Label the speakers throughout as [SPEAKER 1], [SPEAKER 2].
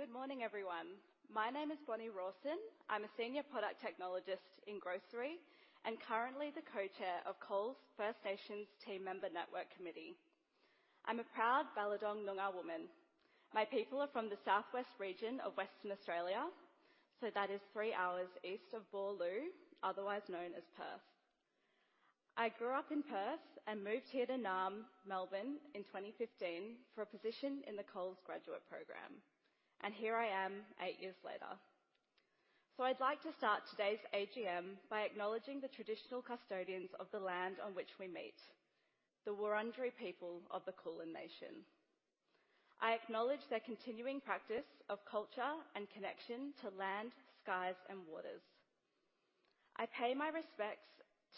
[SPEAKER 1] Good morning, everyone. My name is Bonny Rawson. I'm a senior product technologist in grocery and currently the co-chair of Coles First Nations Team Member Network Committee. I'm a proud Ballardong Noongar woman. My people are from the southwest region of Western Australia, so that is three hours east of Boorloo, otherwise known as Perth. I grew up in Perth and moved here to Naarm, Melbourne, in 2015 for a position in the Coles graduate program, and here I am eight years later. So I'd like to start today's AGM by acknowledging the traditional custodians of the land on which we meet, the Wurundjeri people of the Kulin Nation. I acknowledge their continuing practice of culture and connection to land, skies, and waters. I pay my respects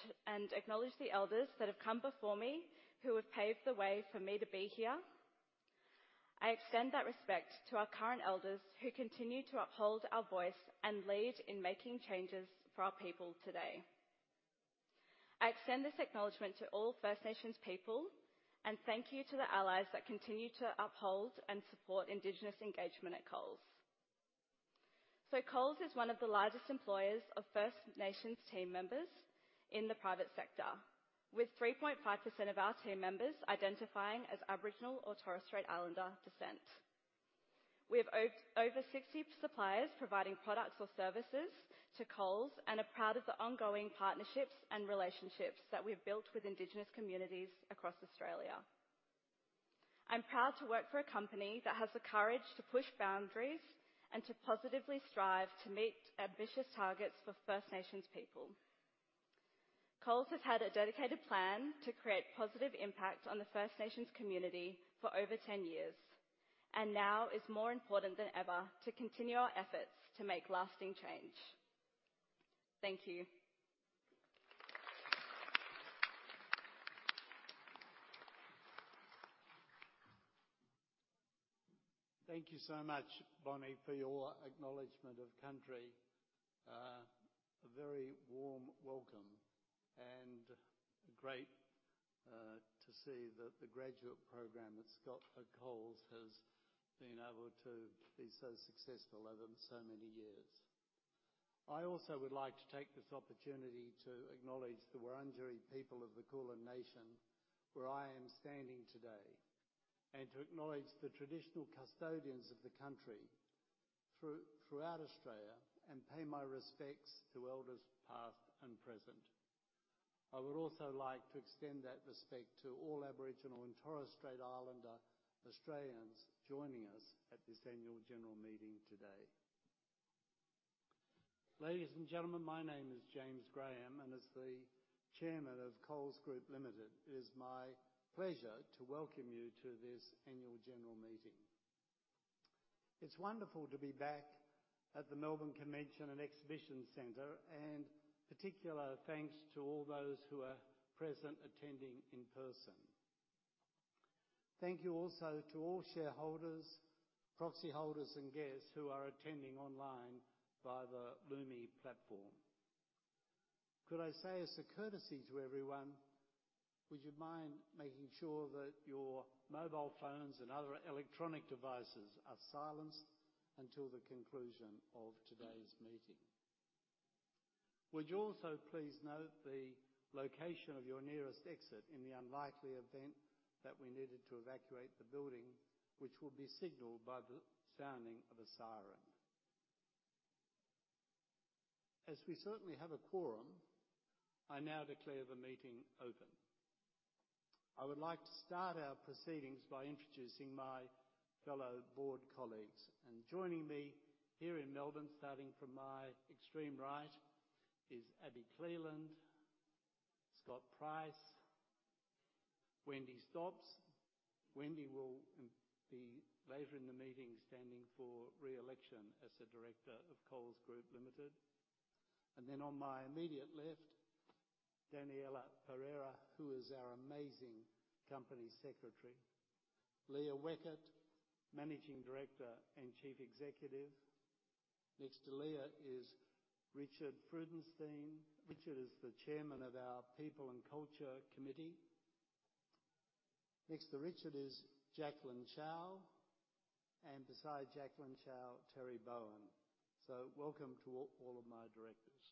[SPEAKER 1] to and acknowledge the elders that have come before me, who have paved the way for me to be here. I extend that respect to our current elders, who continue to uphold our voice and lead in making changes for our people today. I extend this acknowledgement to all First Nations people, and thank you to the allies that continue to uphold and support Indigenous engagement at Coles. So Coles is one of the largest employers of First Nations team members in the private sector, with 3.5% of our team members identifying as Aboriginal and Torres Strait Islander descent. We have over 60 suppliers providing products or services to Coles, and are proud of the ongoing partnerships and relationships that we've built with Indigenous communities across Australia. I'm proud to work for a company that has the courage to push boundaries and to positively strive to meet ambitious targets for First Nations people. Coles has had a dedicated plan to create positive impact on the First Nations community for over 10 years, and now it's more important than ever to continue our efforts to make lasting change. Thank you.
[SPEAKER 2] Thank you so much, Bonny, for your acknowledgement of country. A very warm welcome and great to see that the graduate program that's got at Coles has been able to be so successful over so many years. I also would like to take this opportunity to acknowledge the Wurundjeri people of the Kulin Nation, where I am standing today, and to acknowledge the traditional custodians of the country throughout Australia, and pay my respects to elders, past and present. I would also like to extend that respect to all Aboriginal and Torres Strait Islander Australians joining us at this annual general meeting today. Ladies and gentlemen, my name is James Graham, and as the Chairman of Coles Group Limited, it is my pleasure to welcome you to this annual general meeting. It's wonderful to be back at the Melbourne Convention and Exhibition Centre, and particular thanks to all those who are present, attending in person. Thank you also to all shareholders, proxy holders, and guests who are attending online via the Lumi platform. Could I say, as a courtesy to everyone, would you mind making sure that your mobile phones and other electronic devices are silenced until the conclusion of today's meeting? Would you also please note the location of your nearest exit in the unlikely event that we needed to evacuate the building, which will be signaled by the sounding of a siren. As we certainly have a quorum, I now declare the meeting open. I would like to start our proceedings by introducing my fellow board colleagues. And joining me here in Melbourne, starting from my extreme right, is Abi Cleland, Scott Price, Wendy Stops. Wendy will be later in the meeting, standing for re-election as a director of Coles Group Limited. On my immediate left, Daniella Pereira, who is our amazing company secretary. Leah Weckert, Managing Director and Chief Executive. Next to Leah is Richard Freudenstein. Richard is the Chairman of our People and Culture Committee. Next to Richard is Jacqueline Chow, and beside Jacqueline Chow, Terry Bowen. Welcome to all, all of my directors.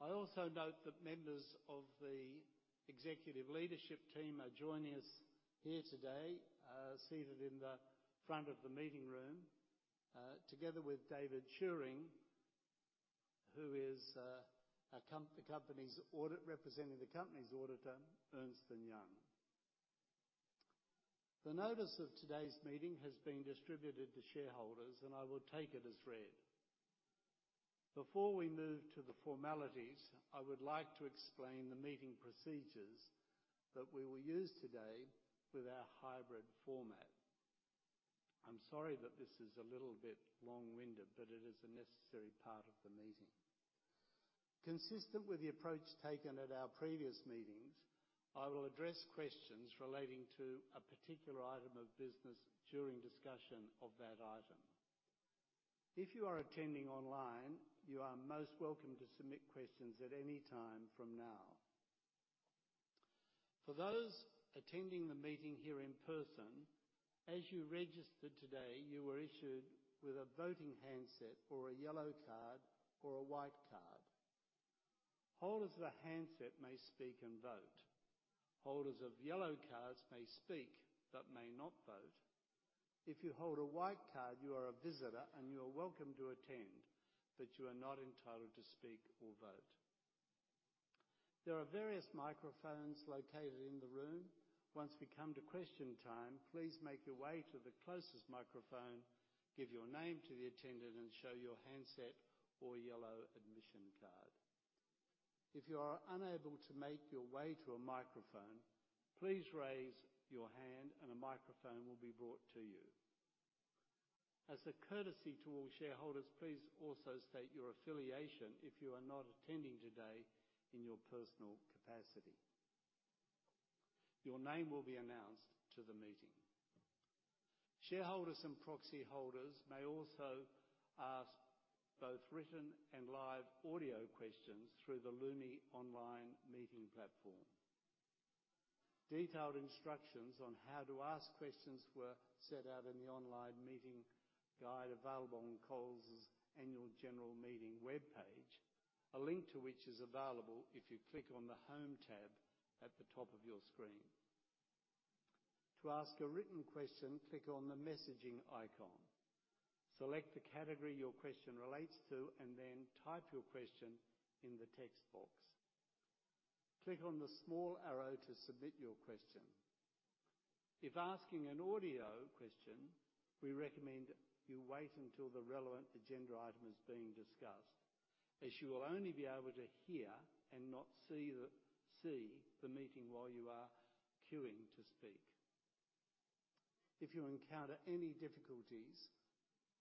[SPEAKER 2] I also note that members of the executive leadership team are joining us here today, seated in the front of the meeting room, together with David Shewring, who is representing the company's auditor, Ernst & Young. The notice of today's meeting has been distributed to shareholders, and I will take it as read. Before we move to the formalities, I would like to explain the meeting procedures that we will use today with our hybrid format. I'm sorry that this is a little bit long-winded, but it is a necessary part of the meeting.... Consistent with the approach taken at our previous meetings, I will address questions relating to a particular item of business during discussion of that item. If you are attending online, you are most welcome to submit questions at any time from now. For those attending the meeting here in person, as you registered today, you were issued with a voting handset, or a yellow card, or a white card. Holders of the handset may speak and vote. Holders of yellow cards may speak, but may not vote. If you hold a white card, you are a visitor, and you are welcome to attend, but you are not entitled to speak or vote. There are various microphones located in the room. Once we come to question time, please make your way to the closest microphone, give your name to the attendant, and show your handset or yellow admission card. If you are unable to make your way to a microphone, please raise your hand and a microphone will be brought to you. As a courtesy to all shareholders, please also state your affiliation if you are not attending today in your personal capacity. Your name will be announced to the meeting. Shareholders and proxy holders may also ask both written and live audio questions through the Lumi online meeting platform. Detailed instructions on how to ask questions were set out in the online meeting guide available on Coles' Annual General Meeting webpage, a link to which is available if you click on the Home tab at the top of your screen. To ask a written question, click on the messaging icon, select the category your question relates to, and then type your question in the text box. Click on the small arrow to submit your question. If asking an audio question, we recommend you wait until the relevant agenda item is being discussed, as you will only be able to hear and not see the meeting while you are queuing to speak. If you encounter any difficulties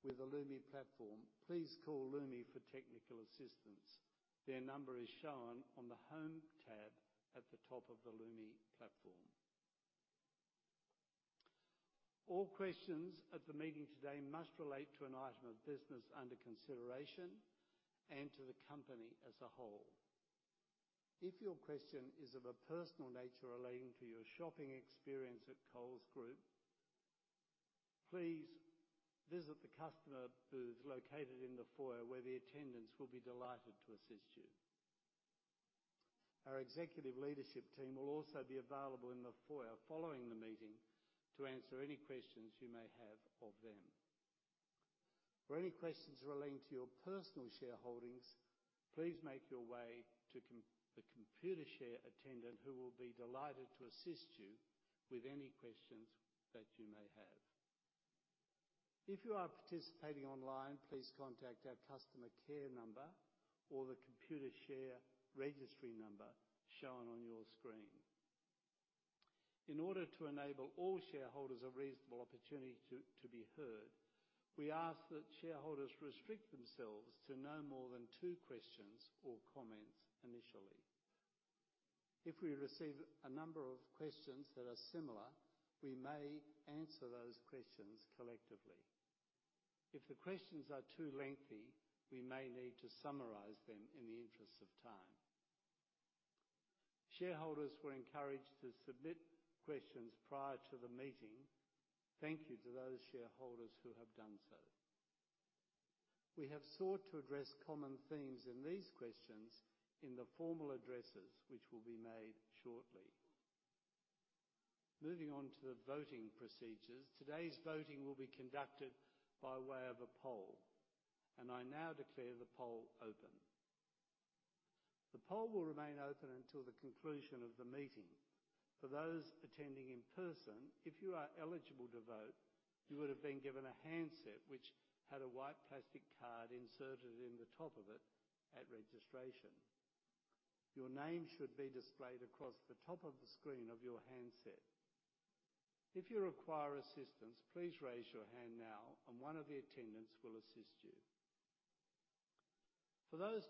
[SPEAKER 2] with the Lumi platform, please call Lumi for technical assistance. Their number is shown on the Home tab at the top of the Lumi platform. All questions at the meeting today must relate to an item of business under consideration and to the company as a whole. If your question is of a personal nature relating to your shopping experience at Coles Group, please visit the customer booth located in the foyer, where the attendants will be delighted to assist you. Our executive leadership team will also be available in the foyer following the meeting to answer any questions you may have of them. For any questions relating to your personal shareholdings, please make your way to the Computershare attendant, who will be delighted to assist you with any questions that you may have. If you are participating online, please contact our customer care number or the Computershare registry number shown on your screen. In order to enable all shareholders a reasonable opportunity to be heard, we ask that shareholders restrict themselves to no more than two questions or comments initially. If we receive a number of questions that are similar, we may answer those questions collectively. If the questions are too lengthy, we may need to summarize them in the interest of time. Shareholders were encouraged to submit questions prior to the meeting. Thank you to those shareholders who have done so. We have sought to address common themes in these questions in the formal addresses, which will be made shortly. Moving on to the voting procedures. Today's voting will be conducted by way of a poll, and I now declare the poll open. The poll will remain open until the conclusion of the meeting. For those attending in person, if you are eligible to vote, you would have been given a handset, which had a white plastic card inserted in the top of it at registration. Your name should be displayed across the top of the screen of your handset. If you require assistance, please raise your hand now, and one of the attendants will assist you. For those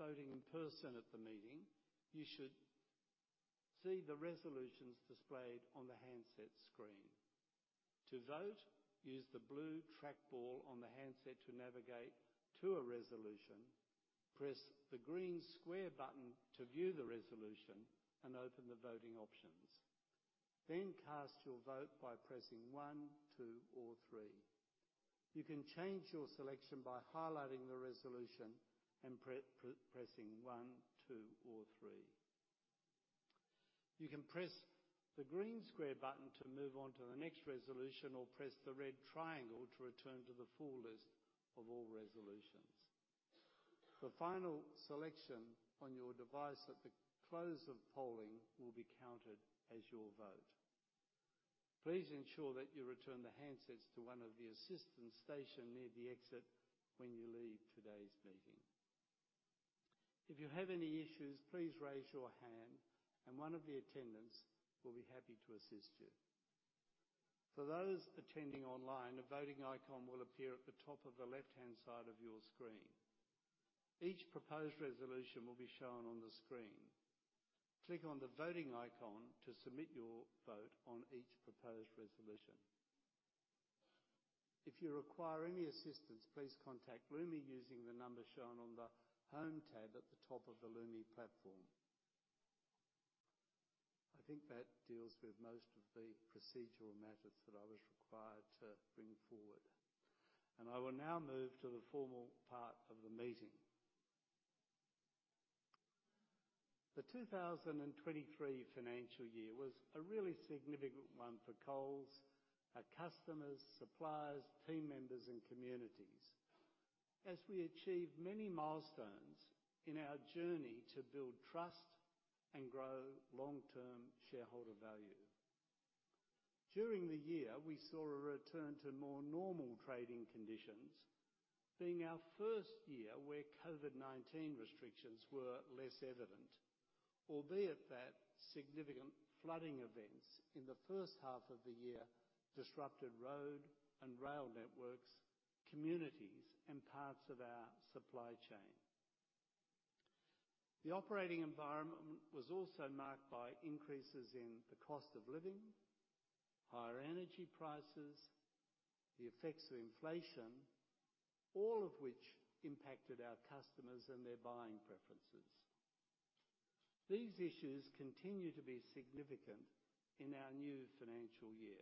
[SPEAKER 2] voting in person at the meeting, you should see the resolutions displayed on the handset screen. To vote, use the blue trackball on the handset to navigate to a resolution. Press the green square button to view the resolution and open the voting options. Then, cast your vote by pressing one, two, or three. You can change your selection by highlighting the resolution and pressing one, two, or three. You can press the green square button to move on to the next resolution, or press the red triangle to return to the full list of all resolutions. The final selection on your device at the close of polling will be counted as your vote. Please ensure that you return the handsets to one of the assistants stationed near the exit when you leave today's meeting. If you have any issues, please raise your hand and one of the attendants will be happy to assist you. For those attending online, a voting icon will appear at the top of the left-hand side of your screen. Each proposed resolution will be shown on the screen. Click on the voting icon to submit your vote on each proposed resolution. If you require any assistance, please contact Lumi using the number shown on the Home tab at the top of the Lumi platform. I think that deals with most of the procedural matters that I was required to bring forward, and I will now move to the formal part of the meeting. The 2023 financial year was a really significant one for Coles, our customers, suppliers, team members, and communities, as we achieved many milestones in our journey to build trust and grow long-term shareholder value. During the year, we saw a return to more normal trading conditions, being our first year where COVID-19 restrictions were less evident. Albeit that significant flooding events in the first half of the year disrupted road and rail networks, communities, and parts of our supply chain. The operating environment was also marked by increases in the cost of living, higher energy prices, the effects of inflation, all of which impacted our customers and their buying preferences. These issues continue to be significant in our new financial year.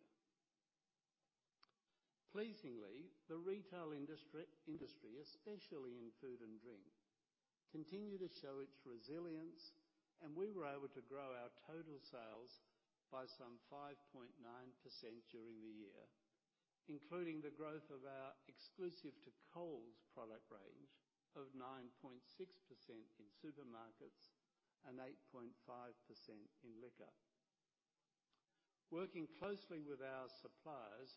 [SPEAKER 2] Pleasingly, the retail industry, especially in food and drink, continued to show its resilience, and we were able to grow our total sales by some 5.9% during the year, including the growth of our Exclusive to Coles product range of 9.6% in Supermarkets and 8.5% in Liquor. Working closely with our suppliers,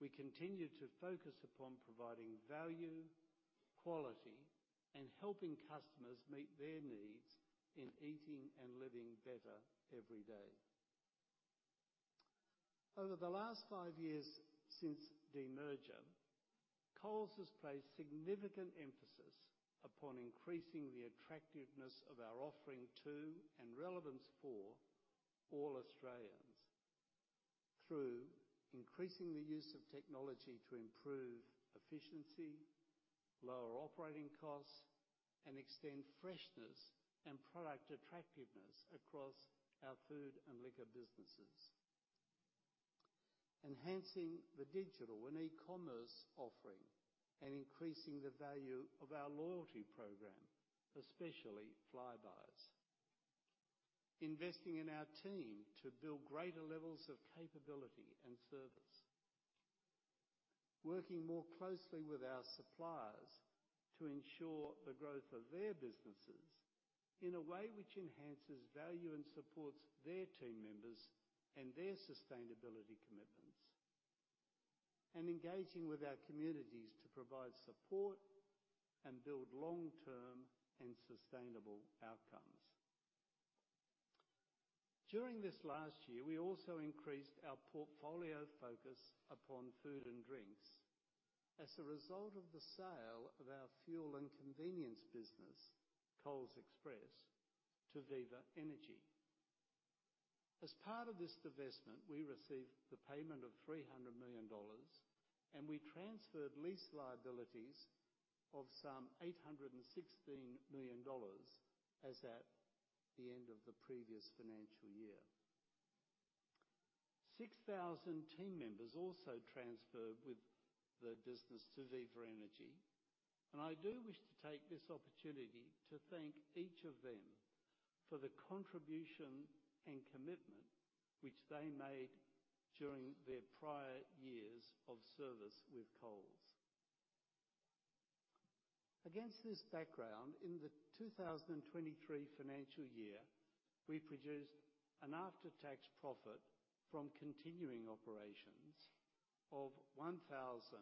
[SPEAKER 2] we continued to focus upon providing value, quality, and helping customers meet their needs in eating and living better every day. Over the last five years since demerger, Coles has placed significant emphasis upon increasing the attractiveness of our offering to and relevance for all Australians through increasing the use of technology to improve efficiency, lower operating costs, and extend freshness and product attractiveness across our food and Liquor businesses. Enhancing the digital and e-commerce offering, and increasing the value of our loyalty program, especially Flybuys. Investing in our team to build greater levels of capability and service. Working more closely with our suppliers to ensure the growth of their businesses in a way which enhances value and supports their team members and their sustainability commitments. Engaging with our communities to provide support and build long-term and sustainable outcomes. During this last year, we also increased our portfolio focus upon food and drinks as a result of the sale of our fuel and convenience business, Coles Express, to Viva Energy. As part of this divestment, we received the payment of 300 million dollars, and we transferred lease liabilities of some 816 million dollars as at the end of the previous financial year. 6,000 team members also transferred with the business to Viva Energy, and I do wish to take this opportunity to thank each of them for the contribution and commitment which they made during their prior years of service with Coles. Against this background, in the 2023 financial year, we produced an after-tax profit from continuing operations of 1,042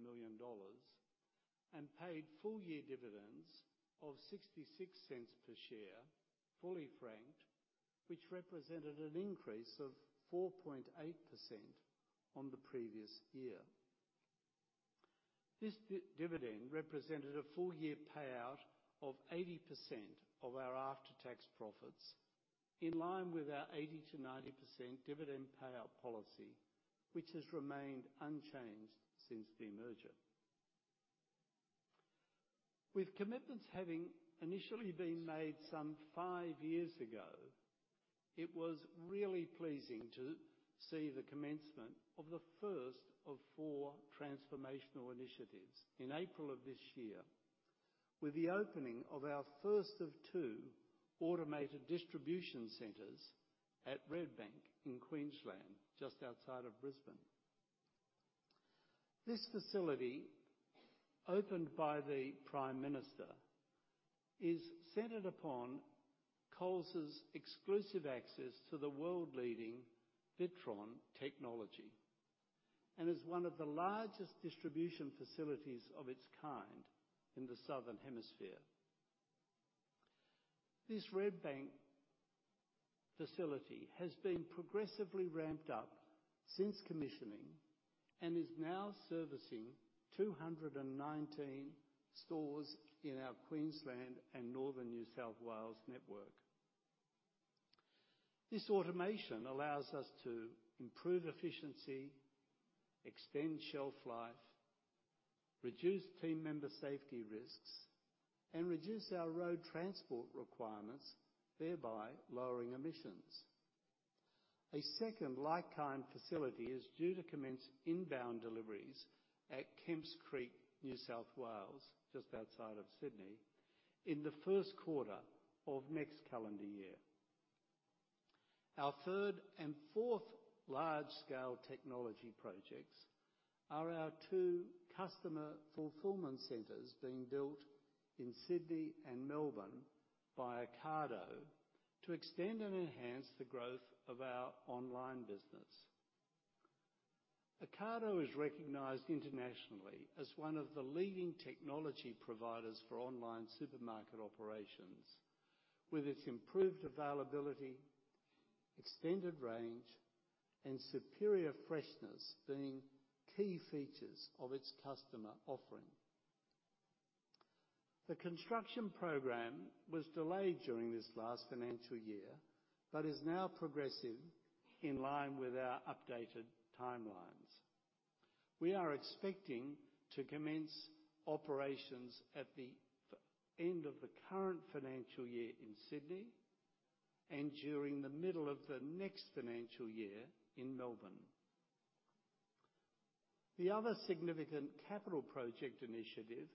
[SPEAKER 2] million dollars and paid full-year dividends of 0.66 per share, fully franked, which represented an increase of 4.8% on the previous year. This dividend represented a full-year payout of 80% of our after-tax profits, in line with our 80%-90% dividend payout policy, which has remained unchanged since the merger. With commitments having initially been made some five years ago, it was really pleasing to see the commencement of the first of four transformational initiatives in April of this year, with the opening of our first of two automated distribution centers at Redbank in Queensland, just outside of Brisbane. This facility, opened by the Prime Minister, is centered upon Coles's exclusive access to the world-leading WITRON technology and is one of the largest distribution facilities of its kind in the Southern Hemisphere. This Redbank facility has been progressively ramped up since commissioning and is now servicing 219 stores in our Queensland and Northern New South Wales network. This automation allows us to improve efficiency, extend shelf life, reduce team member safety risks, and reduce our road transport requirements, thereby lowering emissions. A second like-kind facility is due to commence inbound deliveries at Kemps Creek, New South Wales, just outside of Sydney, in the first quarter of next calendar year. Our third and fourth large-scale technology projects are our two customer fulfillment centers being built in Sydney and Melbourne by Ocado to extend and enhance the growth of our online business. Ocado is recognized internationally as one of the leading technology providers for online supermarket operations, with its improved availability, extended range, and superior freshness being key features of its customer offering. The construction program was delayed during this last financial year, but is now progressing in line with our updated timelines. We are expecting to commence operations at the end of the current financial year in Sydney, and during the middle of the next financial year in Melbourne. The other significant capital project initiative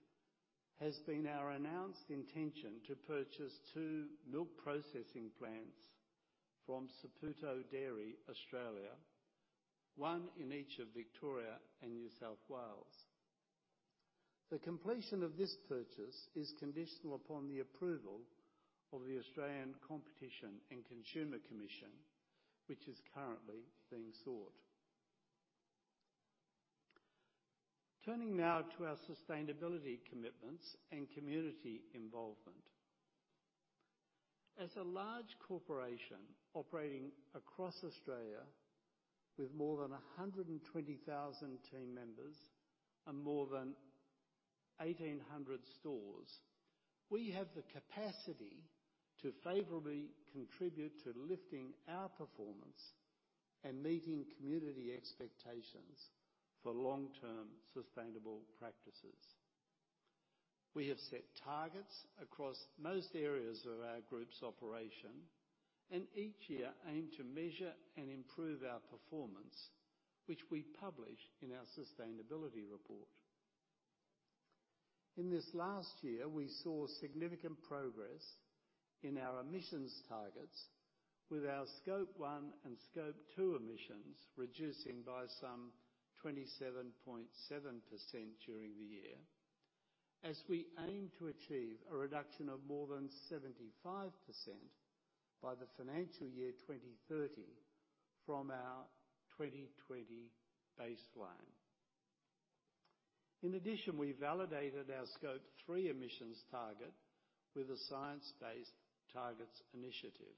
[SPEAKER 2] has been our announced intention to purchase two milk processing plants from Saputo Dairy Australia, one in each of Victoria and New South Wales. The completion of this purchase is conditional upon the approval of the Australian Competition and Consumer Commission, which is currently being sought. Turning now to our sustainability commitments and community involvement. As a large corporation operating across Australia with more than 120,000 team members and more than 1,800 stores, we have the capacity to favorably contribute to lifting our performance and meeting community expectations for long-term sustainable practices. We have set targets across most areas of our group's operation, and each year aim to measure and improve our performance, which we publish in our sustainability report. In this last year, we saw significant progress in our emissions targets, with our Scope 1 and Scope 2 emissions reducing by some 27.7% during the year, as we aim to achieve a reduction of more than 75% by the financial year 2030 from our 2020 baseline. In addition, we validated our Scope 3 emissions target with a Science-Based Targets Initiative.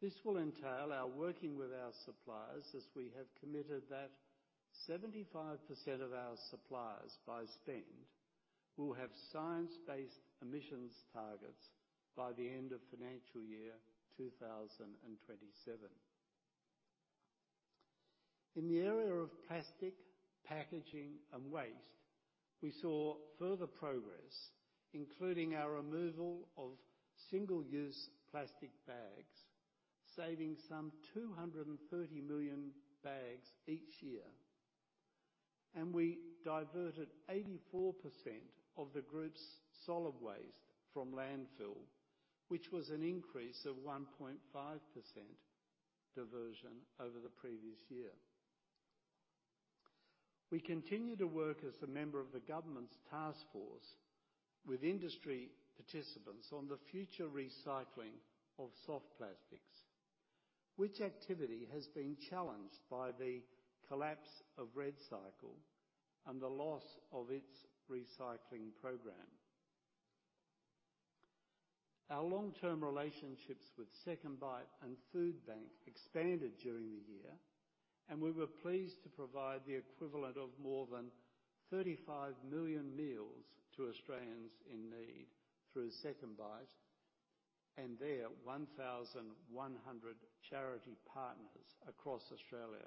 [SPEAKER 2] This will entail our working with our suppliers, as we have committed that 75% of our suppliers by spend, will have science-based emissions targets by the end of financial year 2027. In the area of plastic, packaging, and waste, we saw further progress, including our removal of single-use plastic bags, saving some 230 million bags each year, and we diverted 84% of the group's solid waste from landfill, which was an increase of 1.5% diversion over the previous year. We continue to work as a member of the government's task force with industry participants on the future recycling of soft plastics, which activity has been challenged by the collapse of REDcycle and the loss of its recycling program. Our long-term relationships with SecondBite and Foodbank expanded during the year, and we were pleased to provide the equivalent of more than 35 million meals to Australians in need through SecondBite and their 1,100 charity partners across Australia,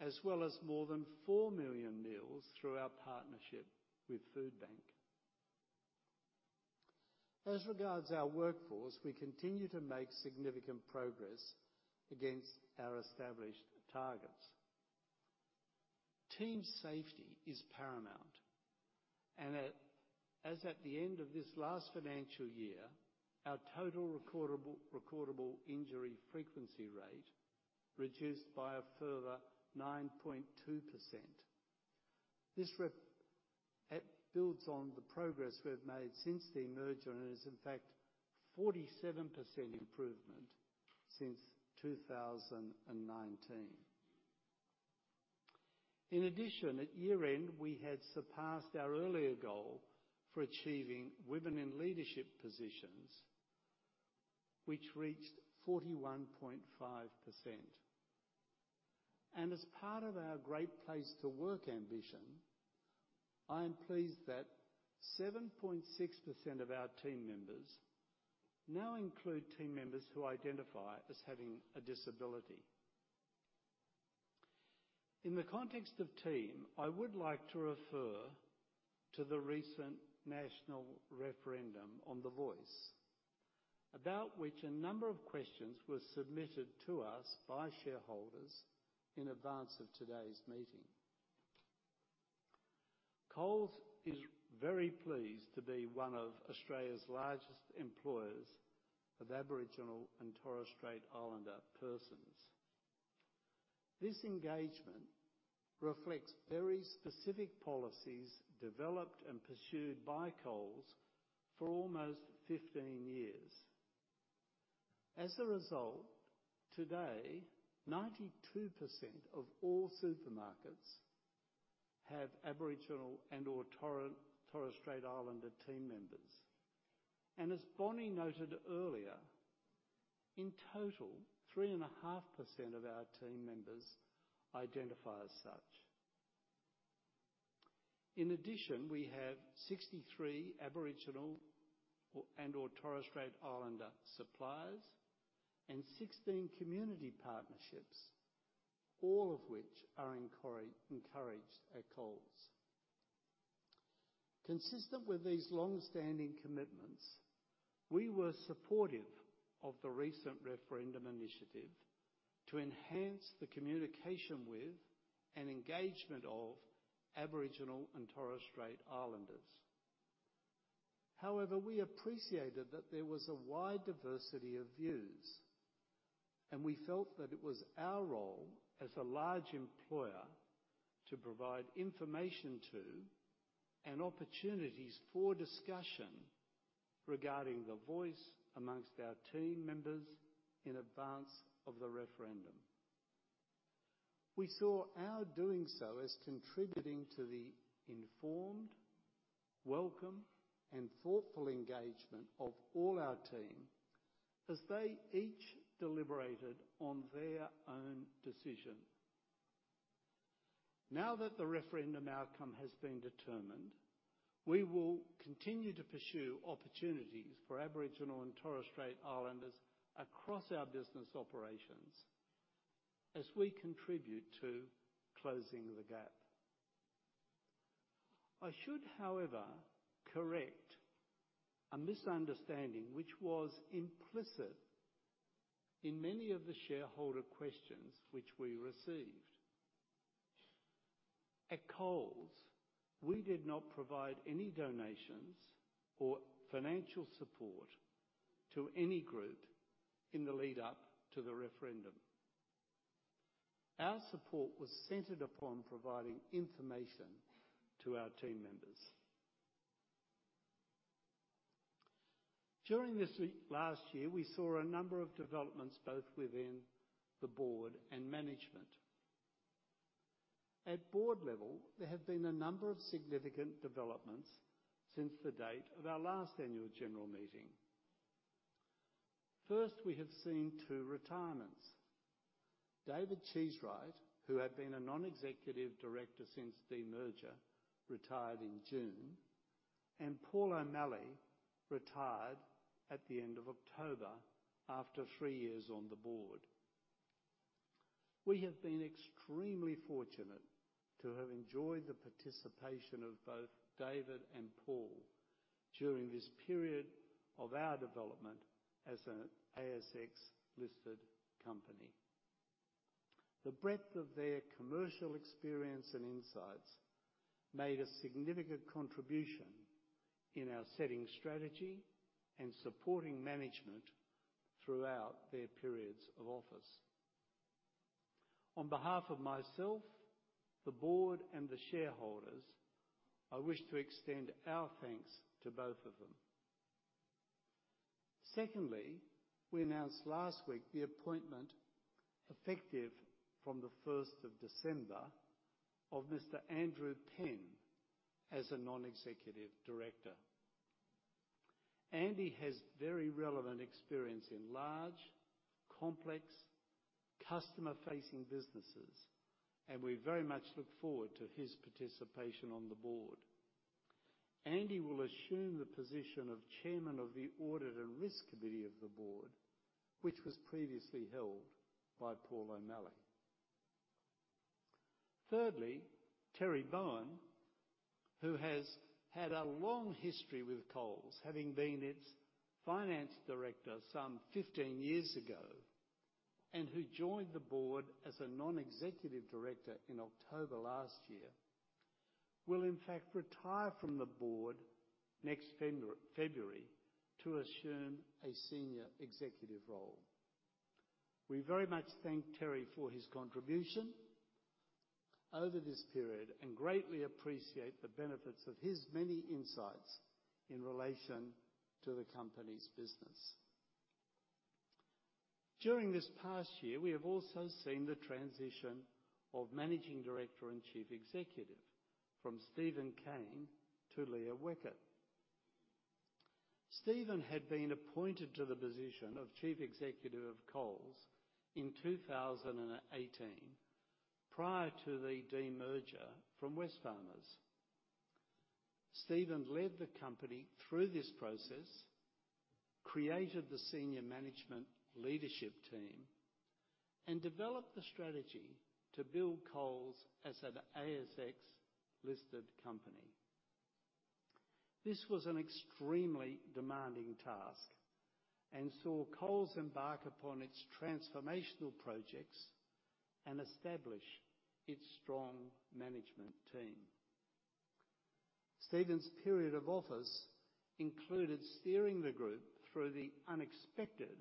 [SPEAKER 2] as well as more than 4 million meals through our partnership with Foodbank. As regards our workforce, we continue to make significant progress against our established targets. Team safety is paramount, and as at the end of this last financial year, our Total Recordable Injury Frequency Rate reduced by a further 9.2%. This builds on the progress we've made since the merger, and is in fact 47% improvement since 2019. In addition, at year-end, we had surpassed our earlier goal for achieving women in leadership positions, which reached 41.5%. And as part of our Great Place to Work ambition, I am pleased that 7.6% of our team members now include team members who identify as having a disability. In the context of team, I would like to refer to the recent national referendum on the Voice, about which a number of questions were submitted to us by shareholders in advance of today's meeting. Coles is very pleased to be one of Australia's largest employers of Aboriginal and Torres Strait Islander persons. This engagement reflects very specific policies developed and pursued by Coles for almost 15 years. As a result, today, 92% of all supermarkets have Aboriginal and/or Torres Strait Islander team members. And as Bonny noted earlier, in total, 3.5% of our team members identify as such. In addition, we have 63 Aboriginal and/or Torres Strait Islander suppliers and 16 community partnerships, all of which are encouraged at Coles. Consistent with these long-standing commitments, we were supportive of the recent referendum initiative to enhance the communication with and engagement of Aboriginal and Torres Strait Islanders. However, we appreciated that there was a wide diversity of views, and we felt that it was our role as a large employer to provide information to and opportunities for discussion regarding the Voice amongst our team members in advance of the referendum. We saw our doing so as contributing to the informed, welcome, and thoughtful engagement of all our team as they each deliberated on their own decision. Now that the referendum outcome has been determined, we will continue to pursue opportunities for Aboriginal and Torres Strait Islanders across our business operations as we contribute to closing the gap. I should, however, correct a misunderstanding which was implicit in many of the shareholder questions which we received. At Coles, we did not provide any donations or financial support to any group in the lead up to the referendum. Our support was centered upon providing information to our team members. During this week last year, we saw a number of developments, both within the board and management. At board level, there have been a number of significant developments since the date of our last annual general meeting. First, we have seen two retirements. David Cheesewright, who had been a non-executive director since demerger, retired in June, and Paul O'Malley retired at the end of October after three years on the board. We have been extremely fortunate to have enjoyed the participation of both David and Paul during this period of our development as an ASX-listed company. The breadth of their commercial experience and insights made a significant contribution in our setting strategy and supporting management throughout their periods of office. On behalf of myself, the board, and the shareholders, I wish to extend our thanks to both of them. Secondly, we announced last week the appointment, effective from the first of December, of Mr. Andrew Penn as a non-executive director. Andy has very relevant experience in large, complex, customer-facing businesses, and we very much look forward to his participation on the board. Andy will assume the position of Chairman of the Audit and Risk Committee of the board, which was previously held by Paul O'Malley. Thirdly, Terry Bowen, who has had a long history with Coles, having been its Finance Director some 15 years ago, and who joined the board as a non-executive director in October last year, will in fact retire from the board next February to assume a senior executive role. We very much thank Terry for his contribution over this period and greatly appreciate the benefits of his many insights in relation to the company's business.... During this past year, we have also seen the transition of Managing Director and Chief Executive from Steven Cain to Leah Weckert. Steven had been appointed to the position of Chief Executive of Coles in 2018, prior to the demerger from Wesfarmers. Steven led the company through this process, created the senior management leadership team, and developed the strategy to build Coles as an ASX-listed company. This was an extremely demanding task and saw Coles embark upon its transformational projects and establish its strong management team. Steven's period of office included steering the group through the unexpected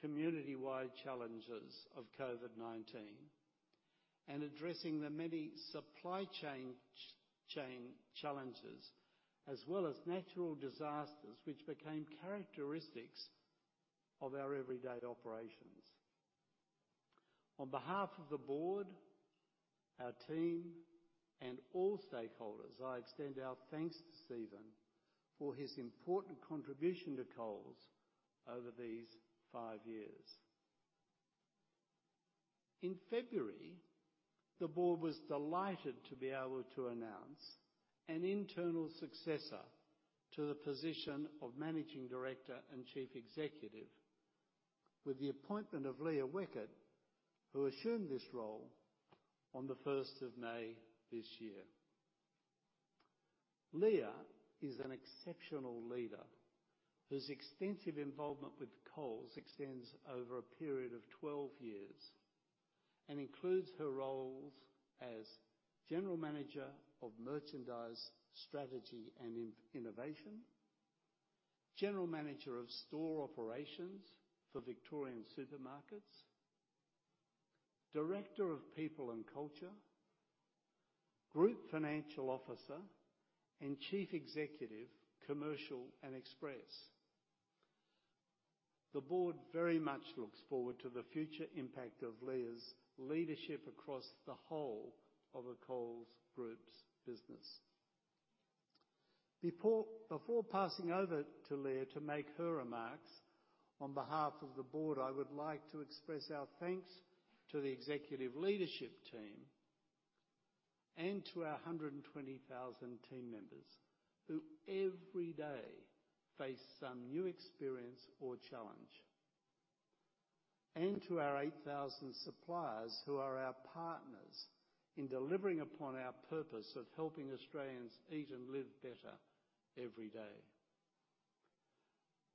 [SPEAKER 2] community-wide challenges of COVID-19 and addressing the many supply chain chain challenges, as well as natural disasters, which became characteristics of our everyday operations. On behalf of the board, our team, and all stakeholders, I extend our thanks to Steven for his important contribution to Coles over these five years. In February, the board was delighted to be able to announce an internal successor to the position of Managing Director and Chief Executive with the appointment of Leah Weckert, who assumed this role on the 1st May this year. Leah is an exceptional leader whose extensive involvement with Coles extends over a period of 12 years and includes her roles as General Manager of Merchandise, Strategy, and Innovation, General Manager of Store Operations for Victorian supermarkets, Director of People and Culture, Group Financial Officer, and Chief Executive, Commercial and Express. The board very much looks forward to the future impact of Leah's leadership across the whole of the Coles Group's business. Before passing over to Leah to make her remarks, on behalf of the board, I would like to express our thanks to the executive leadership team and to our 120,000 team members, who every day face some new experience or challenge, and to our 8,000 suppliers, who are our partners in delivering upon our purpose of helping Australians eat and live better every day.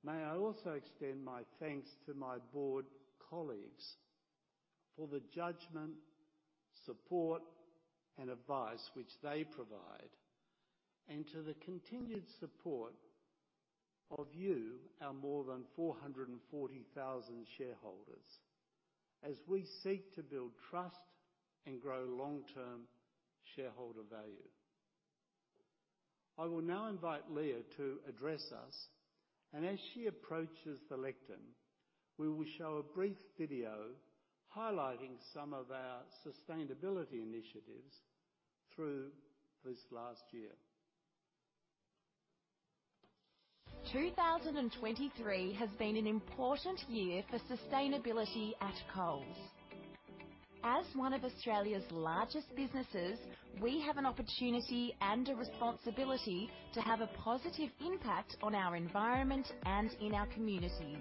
[SPEAKER 2] May I also extend my thanks to my board colleagues for the judgment, support, and advice which they provide, and to the continued support of you, our more than 440,000 shareholders, as we seek to build trust and grow long-term shareholder value. I will now invite Leah to address us, and as she approaches the lectern, we will show a brief video highlighting some of our sustainability initiatives through this last year.
[SPEAKER 3] 2023 has been an important year for sustainability at Coles. As one of Australia's largest businesses, we have an opportunity and a responsibility to have a positive impact on our environment and in our communities.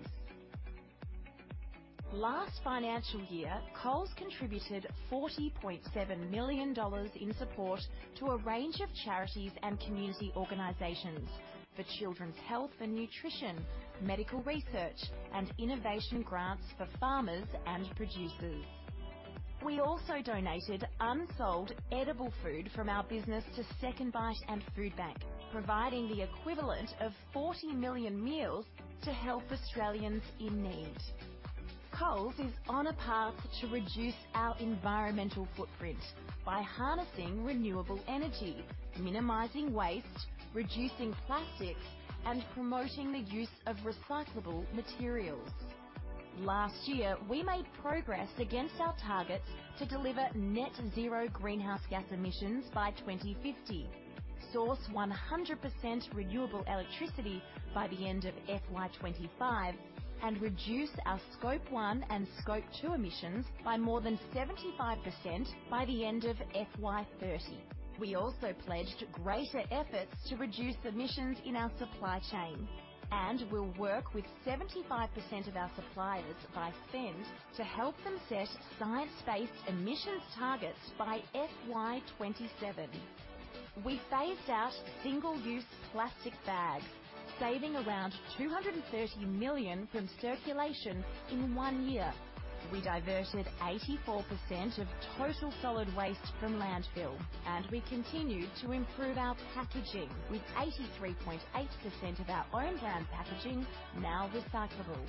[SPEAKER 3] Last financial year, Coles contributed 40.7 million dollars in support to a range of charities and community organizations for children's health and nutrition, medical research, and innovation grants for farmers and producers. We also donated unsold edible food from our business to SecondBite and Foodbank, providing the equivalent of 40 million meals to help Australians in need. Coles is on a path to reduce our environmental footprint by harnessing renewable energy, minimizing waste, reducing plastic, and promoting the use of recyclable materials. Last year, we made progress against our targets to deliver net zero greenhouse gas emissions by 2050, source 100% renewable electricity by the end of FY 2025, and reduce our Scope 1 and Scope 2 emissions by more than 75% by the end of FY 2030. We also pledged greater efforts to reduce emissions in our supply chain and will work with 75% of our suppliers by spend to help them set science-based emissions targets by FY 2027. We phased out single-use plastic bags, saving around 230 million from circulation in one year. We diverted 84% of total solid waste from landfills, and we continued to improve our packaging, with 83.8% of our own brand packaging now recyclable.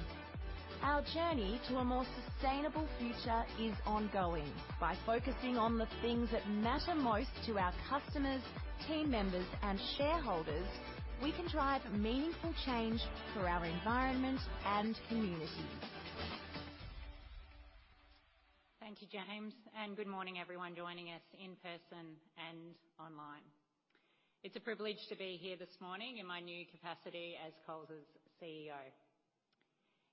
[SPEAKER 3] Our journey to a more sustainable future is ongoing. By focusing on the things that matter most to our customers, team members, and shareholders, we can drive meaningful change for our environment and community.
[SPEAKER 4] Thank you, James, and good morning everyone joining us in person and online. It's a privilege to be here this morning in my new capacity as Coles's CEO.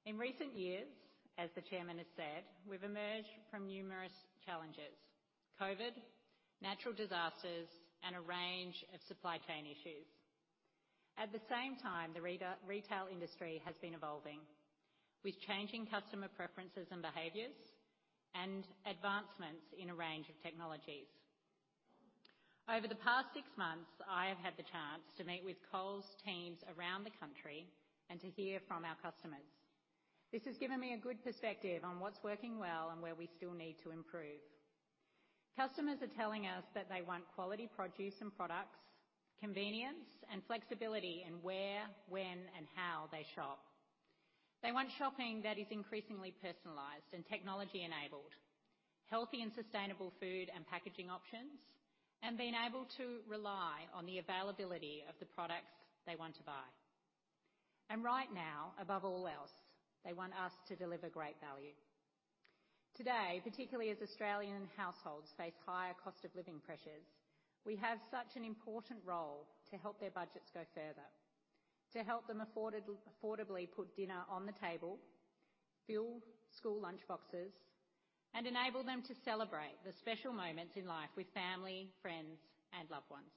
[SPEAKER 4] In recent years, as the chairman has said, we've emerged from numerous challenges: COVID, natural disasters, and a range of supply chain issues. At the same time, the retail industry has been evolving, with changing customer preferences and behaviors and advancements in a range of technologies. Over the past six months, I have had the chance to meet with Coles teams around the country and to hear from our customers. This has given me a good perspective on what's working well and where we still need to improve. Customers are telling us that they want quality produce and products, convenience and flexibility in where, when, and how they shop. They want shopping that is increasingly personalized and technology-enabled, healthy and sustainable food and packaging options, and being able to rely on the availability of the products they want to buy. And right now, above all else, they want us to deliver great value. Today, particularly as Australian households face higher cost of living pressures, we have such an important role to help their budgets go further, to help them affordably put dinner on the table, fill school lunchboxes, and enable them to celebrate the special moments in life with family, friends, and loved ones.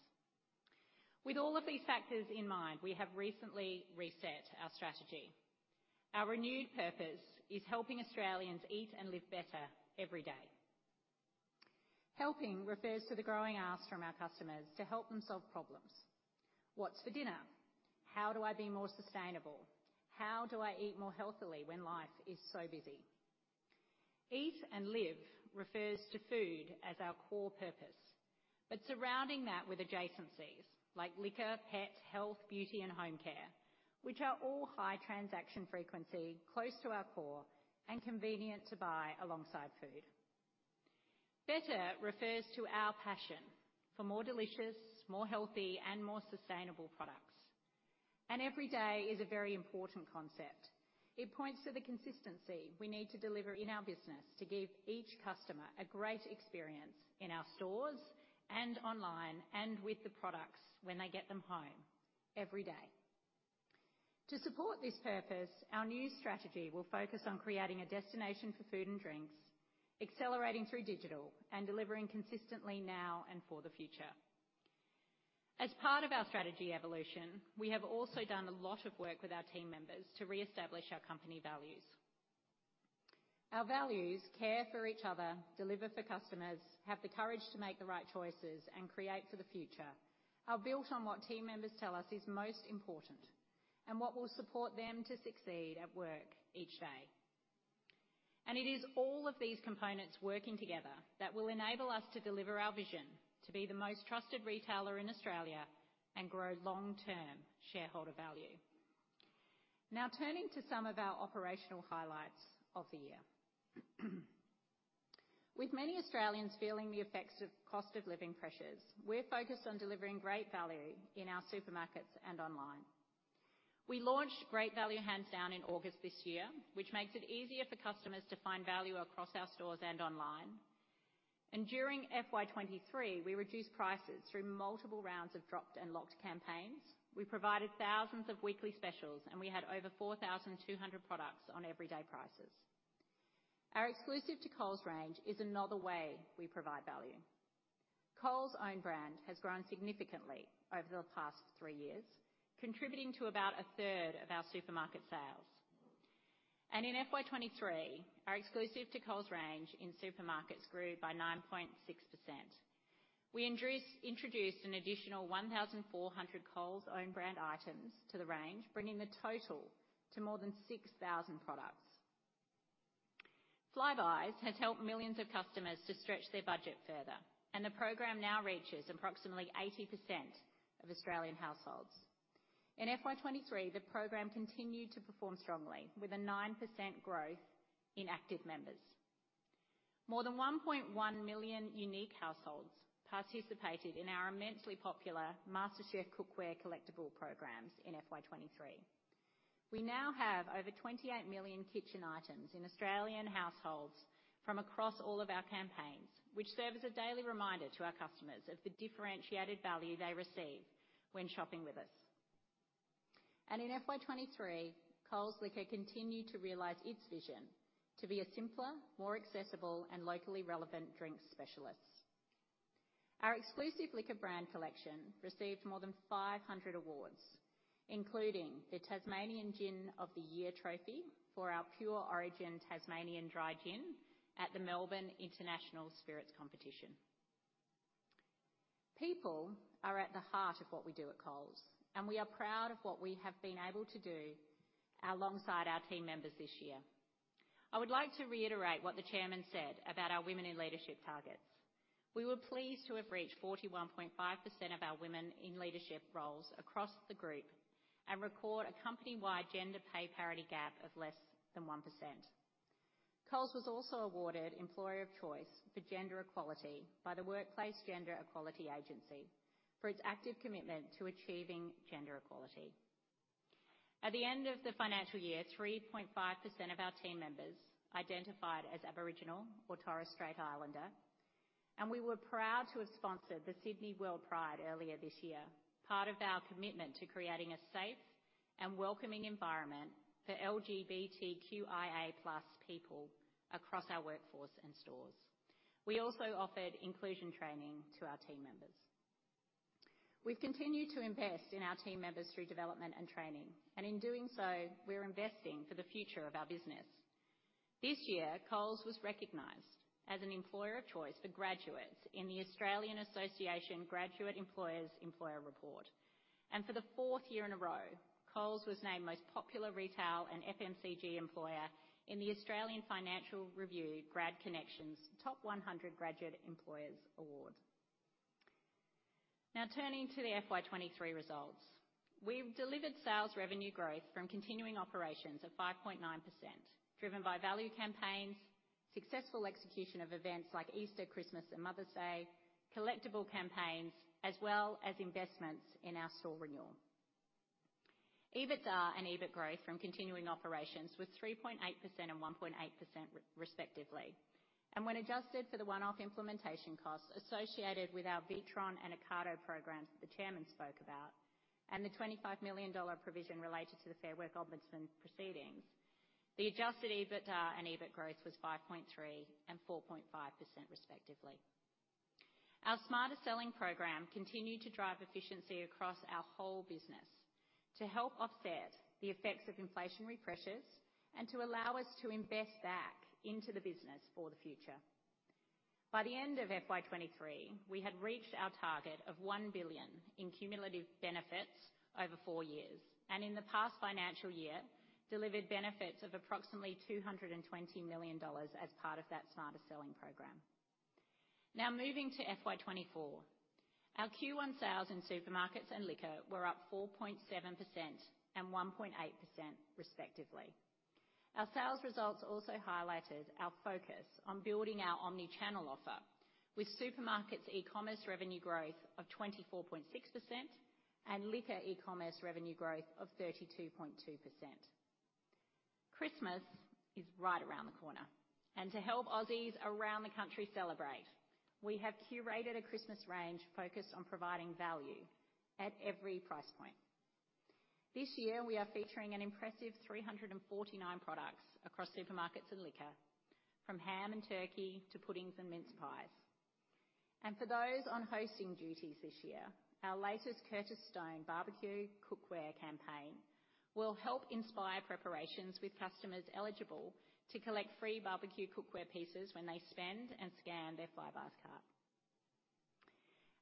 [SPEAKER 4] With all of these factors in mind, we have recently reset our strategy. Our renewed purpose is helping Australians eat and live better every day. Helping refers to the growing asks from our customers to help them solve problems. What's for dinner? How do I be more sustainable? How do I eat more healthily when life is so busy? Eat and live refers to food as our core purpose, but surrounding that with adjacencies like liquor, pet, health, beauty, and home care, which are all high transaction frequency, close to our core, and convenient to buy alongside food. Better refers to our passion for more delicious, more healthy, and more sustainable products. Every day is a very important concept. It points to the consistency we need to deliver in our business to give each customer a great experience in our stores and online, and with the products when they get them home, every day. To support this purpose, our new strategy will focus on creating a destination for food and drinks, accelerating through digital, and delivering consistently now and for the future. As part of our strategy evolution, we have also done a lot of work with our team members to reestablish our company values. Our values, care for each other, deliver for customers, have the courage to make the right choices, and create for the future, are built on what team members tell us is most important and what will support them to succeed at work each day. It is all of these components working together that will enable us to deliver our vision to be the most trusted retailer in Australia and grow long-term shareholder value. Now, turning to some of our operational highlights of the year. With many Australians feeling the effects of cost-of-living pressures, we're focused on delivering great value in our supermarkets and online. We launched Great Value Hands Down in August this year, which makes it easier for customers to find value across our stores and online. During FY 2023, we reduced prices through multiple rounds of dropped and locked campaigns. We provided thousands of weekly specials, and we had over 4,200 products on everyday prices. Our exclusive to Coles range is another way we provide value. Coles own brand has grown significantly over the past three years, contributing to about a third of our supermarket sales. In FY 2023, our exclusive to Coles range in supermarkets grew by 9.6%. We introduced an additional 1,400 Coles own brand items to the range, bringing the total to more than 6,000 products. Flybuys has helped millions of customers to stretch their budget further, and the program now reaches approximately 80% of Australian households. In FY 2023, the program continued to perform strongly, with a 9% growth in active members. More than 1.1 million unique households participated in our immensely popular MasterChef Cookware collectible programs in FY 2023. We now have over 28 million kitchen items in Australian households from across all of our campaigns, which serve as a daily reminder to our customers of the differentiated value they receive when shopping with us. And in FY 2023, Coles Liquor continued to realize its vision to be a simpler, more accessible, and locally relevant drinks specialist. Our exclusive liquor brand collection received more than 500 awards, including the Tasmanian Gin of the Year trophy for our Pure Origin Tasmanian Dry Gin at the Melbourne International Spirits Competition. People are at the heart of what we do at Coles, and we are proud of what we have been able to do alongside our team members this year. I would like to reiterate what the chairman said about our women in leadership targets. We were pleased to have reached 41.5% of our women in leadership roles across the group and record a company-wide gender pay parity gap of less than 1%. Coles was also awarded Employer of Choice for Gender Equality by the Workplace Gender Equality Agency for its active commitment to achieving gender equality. At the end of the financial year, 3.5% of our team members identified as Aboriginal and Torres Strait Islander, and we were proud to have sponsored the Sydney WorldPride earlier this year, part of our commitment to creating a safe and welcoming environment for LGBTQIA+ people across our workforce and stores. We also offered inclusion training to our team members. We've continued to invest in our team members through development and training, and in doing so, we're investing for the future of our business. This year, Coles was recognized as an employer of choice for graduates in the Australian Association of Graduate Employers' Employer Report. For the fourth year in a row, Coles was named most popular retail and FMCG employer in the Australian Financial Review GradConnections Top 100 Graduate Employers Award. Now, turning to the FY 2023 results. We've delivered sales revenue growth from continuing operations of 5.9%, driven by value campaigns, successful execution of events like Easter, Christmas, and Mother's Day, collectible campaigns, as well as investments in our store renewal. EBITDA and EBIT growth from continuing operations was 3.8% and 1.8%, respectively. And when adjusted for the one-off implementation costs associated with our WITRON and Ocado programs the chairman spoke about, and the 25 million dollar provision related to the Fair Work Ombudsman proceedings, the adjusted EBITDA and EBIT growth was 5.3% and 4.5%, respectively. Our Smarter Selling program continued to drive efficiency across our whole business to help offset the effects of inflationary pressures and to allow us to invest back into the business for the future. By the end of FY 2023, we had reached our target of 1 billion in cumulative benefits over four years, and in the past financial year, delivered benefits of approximately 220 million dollars as part of that Smarter Selling program. Now moving to FY 2024. Our Q1 sales in supermarkets and liquor were up 4.7% and 1.8%, respectively. Our sales results also highlighted our focus on building our Omni-channel offer, with supermarkets' e-commerce revenue growth of 24.6% and liquor e-commerce revenue growth of 32.2%. Christmas is right around the corner, and to help Aussies around the country celebrate, we have curated a Christmas range focused on providing value at every price point. This year, we are featuring an impressive 349 products across supermarkets and liquor, from ham and turkey to puddings and mince pies. For those on hosting duties this year, our latest Curtis Stone barbecue cookware campaign will help inspire preparations with customers eligible to collect free barbecue cookware pieces when they spend and scan their Flybuys card.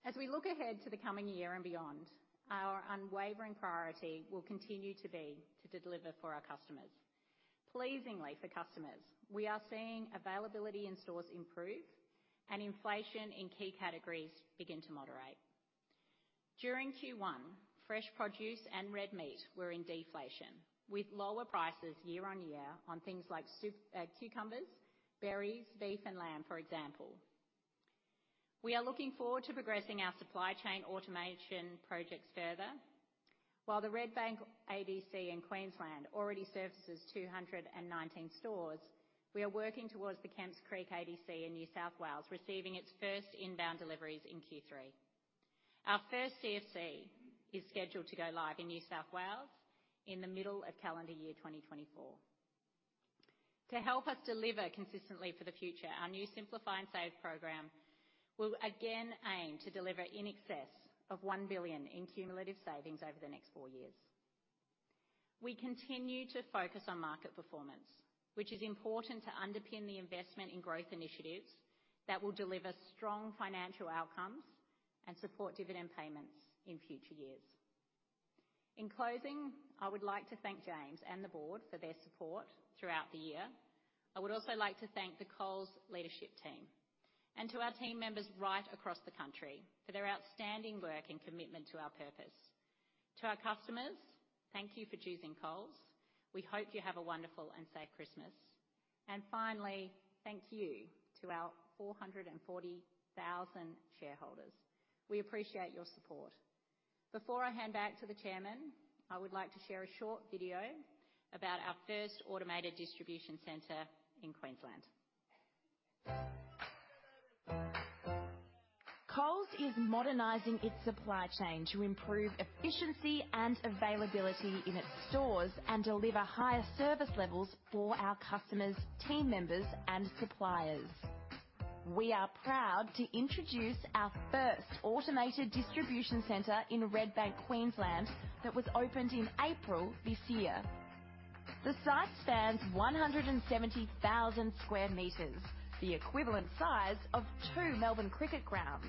[SPEAKER 4] As we look ahead to the coming year and beyond, our unwavering priority will continue to be to deliver for our customers. Pleasingly for customers, we are seeing availability in stores improve and inflation in key categories begin to moderate. During Q1, fresh produce and red meat were in deflation, with lower prices year on year on things like soup, cucumbers, berries, beef, and lamb, for example. We are looking forward to progressing our supply chain automation projects further. While the Redbank ADC in Queensland already services 219 stores, we are working towards the Kemps Creek ADC in New South Wales, receiving its first inbound deliveries in Q3. Our first CFC is scheduled to go live in New South Wales in the middle of calendar year 2024. To help us deliver consistently for the future, our new Simplify and Save program will again aim to deliver in excess of 1 billion in cumulative savings over the next four years. We continue to focus on market performance, which is important to underpin the investment in growth initiatives that will deliver strong financial outcomes and support dividend payments in future years. In closing, I would like to thank James and the board for their support throughout the year. I would also like to thank the Coles leadership team and to our team members right across the country for their outstanding work and commitment to our purpose. To our customers, thank you for choosing Coles. We hope you have a wonderful and safe Christmas. And finally, thank you to our 440,000 shareholders. We appreciate your support. Before I hand back to the chairman, I would like to share a short video about our first automated distribution center in Queensland.
[SPEAKER 5] Coles is modernizing its supply chain to improve efficiency and availability in its stores and deliver higher service levels for our customers, team members, and suppliers. We are proud to introduce our first automated distribution center in Redbank, Queensland, that was opened in April this year. The site spans 170,000 sq m, the equivalent size of two Melbourne Cricket Grounds.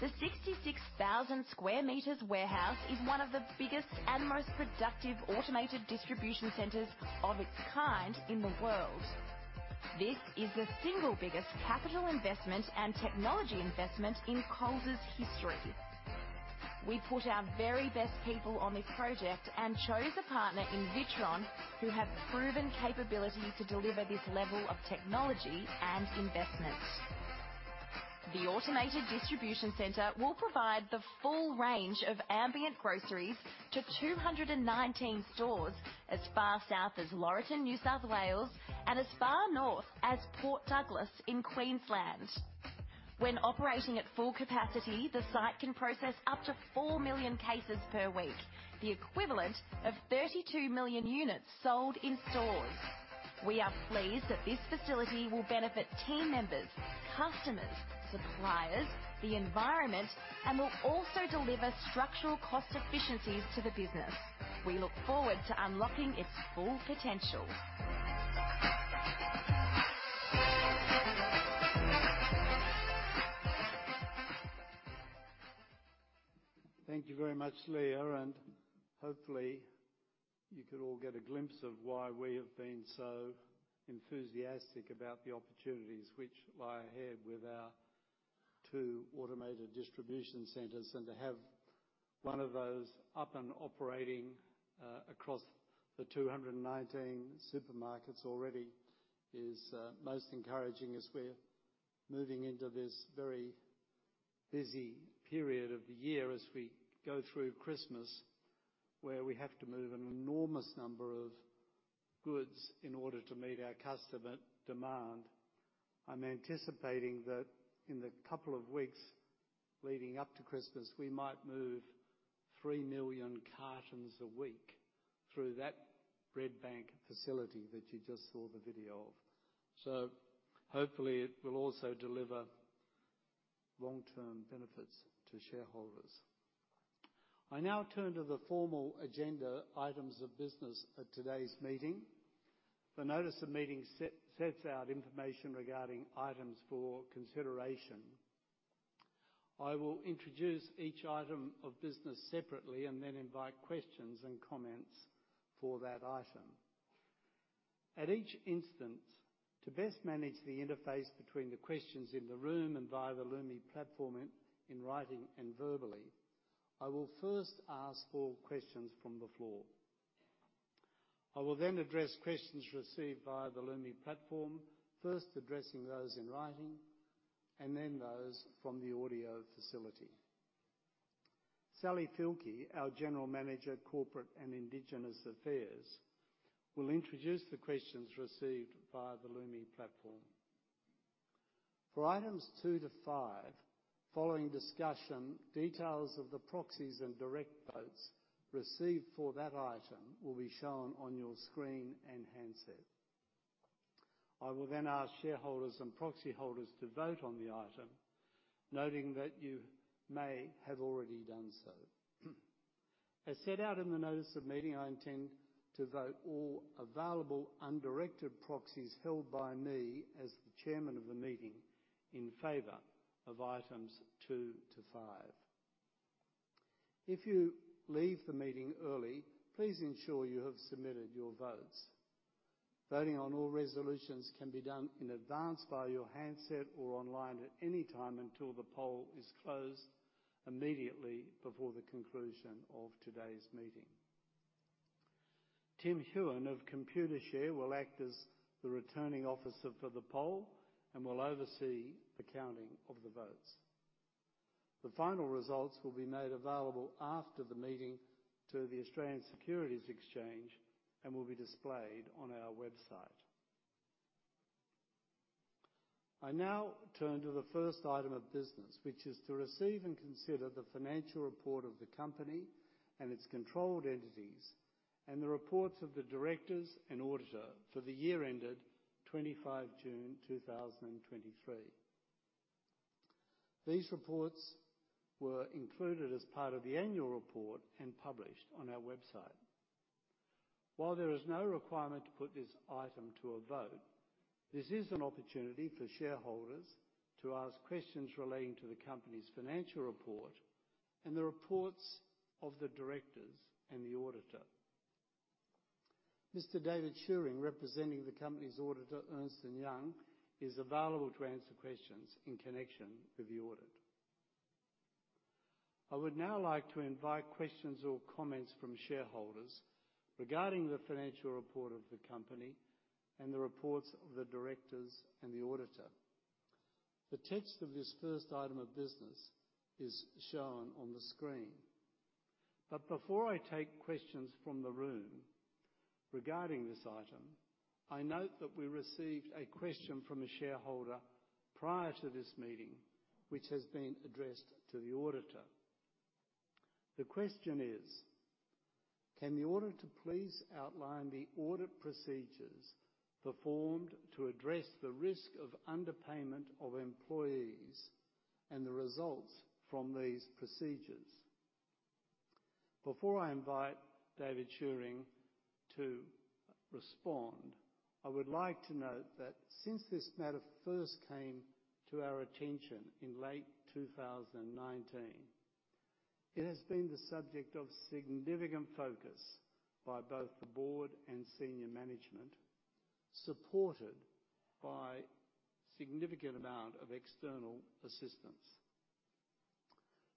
[SPEAKER 5] The 66,000 sq m warehouse is one of the biggest and most productive automated distribution centers of its kind in the world. This is the single biggest capital investment and technology investment in Coles's history. We put our very best people on this project and chose a partner in WITRON, who have proven capability to deliver this level of technology and investment. The automated distribution center will provide the full range of ambient groceries to 219 stores, as far south as Laurieton, New South Wales, and as far north as Port Douglas in Queensland. When operating at full capacity, the site can process up to 4 million cases per week, the equivalent of 32 million units sold in stores. We are pleased that this facility will benefit team members, customers, suppliers, the environment, and will also deliver structural cost efficiencies to the business. We look forward to unlocking its full potential.
[SPEAKER 2] Thank you very much, Leah, and hopefully, you could all get a glimpse of why we have been so enthusiastic about the opportunities which lie ahead with our two Automated Distribution Centers. And to have one of those up and operating across the 219 supermarkets already is most encouraging as we're moving into this very busy period of the year as we go through Christmas, where we have to move an enormous number of goods in order to meet our customer demand. I'm anticipating that in the couple of weeks leading up to Christmas, we might move 3 million cartons a week through that Redbank facility that you just saw the video of. So hopefully, it will also deliver long-term benefits to shareholders. I now turn to the formal agenda, items of business at today's meeting. The notice of meeting sets out information regarding items for consideration. I will introduce each item of business separately and then invite questions and comments for that item. At each instance, to best manage the interface between the questions in the room and via the Lumi platform in writing and verbally, I will first ask for questions from the floor. I will then address questions received via the Lumi platform, first addressing those in writing and then those from the audio facility. Sally Fielke, our General Manager, Corporate and Indigenous Affairs, will introduce the questions received via the Lumi platform. For items two to five, following discussion, details of the proxies and direct votes received for that item will be shown on your screen and handset. I will then ask shareholders and proxy holders to vote on the item, noting that you may have already done so. As set out in the notice of meeting, I intend to vote all available undirected proxies held by me, as the chairman of the meeting, in favor of items two to five. If you leave the meeting early, please ensure you have submitted your votes. Voting on all resolutions can be done in advance via your handset or online at any time until the poll is closed, immediately before the conclusion of today's meeting. Tim Huon of Computershare will act as the Returning Officer for the poll and will oversee the counting of the votes. The final results will be made available after the meeting to the Australian Securities Exchange and will be displayed on our website. I now turn to the first item of business, which is to receive and consider the financial report of the company and its controlled entities, and the reports of the directors and auditor for the year ended 25 June 2023. These reports were included as part of the annual report and published on our website. While there is no requirement to put this item to a vote, this is an opportunity for shareholders to ask questions relating to the company's financial report and the reports of the directors and the auditor. Mr. David Shewring, representing the company's auditor, Ernst & Young, is available to answer questions in connection with the audit. I would now like to invite questions or comments from shareholders regarding the financial report of the company and the reports of the directors and the auditor. The text of this first item of business is shown on the screen. Before I take questions from the room regarding this item, I note that we received a question from a shareholder prior to this meeting, which has been addressed to the auditor. The question is: Can the auditor please outline the audit procedures performed to address the risk of underpayment of employees and the results from these procedures? Before I invite David Shewring to respond, I would like to note that since this matter first came to our attention in late 2019, it has been the subject of significant focus by both the board and senior management, supported by significant amount of external assistance.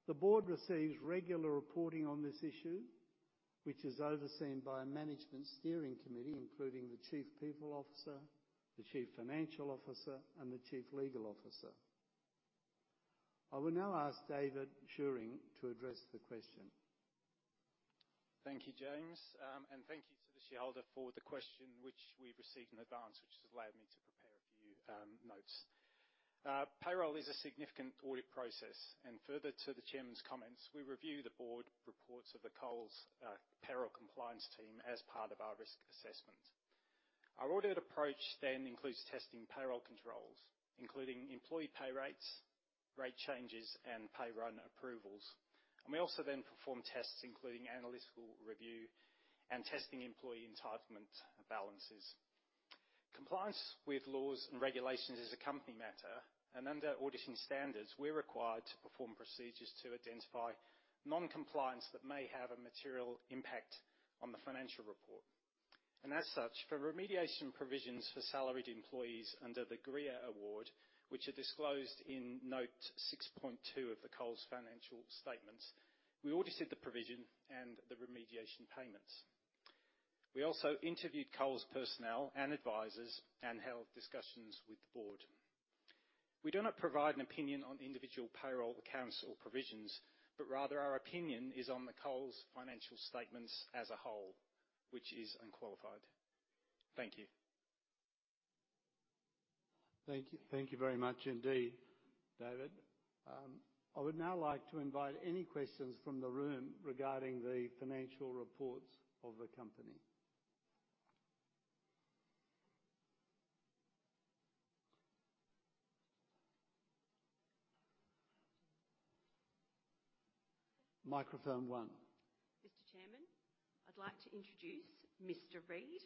[SPEAKER 2] The board receives regular reporting on this issue, which is overseen by a management steering committee, including the Chief People Officer, the Chief Financial Officer, and the Chief Legal Officer. I will now ask David Shewring to address the question.
[SPEAKER 6] Thank you, James, and thank you to the shareholder for the question, which we received in advance, which has allowed me to prepare a few notes. Payroll is a significant audit process, and further to the chairman's comments, we review the board reports of the Coles payroll compliance team as part of our risk assessment. Our audit approach then includes testing payroll controls, including employee pay rates, rate changes, and pay run approvals. We also then perform tests, including analytical review and testing employee entitlement balances. Compliance with laws and regulations is a company matter, and under auditing standards, we're required to perform procedures to identify non-compliance that may have a material impact on the financial report. As such, for remediation provisions for salaried employees under the GRIA Award, which are disclosed in note 6.2 of the Coles financial statements, we audited the provision and the remediation payments. We also interviewed Coles personnel and advisors and held discussions with the board. We do not provide an opinion on individual payroll accounts or provisions, but rather our opinion is on the Coles financial statements as a whole, which is unqualified. Thank you.
[SPEAKER 2] Thank you. Thank you very much indeed, David. I would now like to invite any questions from the room regarding the financial reports of the company. Microphone one.
[SPEAKER 7] Mr. Chairman, I'd like to introduce Mr. Reid.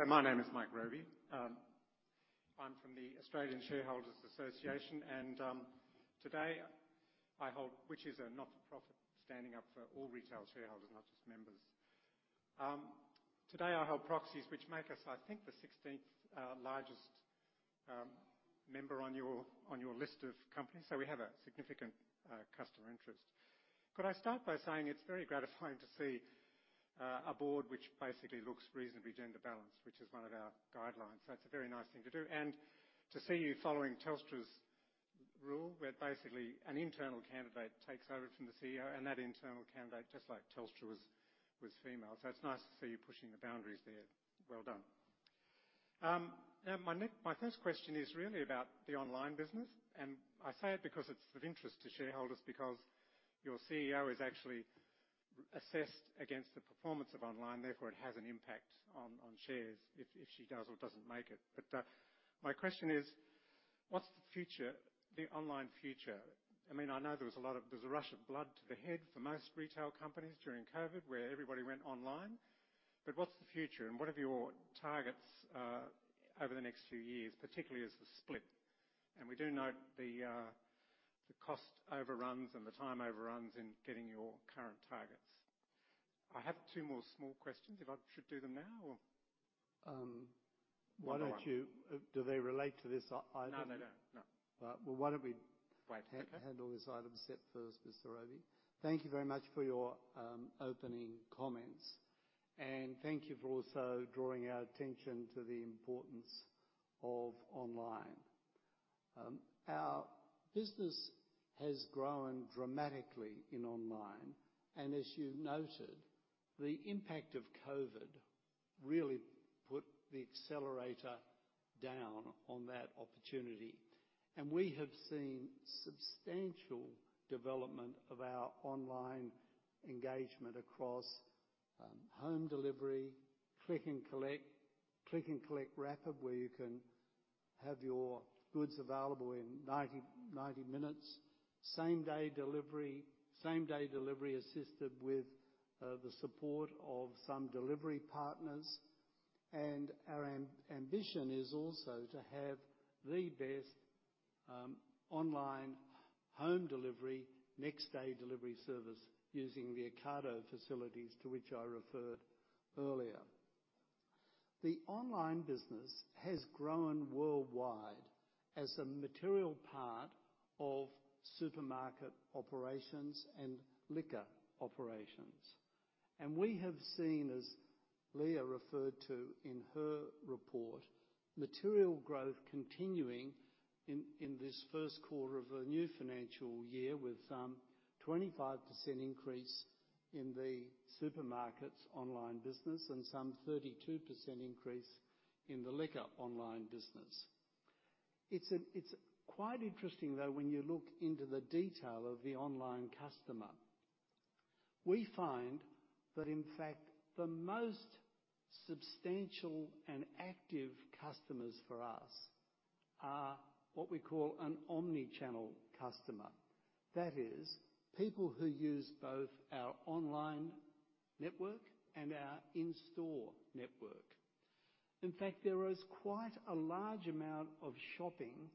[SPEAKER 8] So my name is Mike Robey. I'm from the Australian Shareholders Association, and, today, I hold, which is a not-for-profit, standing up for all retail shareholders, not just members. Today, I hold proxies, which make us, I think, the 16th, largest, member on your, on your list of companies, so we have a significant, customer interest. Could I start by saying it's very gratifying to see, a board which basically looks reasonably gender balanced, which is one of our guidelines? So that's a very nice thing to do. To see you following Telstra's rule, where basically an internal candidate takes over from the CEO, and that internal candidate, just like Telstra, was, was female. So it's nice to see you pushing the boundaries there. Well done. Now, my first question is really about the online business, and I say it because it's of interest to shareholders because your CEO is actually assessed against the performance of online. Therefore, it has an impact on shares if she does or doesn't make it. But my question is: What's the future, the online future? I mean, I know there was a rush of blood to the head for most retail companies during COVID, where everybody went online. But what's the future, and what are your targets over the next few years, particularly as the split? And we do note the cost overruns and the time overruns in getting your current targets. I have two more small questions. If I should do them now, or?
[SPEAKER 2] Why don't you-
[SPEAKER 8] Move on.
[SPEAKER 2] Do they relate to this item?
[SPEAKER 8] No, they don't. No.
[SPEAKER 2] Well, why don't we-
[SPEAKER 8] Great. Okay...
[SPEAKER 2] handle this item set first, Mr. Robey? Thank you very much for your opening comments. And thank you for also drawing our attention to the importance of online. Our business has grown dramatically in online, and as you noted, the impact of COVID really put the accelerator down on that opportunity. And we have seen substantial development of our online engagement across home delivery, click and collect, click and collect rapid, where you can have your goods available in 90 minutes, same-day delivery, same-day delivery assisted with the support of some delivery partners. And our ambition is also to have the best online home delivery, next day delivery service, using the Ocado facilities, to which I referred earlier. The online business has grown worldwide as a material part of supermarket operations and liquor operations. And we have seen, as Leah referred to in her report, material growth continuing in this first quarter of a new financial year, with 25% increase in the supermarket's online business and some 32% increase in the liquor online business. It's quite interesting, though, when you look into the detail of the online customer. We find that, in fact, the most substantial and active customers for us are what we call an Omni-channel customer. That is, people who use both our online network and our in-store network. In fact, there is quite a large amount of shopping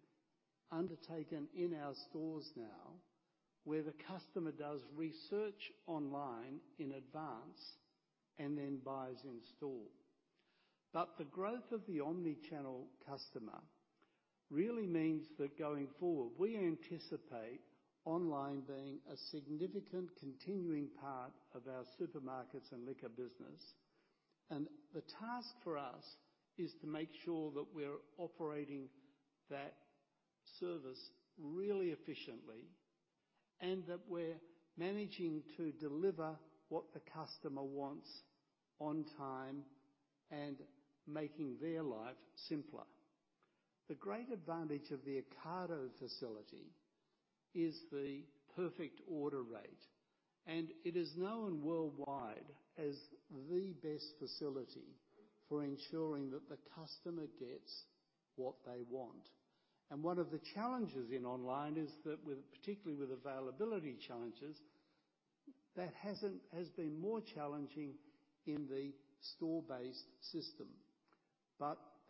[SPEAKER 2] undertaken in our stores now, where the customer does research online in advance and then buys in store. But the growth of the Omni-channel customer really means that going forward, we anticipate online being a significant continuing part of our supermarkets and liquor business. The task for us is to make sure that we're operating that service really efficiently, and that we're managing to deliver what the customer wants on time and making their life simpler. The great advantage of the Ocado facility is the perfect order rate, and it is known worldwide as the best facility for ensuring that the customer gets what they want. One of the challenges in online is that with, particularly with availability challenges, that hasn't, has been more challenging in the store-based system.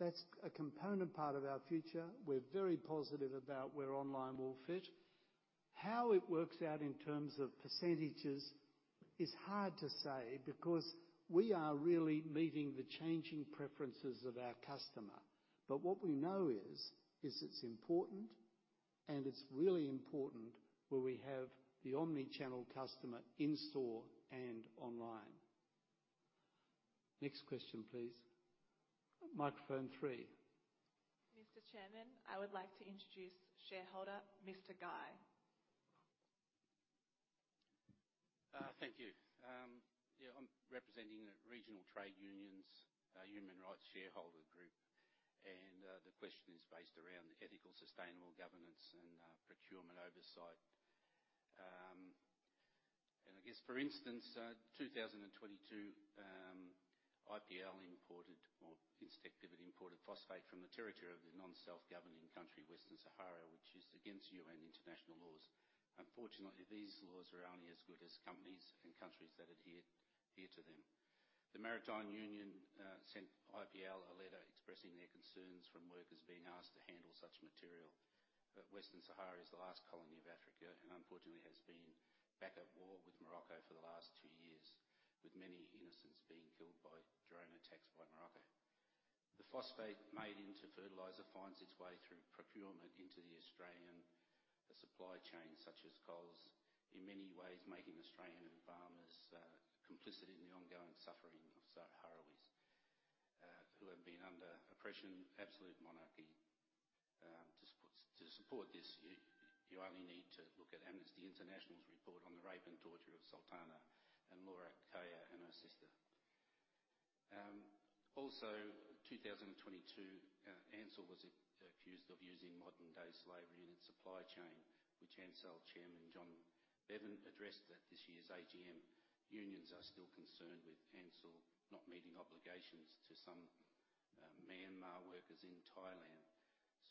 [SPEAKER 2] That's a component part of our future. We're very positive about where online will fit. How it works out in terms of percentages is hard to say, because we are really meeting the changing preferences of our customer. What we know is, is it's important, and it's really important where we have the omni-channel customer in-store and online. Next question, please. Microphone three.
[SPEAKER 7] Mr. Chairman, I would like to introduce shareholder, Mr. Guy.
[SPEAKER 9] Thank you. Yeah, I'm representing the Regional Trade Unions, Human Rights Shareholder Group, and the question is based around ethical, sustainable governance and procurement oversight. I guess, for instance, in 2022, IPL, or Incitec, imported phosphate from the territory of the non-self-governing country, Western Sahara, which is against UN international laws. Unfortunately, these laws are only as good as companies and countries that adhere to them. The Maritime Union sent IPL a letter expressing their concerns from workers being asked to handle such material. Western Sahara is the last colony of Africa, and unfortunately has been back at war with Morocco for the last two years, with many innocents being killed by drone attacks by Morocco. The phosphate made into fertilizer finds its way through procurement into the Australian supply chain, such as Coles, in many ways, making Australian farmers complicit in the ongoing suffering of Sahrawis who have been under oppression, absolute monarchy. To support this, you only need to look at Amnesty International's report on the rape and torture of Sultana and Luara Khaya and her sister. Also, in 2022, Ansell was accused of using modern-day slavery in its supply chain, which Ansell Chairman John Bevan addressed at this year's AGM. Unions are still concerned with Ansell not meeting obligations to some Myanmar workers in Thailand.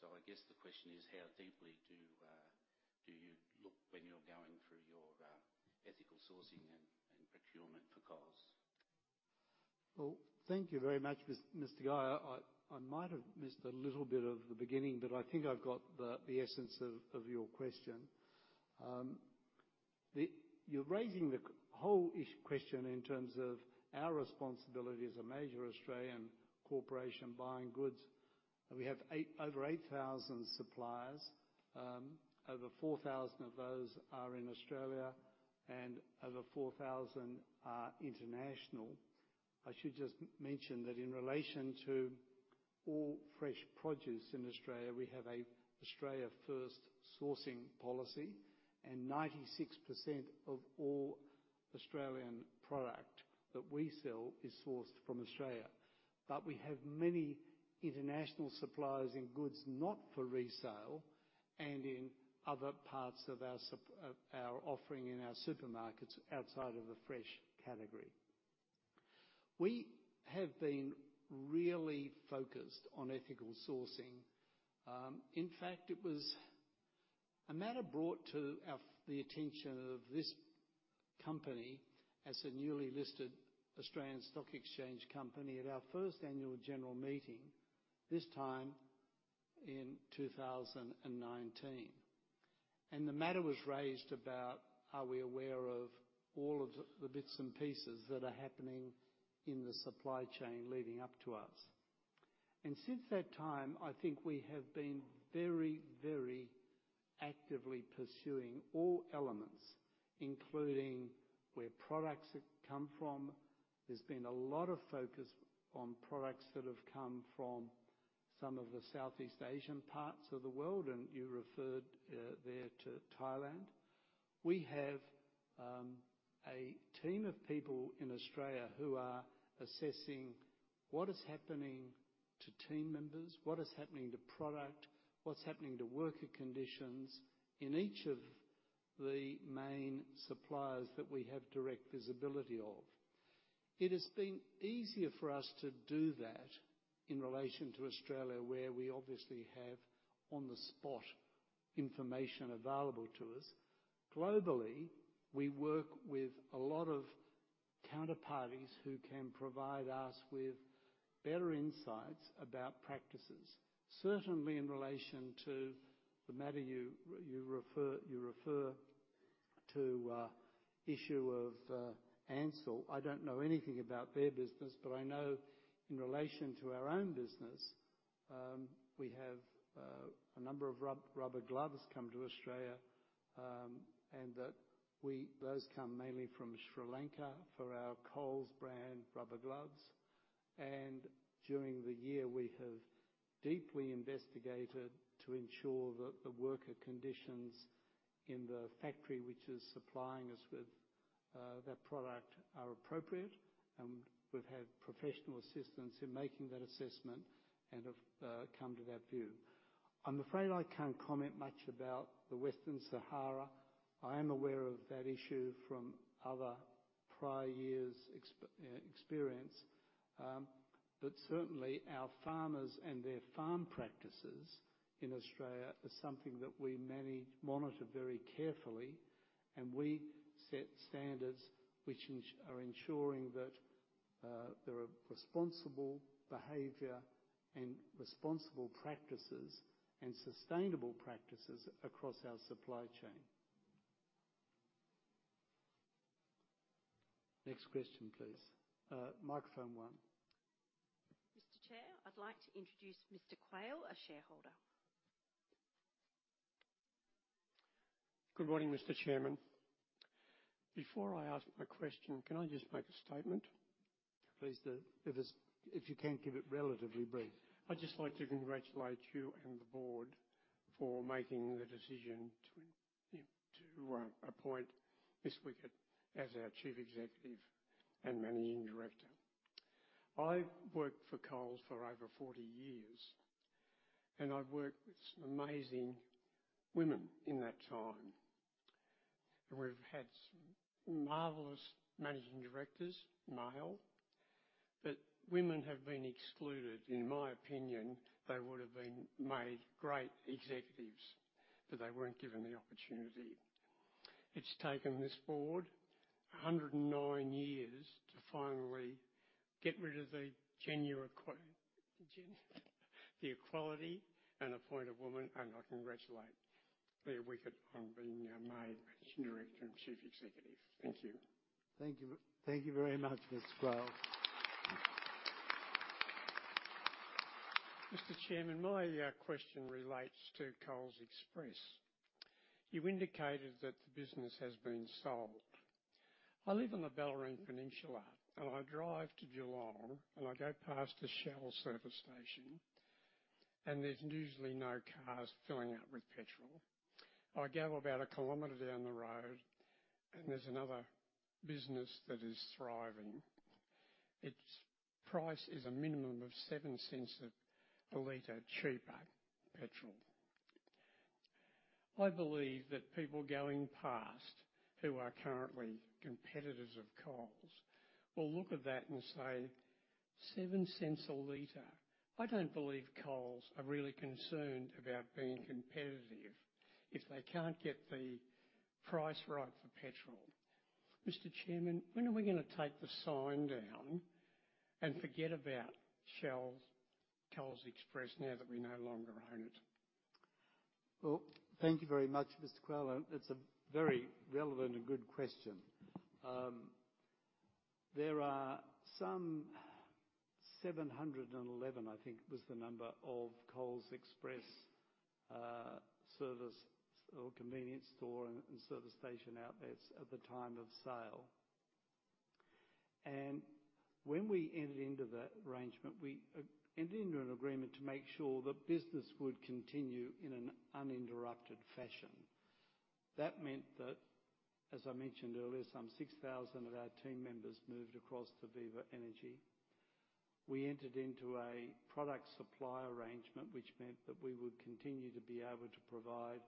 [SPEAKER 9] So I guess the question is: How deeply do you look when you're going through your ethical sourcing and procurement for Coles?
[SPEAKER 2] Well, thank you very much, Mr. Guy. I, I might have missed a little bit of the beginning, but I think I've got the, the essence of, of your question. You're raising the whole issue question in terms of our responsibility as a major Australian corporation buying goods. We have over 8,000 suppliers. Over 4,000 of those are in Australia, and over 4,000 are international. I should just mention that in relation to all fresh produce in Australia, we have a Australia First Sourcing policy, and 96% of all Australian product that we sell is sourced from Australia. But we have many international suppliers in goods not for resale and in other parts of our offering in our supermarkets outside of the fresh category. We have been really focused on ethical sourcing. In fact, it was a matter brought to our attention as a newly listed Australian Securities Exchange company at our first annual general meeting, this time in 2019. The matter was raised about, are we aware of all of the, the bits and pieces that are happening in the supply chain leading up to us? Since that time, I think we have been very, very actively pursuing all elements, including where products have come from. There's been a lot of focus on products that have come from some of the Southeast Asian parts of the world, and you referred there to Thailand. We have a team of people in Australia who are assessing what is happening to team members? What is happening to product? What's happening to worker conditions in each of the main suppliers that we have direct visibility of? It has been easier for us to do that in relation to Australia, where we obviously have on-the-spot information available to us. Globally, we work with a lot of counterparties who can provide us with better insights about practices, certainly in relation to the matter you refer to, issue of Ansell. I don't know anything about their business, but I know in relation to our own business, we have a number of rubber gloves come to Australia, and those come mainly from Sri Lanka for our Coles brand rubber gloves. And during the year, we have deeply investigated to ensure that the worker conditions in the factory, which is supplying us with that product, are appropriate, and we've had professional assistance in making that assessment and have come to that view. I'm afraid I can't comment much about the Western Sahara. I am aware of that issue from other prior years experience. But certainly, our farmers and their farm practices in Australia is something that we manage, monitor very carefully, and we set standards which are ensuring that there are responsible behavior and responsible practices and sustainable practices across our supply chain. Next question, please. Microphone one.
[SPEAKER 7] Mr. Chair, I'd like to introduce Mr. Quayle, a shareholder.
[SPEAKER 10] Good morning, Mr. Chairman. Before I ask my question, can I just make a statement?
[SPEAKER 2] Please do. If it's, if you can give it relatively brief.
[SPEAKER 10] I'd just like to congratulate you and the board for making the decision to appoint Ms. Weckert as our Chief Executive and Managing Director. I've worked for Coles for over 40 years, and I've worked with some amazing women in that time. We've had some marvelous Managing Directors, male, but women have been excluded. In my opinion, they would have been made great executives, but they weren't given the opportunity. It's taken this board 109 years to finally get rid of the gender equality and appoint a woman, and I congratulate Leah Weckert on being now made Managing Director and Chief Executive. Thank you.
[SPEAKER 2] Thank you. Thank you very much, Mr. Quayle.
[SPEAKER 10] Mr. Chairman, my question relates to Coles Express. You indicated that the business has been sold. I live on the Bellarine Peninsula, and I drive to Geelong, and I go past the Shell service station, and there's usually no cars filling up with petrol. I go about a kilometer down the road, and there's another business that is thriving. Its price is a minimum of seven cents a liter cheaper petrol. I believe that people going past, who are currently competitors of Coles, will look at that and say, "0.07 a liter? I don't believe Coles are really concerned about being competitive if they can't get the price right for petrol." Mr. Chairman, when are we gonna take the sign down and forget about Shell's Coles Express now that we no longer own it?
[SPEAKER 2] Well, thank you very much, Mr. Quayle. That's a very relevant and good question. There are some 711, I think was the number, of Coles Express service or convenience store and service station outlets at the time of sale. When we entered into that arrangement, we entered into an agreement to make sure that business would continue in an uninterrupted fashion. That meant that, as I mentioned earlier, some 6,000 of our team members moved across to Viva Energy. We entered into a product supply arrangement, which meant that we would continue to be able to provide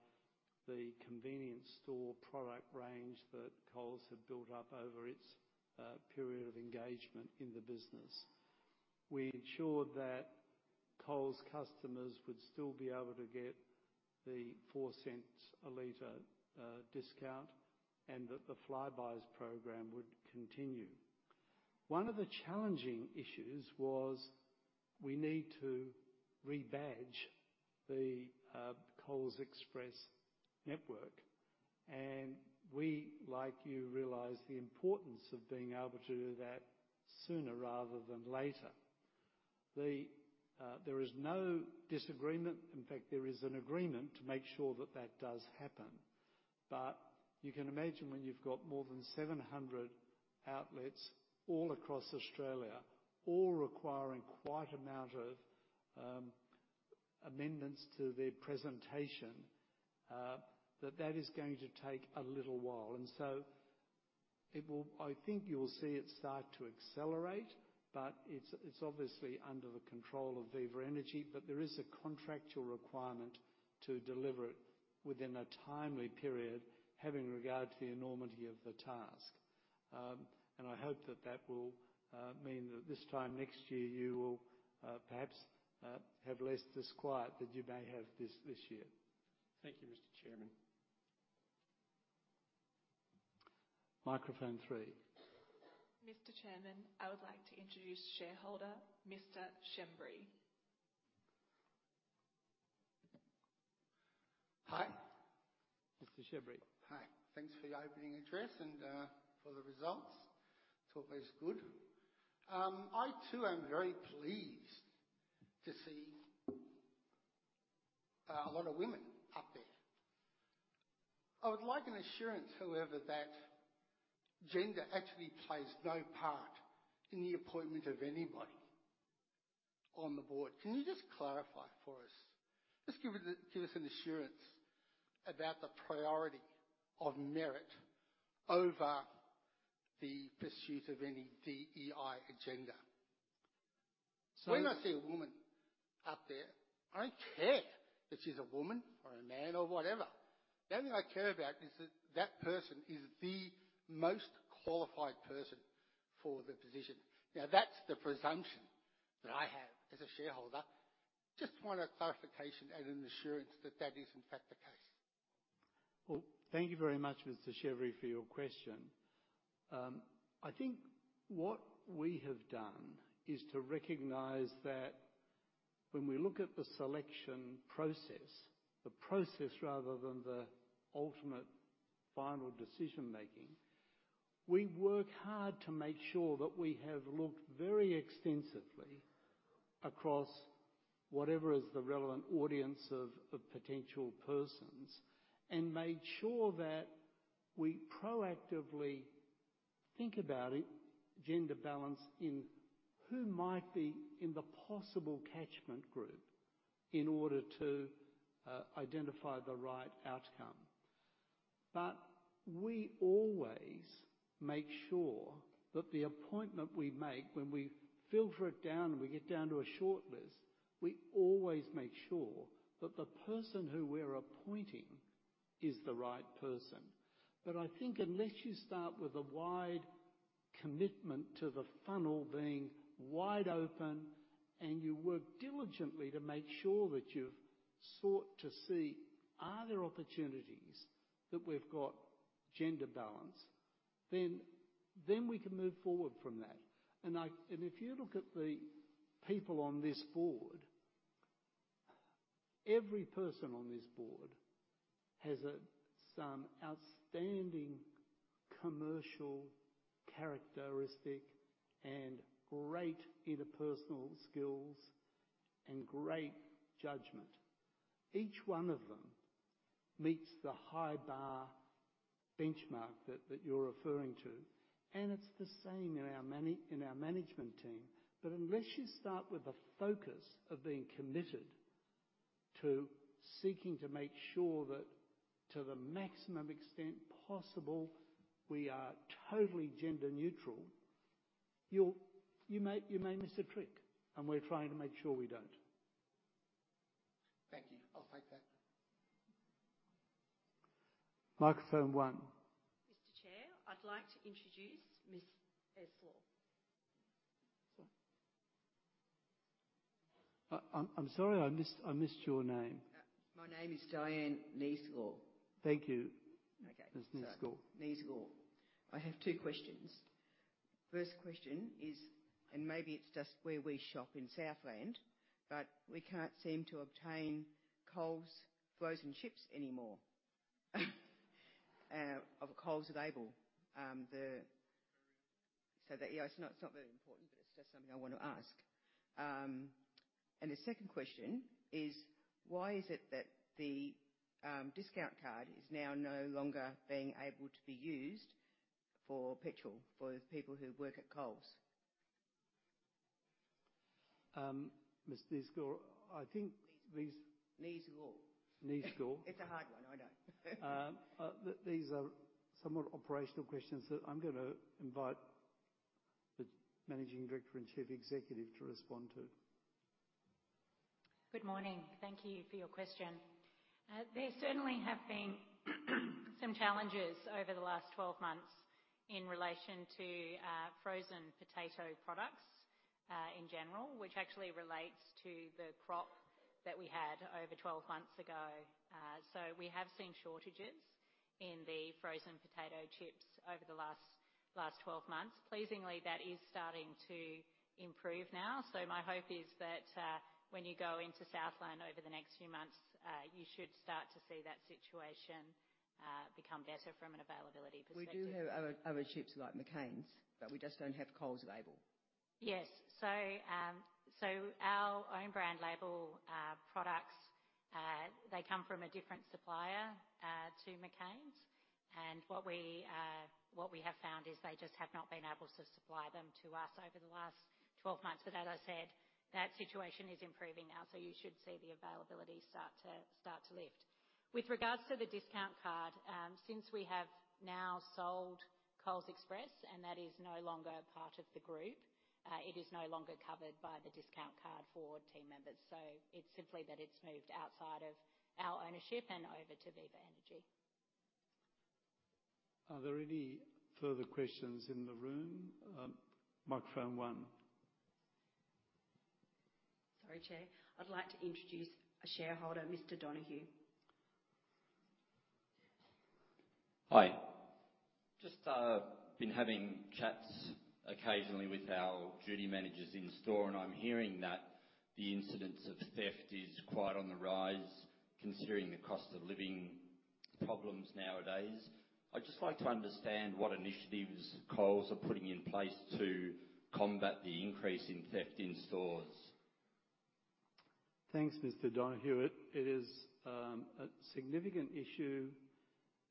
[SPEAKER 2] the convenience store product range that Coles had built up over its period of engagement in the business. We ensured that Coles customers would still be able to get the 0.04 a liter discount and that the Flybuys program would continue. One of the challenging issues was we need to rebadge the Coles Express network, and we, like you, realize the importance of being able to do that sooner rather than later. The there is no disagreement, in fact, there is an agreement to make sure that that does happen. But you can imagine when you've got more than 700 outlets all across Australia, all requiring quite amount of amendments to their presentation, that that is going to take a little while. And so it will. I think you will see it start to accelerate, but it's, it's obviously under the control of Viva Energy, but there is a contractual requirement to deliver it within a timely period, having regard to the enormity of the task. And I hope that that will mean that this time next year you will perhaps have less disquiet than you may have this this year.
[SPEAKER 10] Thank you, Mr. Chairman.
[SPEAKER 2] Microphone three.
[SPEAKER 1] Mr. Chairman, I would like to introduce shareholder, Mr. Shembry.
[SPEAKER 11] Hi.
[SPEAKER 2] Mr. Shembry.
[SPEAKER 11] Hi. Thanks for the opening address and for the results. It's always good. I too am very pleased to see a lot of women up there. I would like an assurance, however, that gender actually plays no part in the appointment of anybody on the board. Can you just clarify for us? Just give us an assurance about the priority of merit over the pursuit of any DEI agenda. So- When I see a woman up there, I don't care if she's a woman or a man or whatever. The only thing I care about is that, that person is the most qualified person for the position. Now, that's the presumption that I have as a shareholder. Just want a clarification and an assurance that that is in fact the case.
[SPEAKER 2] Well, thank you very much, Mr. Shembry, for your question. I think what we have done is to recognize that when we look at the selection process, the process rather than the ultimate final decision-making, we work hard to make sure that we have looked very extensively across whatever is the relevant audience of, of potential persons, and made sure that we proactively think about it, gender balance, in who might be in the possible catchment group in order to identify the right outcome. But we always make sure that the appointment we make, when we filter it down and we get down to a shortlist, we always make sure that the person who we're appointing is the right person. But I think unless you start with a wide commitment to the funnel being wide open, and you work diligently to make sure that you've sought to see, are there opportunities that we've got gender balance? Then we can move forward from that. And if you look at the people on this board, every person on this board has some outstanding commercial characteristic and great interpersonal skills and great judgment. Each one of them meets the high bar benchmark that you're referring to, and it's the same in our management team. But unless you start with a focus of being committed to seeking to make sure that, to the maximum extent possible, we are totally gender neutral, you may miss a trick, and we're trying to make sure we don't.
[SPEAKER 11] Thank you. I'll take that.
[SPEAKER 2] Microphone one.
[SPEAKER 7] Mr. Chair, I'd like to introduce Miss Neslaw.
[SPEAKER 2] I'm sorry, I missed your name.
[SPEAKER 12] My name is Diane Neslaw.
[SPEAKER 2] Thank you-
[SPEAKER 12] Okay
[SPEAKER 2] Ms. Neslaw.
[SPEAKER 12] Neslaw. I have two questions. First question is, and maybe it's just where we shop in Southland, but we can't seem to obtain Coles frozen chips anymore. Of Coles label. So that, yeah, it's not, it's not very important, but it's just something I want to ask. And the second question is, why is it that the discount card is now no longer being able to be used for petrol, for the people who work at Coles?
[SPEAKER 2] Ms. Neslaw, I think these-
[SPEAKER 12] Neslaw.
[SPEAKER 2] Neslaw.
[SPEAKER 12] It's a hard one, I know.
[SPEAKER 2] These are somewhat operational questions that I'm gonna invite the Managing Director and Chief Executive to respond to.
[SPEAKER 4] Good morning. Thank you for your question. There certainly have been some challenges over the last 12 months in relation to frozen potato products in general, which actually relates to the crop that we had over 12 months ago. So we have seen shortages in the frozen potato chips over the last 12 months. Pleasingly, that is starting to improve now. So my hope is that when you go into Southland over the next few months, you should start to see that situation become better from an availability perspective.
[SPEAKER 13] We do have other chips like McCain's, but we just don't have Coles label.
[SPEAKER 4] Yes. So, our own brand label products—they come from a different supplier to McCain's. And what we have found is they just have not been able to supply them to us over the last 12 months. But as I said, that situation is improving now, so you should see the availability start to lift. With regards to the discount card, since we have now sold Coles Express, and that is no longer a part of the group, it is no longer covered by the discount card for team members. So it's simply that it's moved outside of our ownership and over to Viva Energy.
[SPEAKER 2] Are there any further questions in the room? Microphone one.
[SPEAKER 7] Sorry, Chair. I'd like to introduce a shareholder, Mr. Donahue.
[SPEAKER 14] Hi. Just, been having chats occasionally with our duty managers in store, and I'm hearing that the incidence of theft is quite on the rise, considering the cost of living problems nowadays. I'd just like to understand what initiatives Coles are putting in place to combat the increase in theft in stores.
[SPEAKER 2] Thanks, Mr. Donahue. It is a significant issue,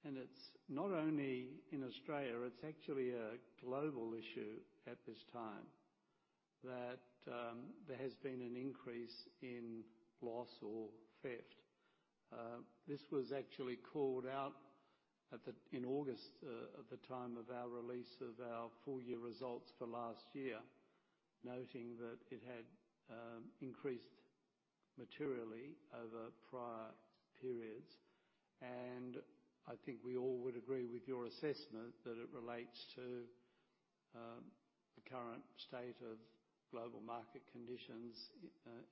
[SPEAKER 2] and it's not only in Australia, it's actually a global issue at this time, that there has been an increase in loss or theft. This was actually called out in August, at the time of our release of our full year results for last year, noting that it had increased materially over prior periods. I think we all would agree with your assessment that it relates to the current state of global market conditions,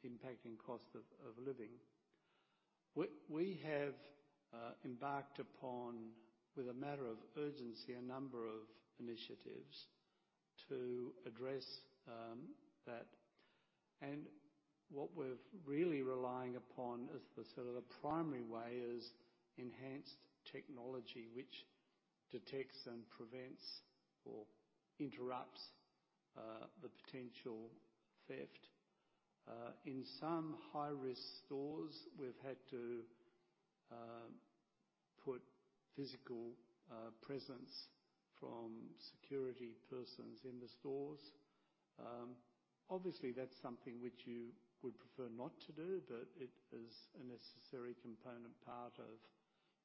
[SPEAKER 2] impacting cost of living. We have embarked upon, with a matter of urgency, a number of initiatives to address that. What we're really relying upon as the sort of the primary way is enhanced technology, which detects and prevents or interrupts the potential theft. In some high-risk stores, we've had to put physical presence from security persons in the stores. Obviously, that's something which you would prefer not to do, but it is a necessary component part of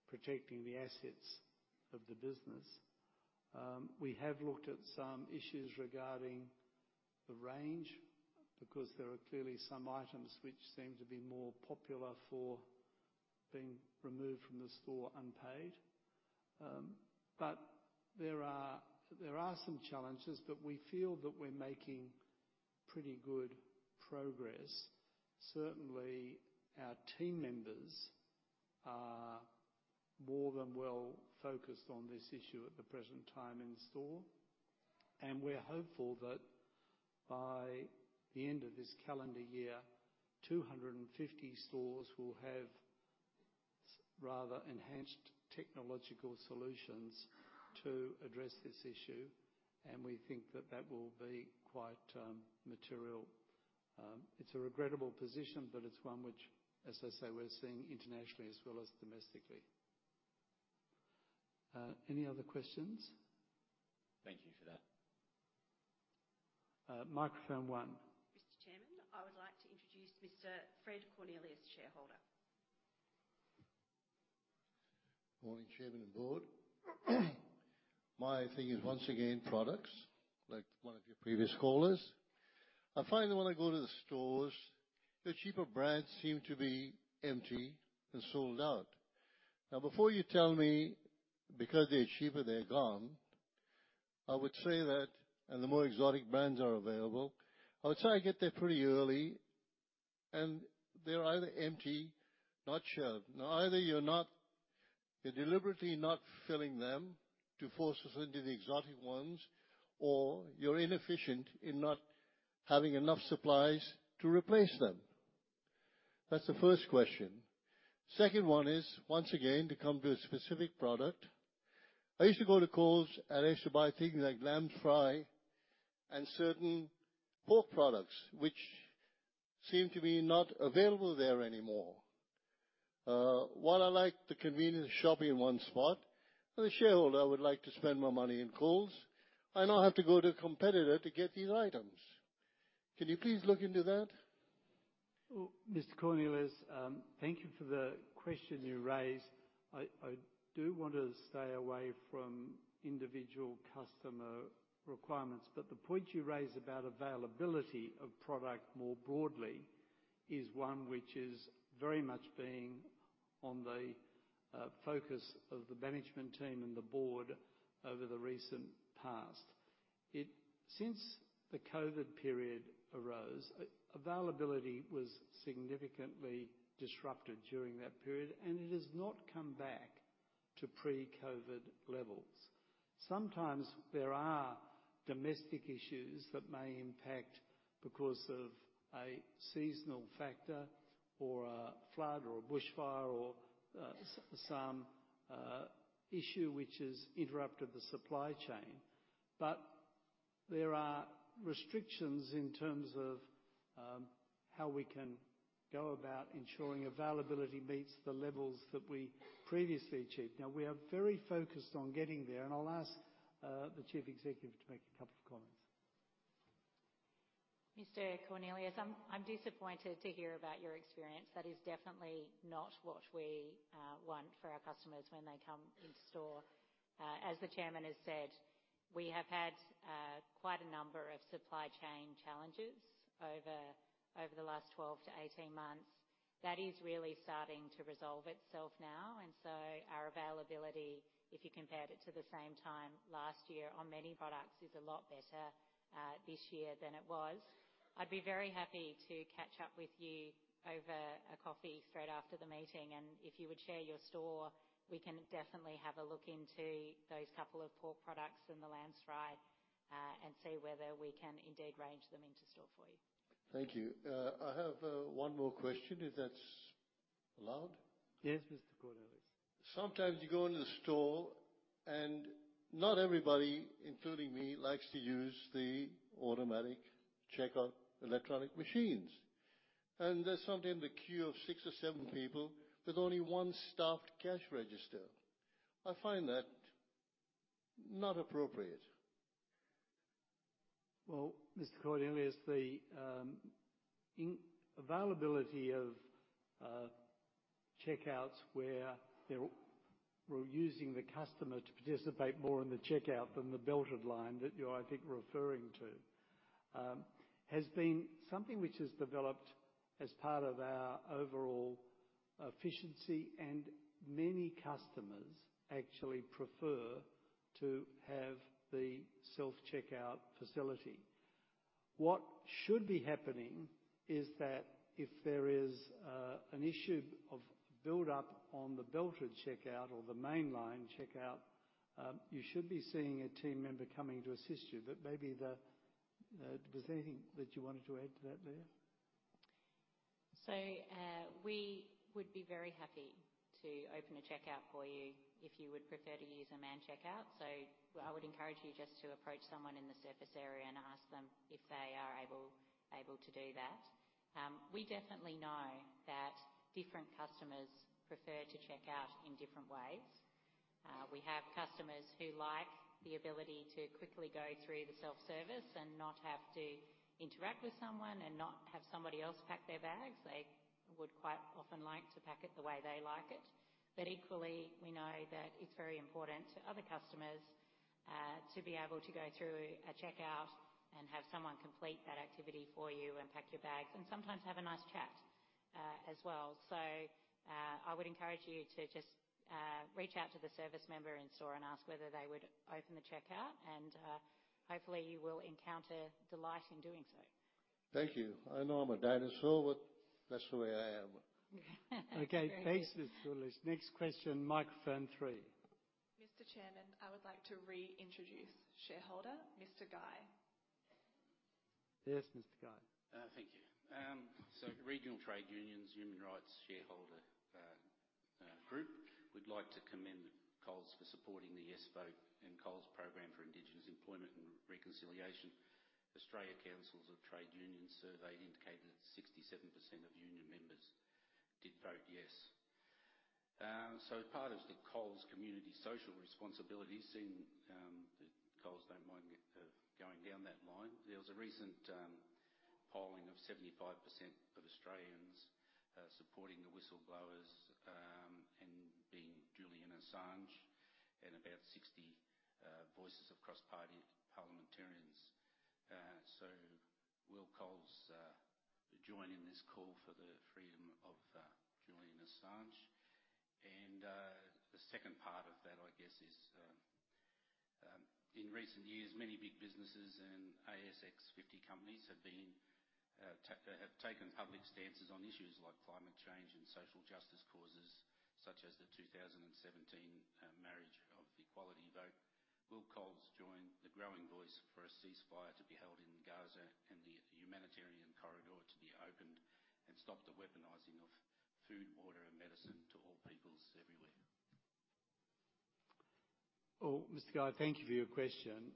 [SPEAKER 2] protecting the assets of the business. We have looked at some issues regarding the range, because there are clearly some items which seem to be more popular for being removed from the store unpaid. But there are some challenges, but we feel that we're making pretty good progress. Certainly, our team members are more than well focused on this issue at the present time in store, and we're hopeful that by the end of this calendar year, 250 stores will have rather enhanced technological solutions to address this issue. We think that will be quite material. It's a regrettable position, but it's one which, as I say, we're seeing internationally as well as domestically. Any other questions?
[SPEAKER 14] Thank you for that.
[SPEAKER 2] Microphone one.
[SPEAKER 7] Mr. Chairman, I would like to introduce Mr. Fred Cornelius, shareholder.
[SPEAKER 15] Morning, Chairman and board. My thing is, once again, products, like one of your previous callers. I find that when I go to the stores, the cheaper brands seem to be empty and sold out. Now, before you tell me, because they're cheaper, they're gone, I would say that... and the more exotic brands are available. I would say I get there pretty early, and they're either empty, not shelved. Now, either you're deliberately not filling them to force us into the exotic ones, or you're inefficient in not having enough supplies to replace them. That's the first question. Second one is, once again, to come to a specific product. I used to go to Coles, and I used to buy things like lamb fry and certain pork products, which seem to be not available there anymore. While I like the convenience of shopping in one spot, as a shareholder, I would like to spend my money in Coles. I now have to go to a competitor to get these items. Can you please look into that?
[SPEAKER 2] Well, Mr. Cornelius, thank you for the question you raised. I do want to stay away from individual customer requirements, but the point you raised about availability of product more broadly is one which is very much being on the focus of the management team and the board over the recent past. Since the COVID period arose, availability was significantly disrupted during that period, and it has not come back to pre-COVID levels. Sometimes there are domestic issues that may impact because of a seasonal factor or a flood or a bushfire or some issue which has interrupted the supply chain. But there are restrictions in terms of how we can go about ensuring availability meets the levels that we previously achieved. Now, we are very focused on getting there, and I'll ask the Chief Executive to make a couple of comments.
[SPEAKER 4] Mr. Cornelius, I'm, I'm disappointed to hear about your experience. That is definitely not what we want for our customers when they come in store. As the chairman has said, we have had quite a number of supply chain challenges over, over the last 1218 months. That is really starting to resolve itself now, and so our availability, if you compared it to the same time last year, on many products, is a lot better this year than it was. I'd be very happy to catch up with you over a coffee straight after the meeting, and if you would share your store, we can definitely have a look into those couple of poor products in the lamb fry, and see whether we can indeed range them into store for you.
[SPEAKER 15] Thank you. I have one more question, if that's allowed?
[SPEAKER 2] Yes, Mr. Cornelius.
[SPEAKER 15] Sometimes you go into the store, and not everybody, including me, likes to use the automatic checkout electronic machines. There's sometimes a queue of six or seven people with only one staffed cash register. I find that not appropriate.
[SPEAKER 2] Well, Mr. Cornelius, the unavailability of checkouts where we're using the customer to participate more in the checkout than the belted line that you're, I think, referring to has been something which has developed as part of our overall efficiency, and many customers actually prefer to have the self-checkout facility. What should be happening is that if there is an issue of build-up on the belted checkout or the mainline checkout, you should be seeing a team member coming to assist you. But maybe the... Was there anything that you wanted to add to that, Leah?
[SPEAKER 4] So, we would be very happy to open a checkout for you if you would prefer to use a manned checkout. So I would encourage you just to approach someone in the service area and ask them if they are able to do that. We definitely know that different customers prefer to check out in different ways. We have customers who like the ability to quickly go through the self-service and not have to interact with someone and not have somebody else pack their bags. They would quite often like to pack it the way they like it. But equally, we know that it's very important to other customers to be able to go through a checkout and have someone complete that activity for you and pack your bags, and sometimes have a nice chat as well. So, I would encourage you to just, reach out to the service member in store and ask whether they would open the checkout, and, hopefully, you will encounter delight in doing so.
[SPEAKER 15] Thank you. I know I'm a dinosaur, but that's the way I am.
[SPEAKER 2] Okay, thanks, Mr. Cornelius. Next question, microphone three.
[SPEAKER 7] Mr. Chairman, I would like to reintroduce shareholder, Mr. Guy.
[SPEAKER 2] Yes, Mr. Guy.
[SPEAKER 9] Thank you. So Regional Trade Unions, Human Rights Shareholder Group, we'd like to commend Coles for supporting the Yes vote and Coles program for Indigenous employment and reconciliation. Australian Council of Trade Unions survey indicated that 67% of union members did vote yes. So part of the Coles community social responsibility, seeing that Coles don't mind me going down that line, there was a recent polling of 75% of Australians supporting the whistleblowers and being Julian Assange, and about 60 voices across party parliamentarians. So will Coles join in this call for the freedom of Julian Assange? The second part of that, I guess, is, in recent years, many big businesses and ASX 50 companies have been, have taken public stances on issues like climate change and social justice causes, such as the 2017 marriage equality vote. Will Coles join the growing voice for a ceasefire to be held in Gaza and the humanitarian corridor to be opened and stop the weaponizing of food, water, and medicine to all peoples everywhere?
[SPEAKER 2] Well, Mr. Guy, thank you for your question.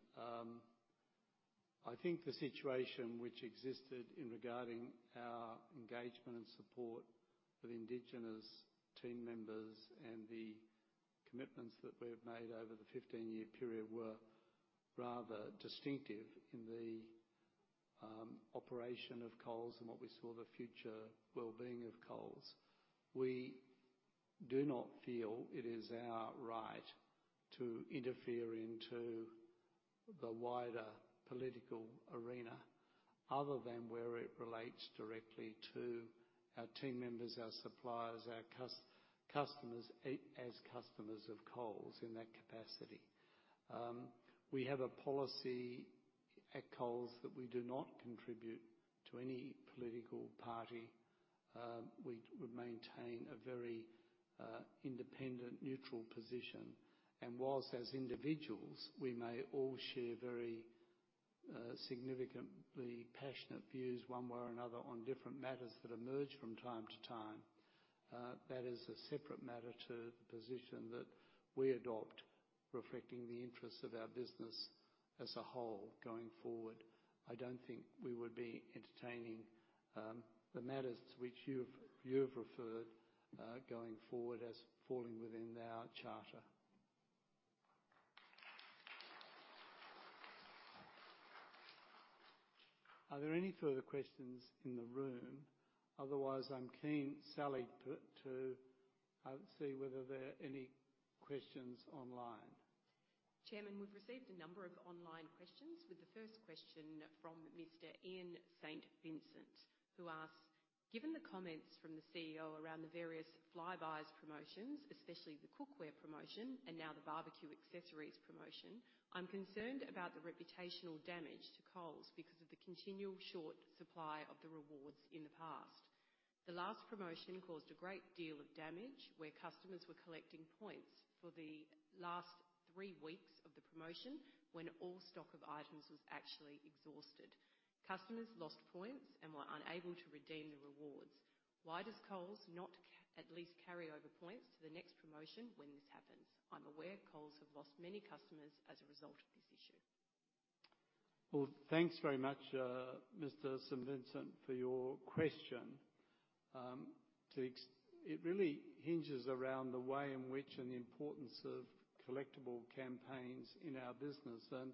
[SPEAKER 2] I think the situation which existed in regarding our engagement and support for the Indigenous team members and the commitments that we have made over the 15-year period were rather distinctive in the operation of Coles and what we saw the future well-being of Coles. We do not feel it is our right to interfere into the wider political arena, other than where it relates directly to our team members, our suppliers, our customers, as customers of Coles in that capacity. We have a policy at Coles that we do not contribute to any political party. We would maintain a very independent, neutral position. And whilst as individuals, we may all share very significantly passionate views, one way or another, on different matters that emerge from time to time-... That is a separate matter to the position that we adopt, reflecting the interests of our business as a whole going forward. I don't think we would be entertaining the matters to which you've referred going forward as falling within our charter. Are there any further questions in the room? Otherwise, I'm keen, Sally, to see whether there are any questions online.
[SPEAKER 7] Chairman, we've received a number of online questions, with the first question from Mr. Ian St. Vincent, who asks: Given the comments from the CEO around the various Flybuys promotions, especially the cookware promotion and now the barbecue accessories promotion, I'm concerned about the reputational damage to Coles because of the continual short supply of the rewards in the past. The last promotion caused a great deal of damage, where customers were collecting points for the last three weeks of the promotion when all stock of items was actually exhausted. Customers lost points and were unable to redeem the rewards. Why does Coles not at least carry over points to the next promotion when this happens? I'm aware Coles have lost many customers as a result of this issue.
[SPEAKER 2] Well, thanks very much, Mr. St. Vincent, for your question. It really hinges around the way in which, and the importance of collectible campaigns in our business. And,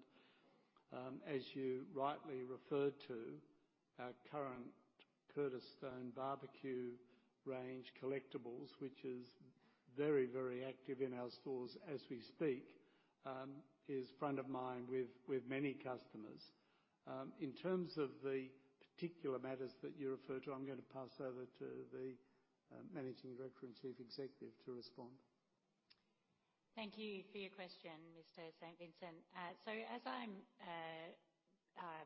[SPEAKER 2] as you rightly referred to, our current Curtis Stone barbecue range collectibles, which is very, very active in our stores as we speak, is front of mind with many customers. In terms of the particular matters that you refer to, I'm going to pass over to the Managing Director and Chief Executive to respond.
[SPEAKER 4] Thank you for your question, Mr. St. Vincent. So as I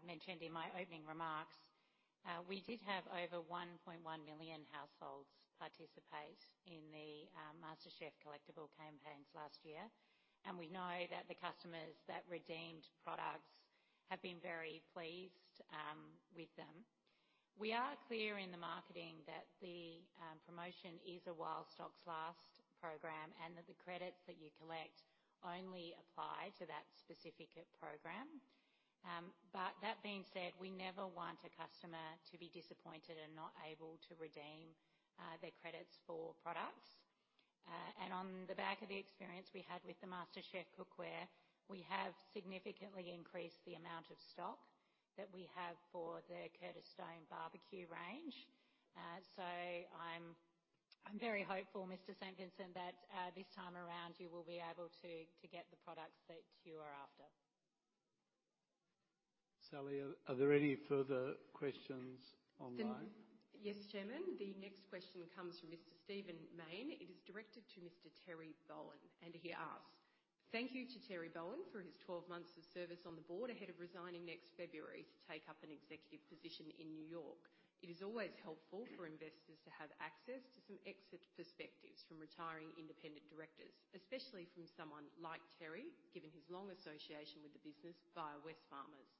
[SPEAKER 4] mentioned in my opening remarks, we did have over 1.1 million households participate in the MasterChef collectible campaigns last year, and we know that the customers that redeemed products have been very pleased with them. We are clear in the marketing that the promotion is a while stocks last program, and that the credits that you collect only apply to that specific program. But that being said, we never want a customer to be disappointed and not able to redeem their credits for products. And on the back of the experience we had with the MasterChef cookware, we have significantly increased the amount of stock that we have for the Curtis Stone barbecue range. So I'm very hopeful, Mr. St. Vincent, that, this time around, you will be able to, to get the products that you are after.
[SPEAKER 2] Sally, are there any further questions online?
[SPEAKER 7] Yes, Chairman. The next question comes from Mr. Steven Main. It is directed to Mr. Terry Bowen, and he asks: Thank you to Terry Bowen for his 12 months of service on the board ahead of resigning next February to take up an executive position in New York. It is always helpful for investors to have access to some expert perspectives from retiring independent directors, especially from someone like Terry, given his long association with the business via Wesfarmers.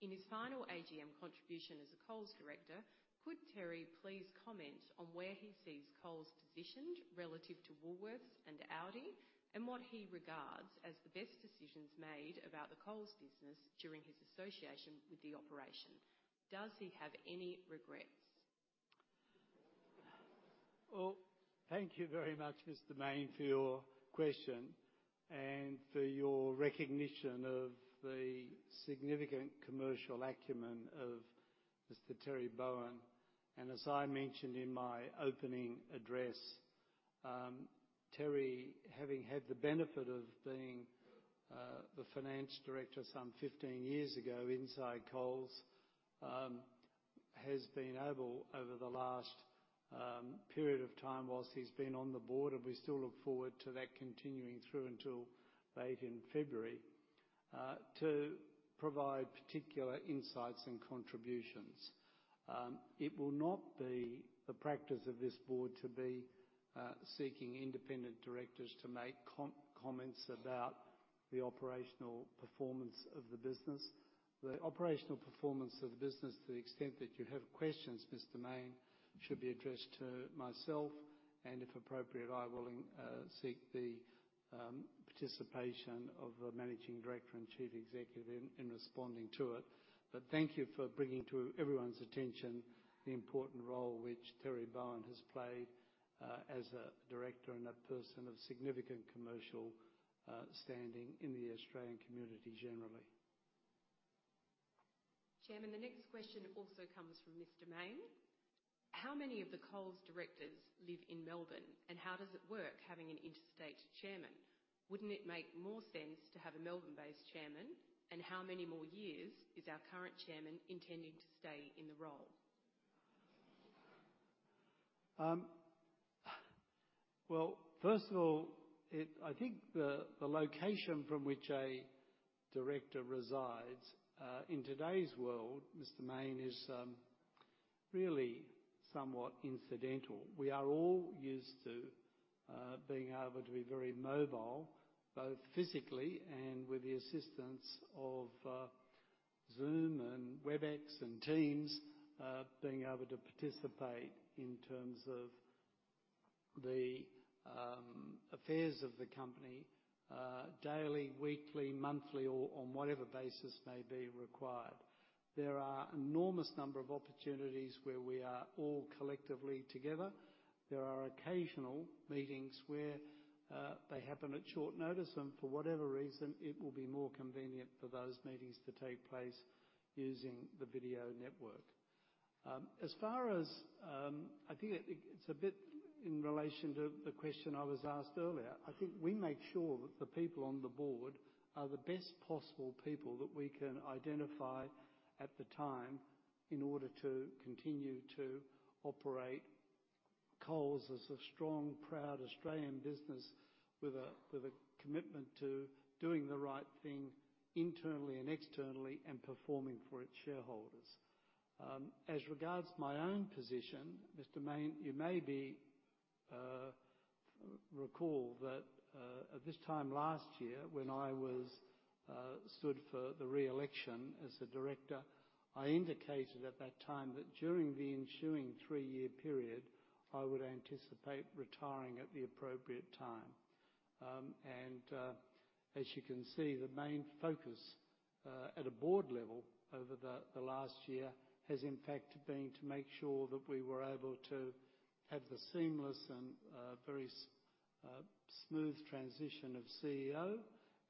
[SPEAKER 7] In his final AGM contribution as a Coles director, could Terry please comment on where he sees Coles positioned relative to Woolworths and Aldi, and what he regards as the best decisions made about the Coles business during his association with the operation? Does he have any regrets?
[SPEAKER 2] Well, thank you very much, Mr. Main, for your question and for your recognition of the significant commercial acumen of Mr. Terry Bowen. And as I mentioned in my opening address, Terry, having had the benefit of being the finance director some 15 years ago inside Coles, has been able, over the last period of time whilst he's been on the board, and we still look forward to that continuing through until late in February, to provide particular insights and contributions. It will not be the practice of this board to be seeking independent directors to make comments about the operational performance of the business. The operational performance of the business, to the extent that you have questions, Mr. Main, should be addressed to myself, and if appropriate, I will seek the participation of the Managing Director and Chief Executive in responding to it. But thank you for bringing to everyone's attention the important role which Terry Bowen has played as a director and a person of significant commercial standing in the Australian community generally.
[SPEAKER 7] Chairman, the next question also comes from Mr. Main. How many of the Coles directors live in Melbourne, and how does it work having an interstate chairman? Wouldn't it make more sense to have a Melbourne-based chairman? And how many more years is our current chairman intending to stay in the role?
[SPEAKER 2] Well, first of all, I think the location from which a director resides, in today's world, Mr. Main, is really somewhat incidental. We are all used to being able to be very mobile, both physically and with the assistance of Zoom and WebEx and Teams, being able to participate in terms of the affairs of the company, daily, weekly, monthly, or on whatever basis may be required. There are enormous number of opportunities where we are all collectively together. There are occasional meetings where they happen at short notice, and for whatever reason, it will be more convenient for those meetings to take place using the video network. As far as I think it, it's a bit in relation to the question I was asked earlier. I think we make sure that the people on the board are the best possible people that we can identify at the time, in order to continue to operate Coles as a strong, proud Australian business, with a, with a commitment to doing the right thing internally and externally, and performing for its shareholders. As regards my own position, Mr. Main, you may recall that, at this time last year, when I stood for the re-election as a director, I indicated at that time that during the ensuing three-year period, I would anticipate retiring at the appropriate time. As you can see, the main focus at a board level over the last year has in fact been to make sure that we were able to have the seamless and very smooth transition of CEO,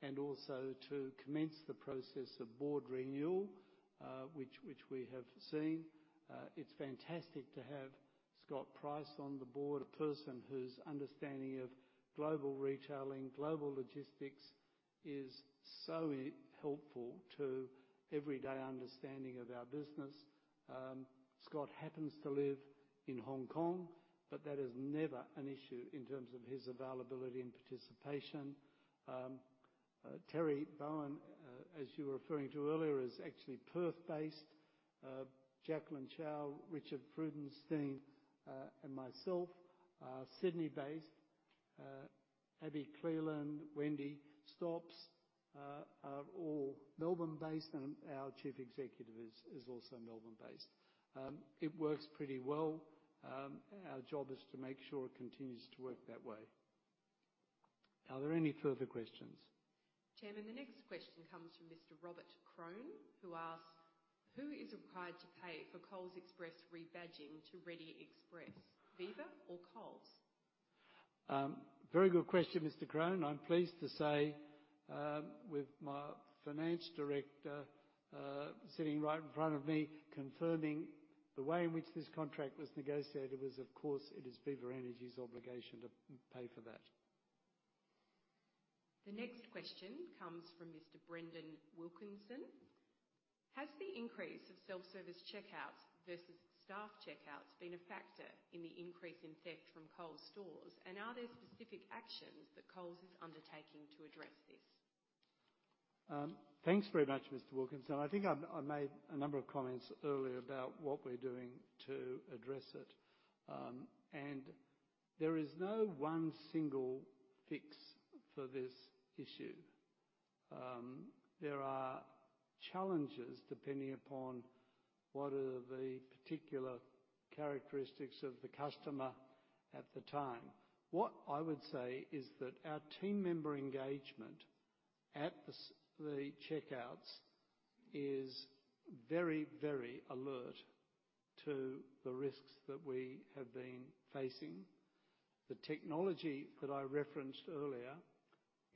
[SPEAKER 2] and also to commence the process of board renewal, which we have seen. It's fantastic to have Scott Price on the board, a person whose understanding of global retailing, global logistics, is so helpful to everyday understanding of our business. Scott happens to live in Hong Kong, but that is never an issue in terms of his availability and participation. Terry Bowen, as you were referring to earlier, is actually Perth-based. Jacqueline Chow, Richard Freudenstein, and myself are Sydney-based. Abi Cleland, Wendy Stops, are all Melbourne-based, and our Chief Executive is also Melbourne-based. It works pretty well. Our job is to make sure it continues to work that way. Are there any further questions?
[SPEAKER 7] Chairman, the next question comes from Mr. Robert Crone, who asks: Who is required to pay for Coles Express rebadging to Reddy Express, Viva or Coles?
[SPEAKER 2] Very good question, Mr. Crone. I'm pleased to say, with my finance director sitting right in front of me, confirming the way in which this contract was negotiated, was of course, it is Viva Energy's obligation to pay for that.
[SPEAKER 7] The next question comes from Mr. Brendan Wilkinson: Has the increase of self-service checkouts versus staff checkouts been a factor in the increase in theft from Coles stores? And are there specific actions that Coles is undertaking to address this?
[SPEAKER 2] Thanks very much, Mr. Wilkinson. I think I made a number of comments earlier about what we're doing to address it. There is no one single fix for this issue. There are challenges, depending upon what are the particular characteristics of the customer at the time. What I would say is that our team member engagement at the checkouts is very, very alert to the risks that we have been facing. The technology that I referenced earlier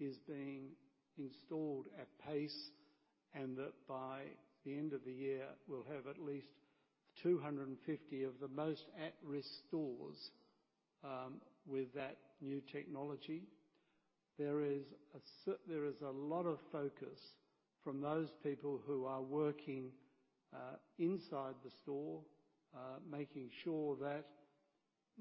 [SPEAKER 2] is being installed at pace, and that by the end of the year, we'll have at least 250 of the most at-risk stores with that new technology. There is a lot of focus from those people who are working inside the store making sure that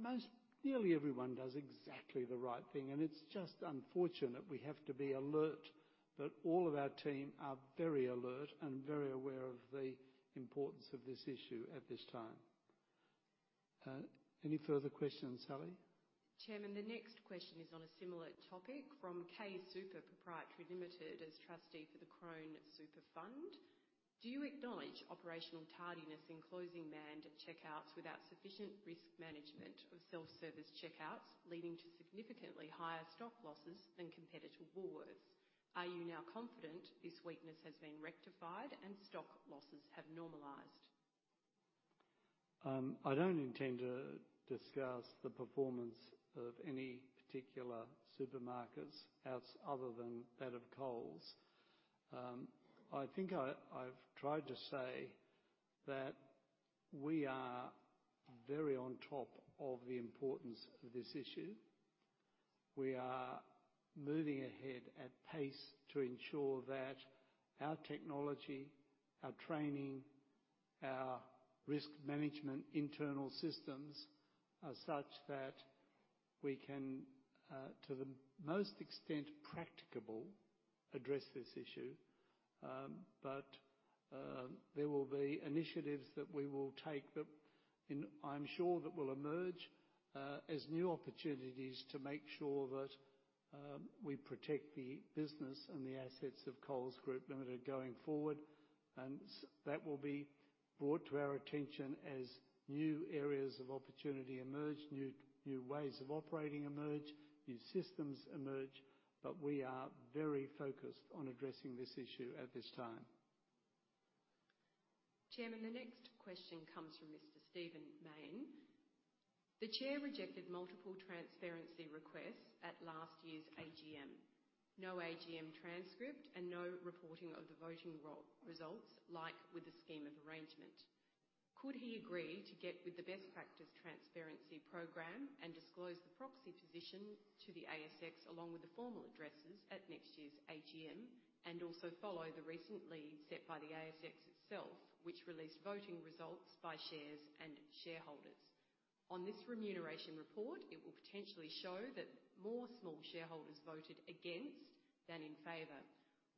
[SPEAKER 2] most... Nearly everyone does exactly the right thing, and it's just unfortunate we have to be alert. But all of our team are very alert and very aware of the importance of this issue at this time. Any further questions, Sally?
[SPEAKER 7] Chairman, the next question is on a similar topic from K Super Proprietary Limited, as trustee for the Crown Super Fund. Do you acknowledge operational tardiness in closing manned checkouts without sufficient risk management of self-service checkouts, leading to significantly higher stock losses than competitor Woolworths? Are you now confident this weakness has been rectified and stock losses have normalized?
[SPEAKER 2] I don't intend to discuss the performance of any particular supermarkets else, other than that of Coles. I think I've tried to say that we are very on top of the importance of this issue. We are moving ahead at pace to ensure that our technology, our training, our risk management internal systems, are such that we can, to the most extent practicable, address this issue. But there will be initiatives that we will take, and I'm sure that will emerge as new opportunities to make sure that we protect the business and the assets of Coles Group Limited going forward. And that will be brought to our attention as new areas of opportunity emerge, new ways of operating emerge, new systems emerge, but we are very focused on addressing this issue at this time.
[SPEAKER 7] Chairman, the next question comes from Mr. Steven Mayne. The chair rejected multiple transparency requests at last year's AGM. No AGM transcript and no reporting of the voting results, like with the scheme of arrangement. Could he agree to get with the best practice transparency program and disclose the proxy position to the ASX, along with the formal addresses at next year's AGM, and also follow the recent lead set by the ASX itself, which released voting results by shares and shareholders? On this remuneration report, it will potentially show that more small shareholders voted against than in favor.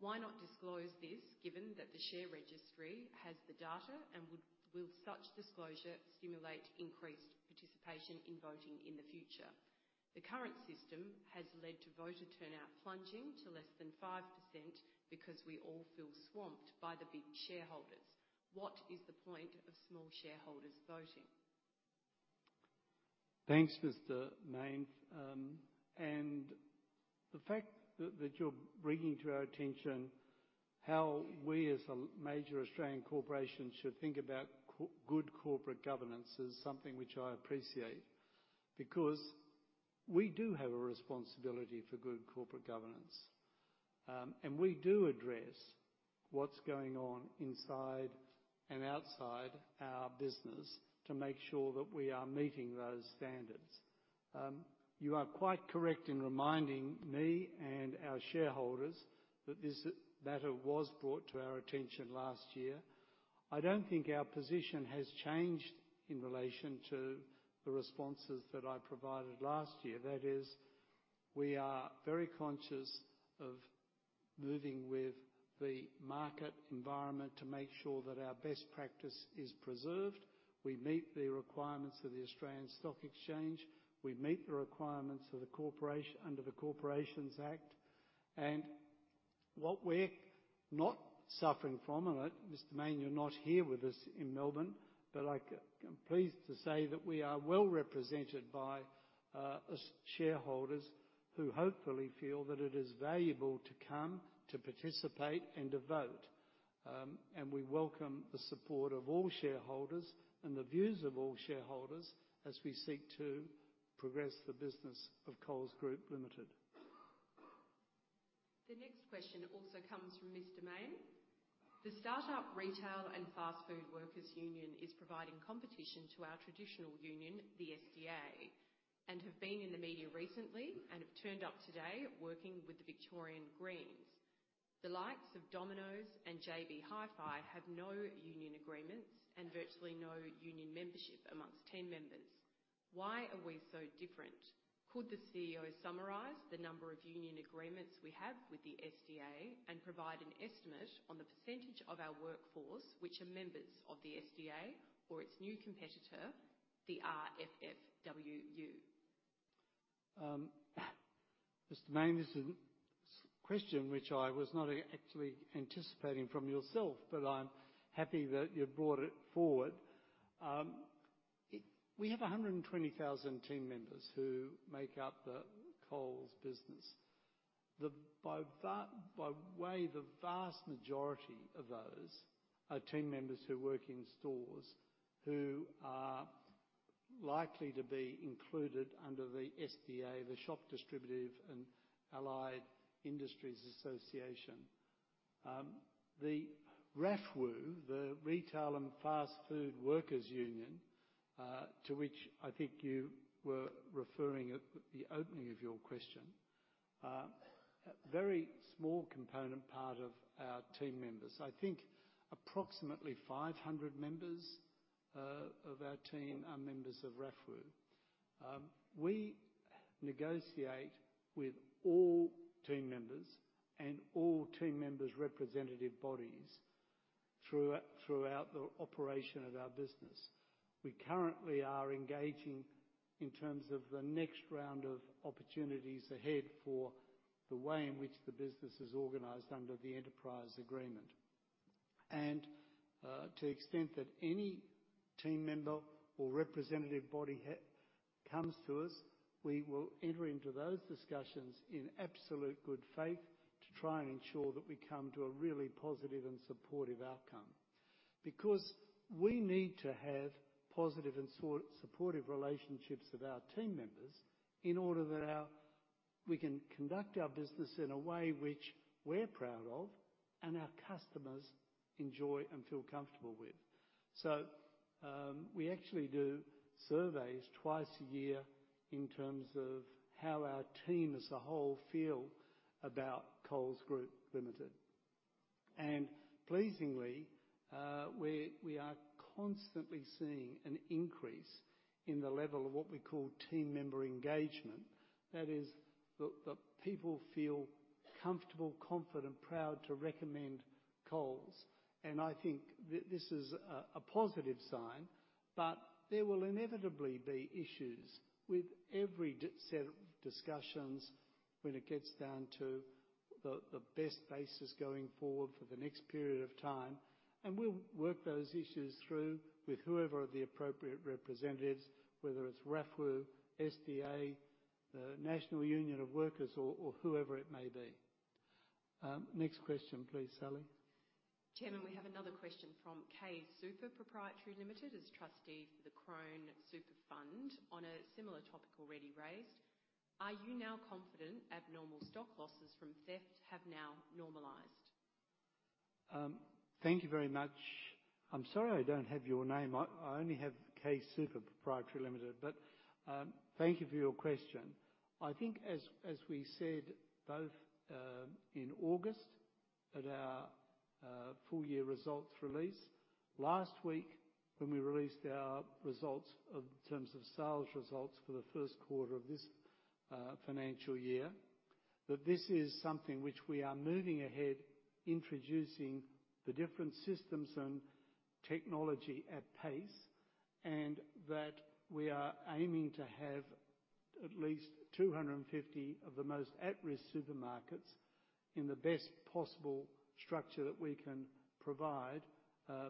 [SPEAKER 7] Why not disclose this, given that the share registry has the data, and will such disclosure stimulate increased participation in voting in the future? The current system has led to voter turnout plunging to less than 5% because we all feel swamped by the big shareholders. What is the point of small shareholders voting?
[SPEAKER 2] Thanks, Mr. Mayne. And the fact that you're bringing to our attention how we, as a major Australian corporation, should think about good corporate governance is something which I appreciate, because we do have a responsibility for good corporate governance. And we do address what's going on inside and outside our business to make sure that we are meeting those standards. You are quite correct in reminding me and our shareholders that this matter was brought to our attention last year. I don't think our position has changed in relation to the responses that I provided last year. That is, we are very conscious of moving with the market environment to make sure that our best practice is preserved, we meet the requirements of the Australian Securities Exchange, we meet the requirements under the Corporations Act. What we're not suffering from, Mr. Mayne, you're not here with us in Melbourne, but I am pleased to say that we are well represented by as shareholders, who hopefully feel that it is valuable to come to participate and to vote. We welcome the support of all shareholders and the views of all shareholders as we seek to progress the business of Coles Group Limited.
[SPEAKER 7] The next question also comes from Mr. Mayne. The Retail and Fast Food Workers Union is providing competition to our traditional union, the SDA, and have been in the media recently and have turned up today working with the Victorian Greens. The likes of Domino's and JB Hi-Fi have no union agreements and virtually no union membership amongst team members. Why are we so different? Could the CEO summarize the number of union agreements we have with the SDA, and provide an estimate on the percentage of our workforce which are members of the SDA or its new competitor, the RAFFWU?
[SPEAKER 2] Mr. Mayne, this is a question which I was not actually anticipating from yourself, but I'm happy that you brought it forward. We have 120,000 team members who make up the Coles business. The, by the way, the vast majority of those are team members who work in stores, who are likely to be included under the SDA, the Shop, Distributive and Allied Employees Association. The RAFFWU, the Retail and Fast Food Workers Union, to which I think you were referring at the opening of your question, a very small component part of our team members. I think approximately 500 members of our team are members of RAFFWU. We negotiate with all team members and all team members' representative bodies throughout the operation of our business. We currently are engaging in terms of the next round of opportunities ahead for the way in which the business is organized under the Enterprise Agreement. To extent that any team member or representative body comes to us, we will enter into those discussions in absolute good faith to try and ensure that we come to a really positive and supportive outcome. Because we need to have positive and supportive relationships with our team members in order that we can conduct our business in a way which we're proud of and our customers enjoy and feel comfortable with. We actually do surveys twice a year in terms of how our team as a whole feel about Coles Group Limited. Pleasingly, we are constantly seeing an increase in the level of what we call team member engagement. That is, the people feel comfortable, confident, proud to recommend Coles, and I think this is a positive sign. But there will inevitably be issues with every set of discussions when it gets down to the best basis going forward for the next period of time, and we'll work those issues through with whoever are the appropriate representatives, whether it's RAFFWU, SDA, the National Union of Workers, or whoever it may be. Next question, please, Sally.
[SPEAKER 7] Chairman, we have another question from K Super Proprietary Limited, as trustee for the Crown Super Fund. On a similar topic already raised, are you now confident abnormal stock losses from theft have now normalized?
[SPEAKER 2] Thank you very much. I'm sorry I don't have your name. I only have K Super Proprietary Limited, but, thank you for your question. I think as we said, both, in August, at our full year results release, last week, when we released our results of terms of sales results for the first quarter of this financial year, that this is something which we are moving ahead, introducing the different systems and technology at pace, and that we are aiming to have at least 250 of the most at-risk supermarkets in the best possible structure that we can provide,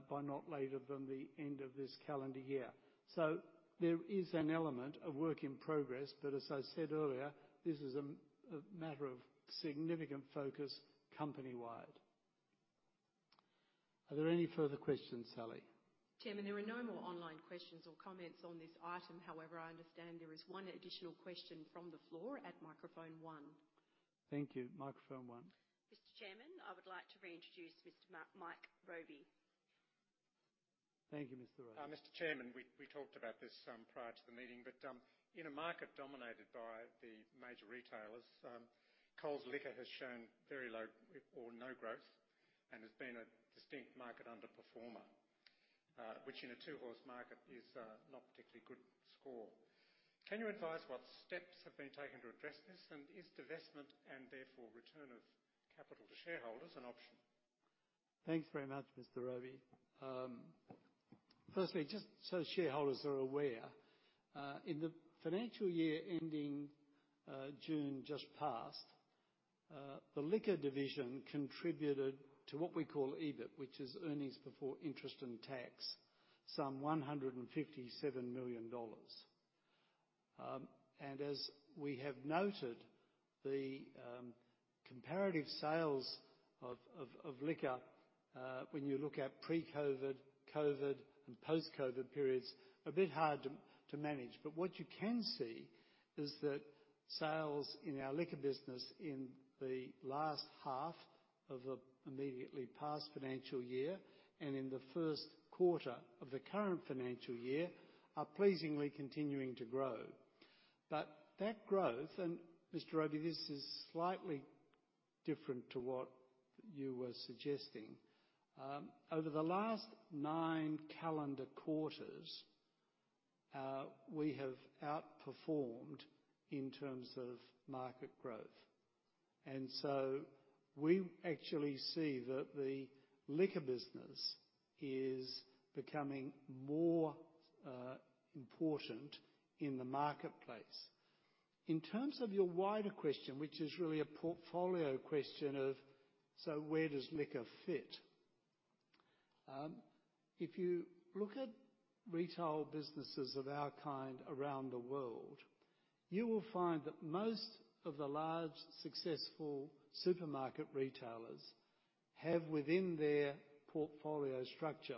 [SPEAKER 2] by not later than the end of this calendar year. So there is an element of work in progress, but as I said earlier, this is a matter of significant focus company-wide. Are there any further questions, Sally?
[SPEAKER 7] Chairman, there are no more online questions or comments on this item. However, I understand there is one additional question from the floor at microphone one.
[SPEAKER 2] Thank you. Microphone one.
[SPEAKER 7] Mr. Chairman, I would like to reintroduce Mr. Mike Robey.
[SPEAKER 2] Thank you, Mr. Robey.
[SPEAKER 8] Mr. Chairman, we talked about this prior to the meeting, but in a market dominated by the major retailers, Coles Liquor has shown very low or no growth and has been a distinct market underperformer, which in a two-horse market is not particularly good score. Can you advise what steps have been taken to address this, and is divestment and therefore return of capital to shareholders an option?
[SPEAKER 2] Thanks very much, Mr. Robey. Firstly, just so shareholders are aware, in the financial year ending June just past, the liquor division contributed to what we call EBIT, which is Earnings Before Interest and Tax, some 157 million dollars. As we have noted, the comparative sales of liquor, when you look at pre-COVID, COVID, and post-COVID periods, hard to manage. But what you can see is that sales in our liquor business in the last half of the immediately past financial year and in the first quarter of the current financial year, are pleasingly continuing to grow. But that growth, and Mr. Robey, this is slightly different to what you were suggesting. Over the last nine calendar quarters, we have outperformed in terms of market growth, and so we actually see that the liquor business is becoming more important in the marketplace. In terms of your wider question, which is really a portfolio question of, so where does liquor fit? If you look at retail businesses of our kind around the world, you will find that most of the large, successful supermarket retailers have, within their portfolio structure,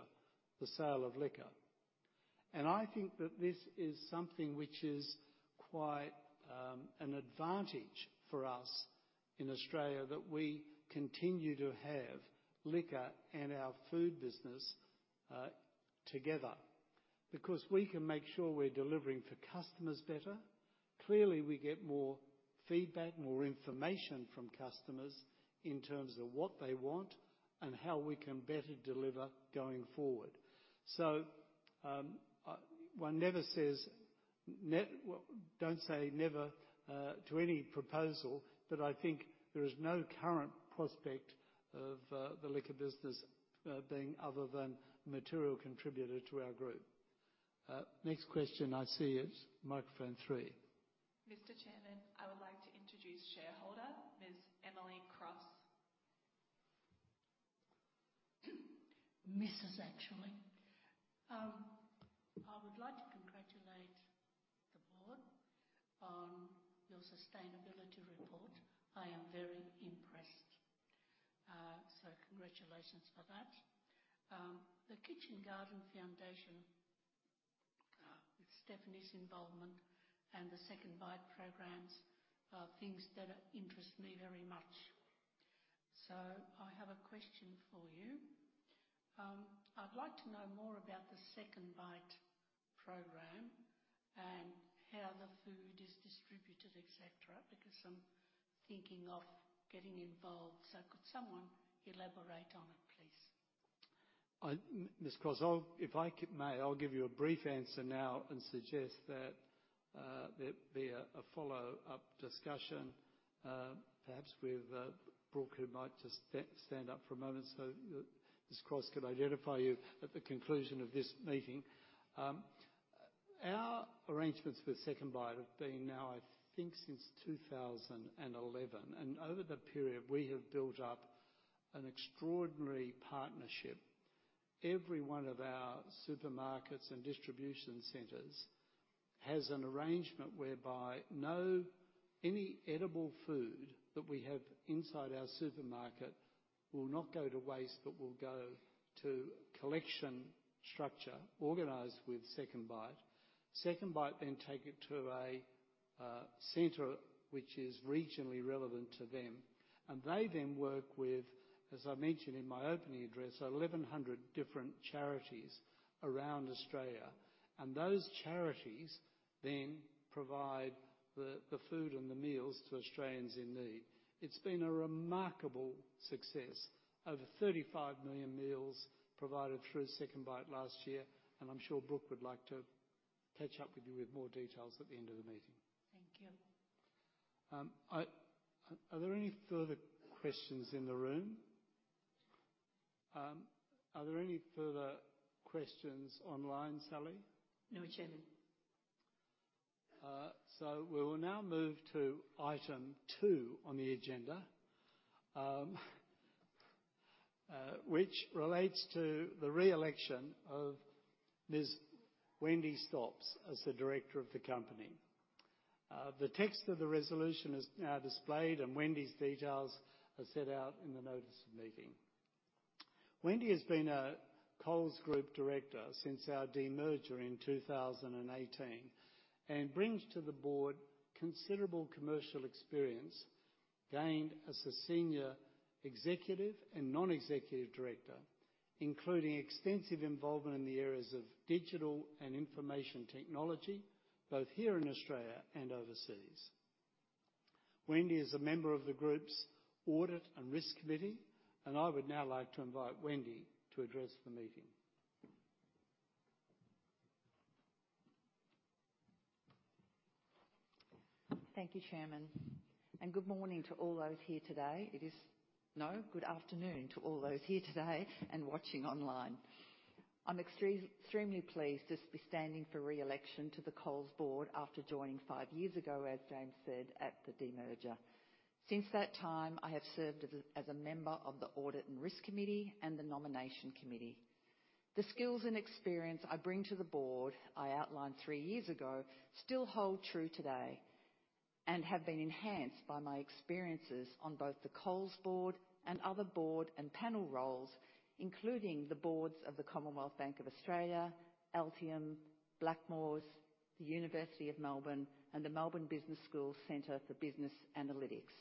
[SPEAKER 2] the sale of liquor. And I think that this is something which is quite an advantage for us in Australia, that we continue to have liquor and our food business together, because we can make sure we're delivering for customers better. Clearly, we get more feedback, more information from customers in terms of what they want and how we can better deliver going forward. So, one never says, well, don't say never, to any proposal, but I think there is no current prospect of the liquor business being other than material contributor to our group. Next question I see is microphone three.
[SPEAKER 7] Mr. Chairman, I would like to introduce shareholder Ms. Emily Cross.
[SPEAKER 16] Actually. I would like to congratulate the board on your sustainability report. I am very impressed. So congratulations for that. The Kitchen Garden Foundation, with Stephanie's involvement and the SecondBite programs, are things that interest me very much. So I have a question for you. I'd like to know more about the SecondBite program and how the food is distributed, et cetera, because I'm thinking of getting involved. So could someone elaborate on it, please?
[SPEAKER 2] I, Ms. Cross, if I may, I'll give you a brief answer now and suggest that there be a follow-up discussion, perhaps with Brooke, who might just stand up for a moment so that Ms. Cross could identify you at the conclusion of this meeting. Our arrangements with SecondBite have been now, I think, since 2011, and over that period, we have built up an extraordinary partnership. Every one of our supermarkets and distribution centers has an arrangement whereby any edible food that we have inside our supermarket will not go to waste, but will go to collection structure organized with SecondBite. SecondBite then take it to a center which is regionally relevant to them, and they then work with, as I mentioned in my opening address, 1,100 different charities around Australia, and those charities then provide the food and the meals to Australians in need. It's been a remarkable success. Over 35 million meals provided through SecondBite last year, and I'm sure Brooke would like to catch up with you with more details at the end of the meeting.
[SPEAKER 16] Thank you.
[SPEAKER 2] Are there any further questions in the room? Are there any further questions online, Sally?
[SPEAKER 7] No, Chairman.
[SPEAKER 2] So we will now move to item two on the agenda, which relates to the re-election of Ms. Wendy Stops as the Director of the company. The text of the resolution is now displayed, and Wendy's details are set out in the notice of meeting. Wendy has been a Coles Group Director since our demerger in 2018, and brings to the board considerable commercial experience gained as a senior executive and non-executive director, including extensive involvement in the areas of digital and information technology, both here in Australia and overseas. Wendy is a member of the group's Audit and Risk Committee, and I would now like to invite Wendy to address the meeting.
[SPEAKER 13] Thank you, Chairman, and good morning to all those here today. No, good afternoon to all those here today and watching online. I'm extremely pleased to be standing for re-election to the Coles Board after joining five years ago, as James said, at the demerger. Since that time, I have served as a member of the Audit and Risk Committee and the Nomination Committee. The skills and experience I bring to the board, I outlined three years ago, still hold true today and have been enhanced by my experiences on both the Coles Board and other board and panel roles, including the boards of the Commonwealth Bank of Australia, Altium, Blackmores, the University of Melbourne, and the Melbourne Business School Centre for Business Analytics.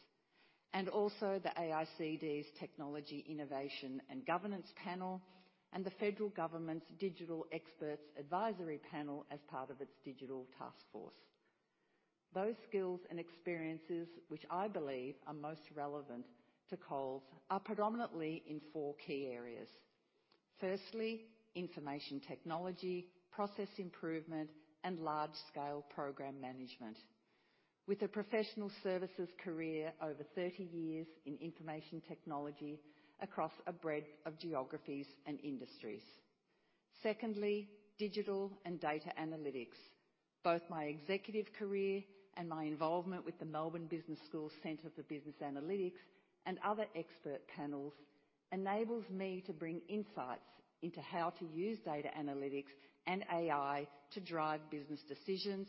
[SPEAKER 13] Also the AICD's Technology, Innovation and Governance Panel, and the Federal Government's Digital Experts Advisory Panel as part of its digital task force. Those skills and experiences, which I believe are most relevant to Coles, are predominantly in four key areas. Firstly, information technology, process improvement, and large-scale program management with a professional services career over 30 years in information technology across a breadth of geographies and industries. Secondly, digital and data analytics. Both my executive career and my involvement with the Melbourne Business School Centre for Business Analytics and other expert panels enables me to bring insights into how to use data analytics and AI to drive business decisions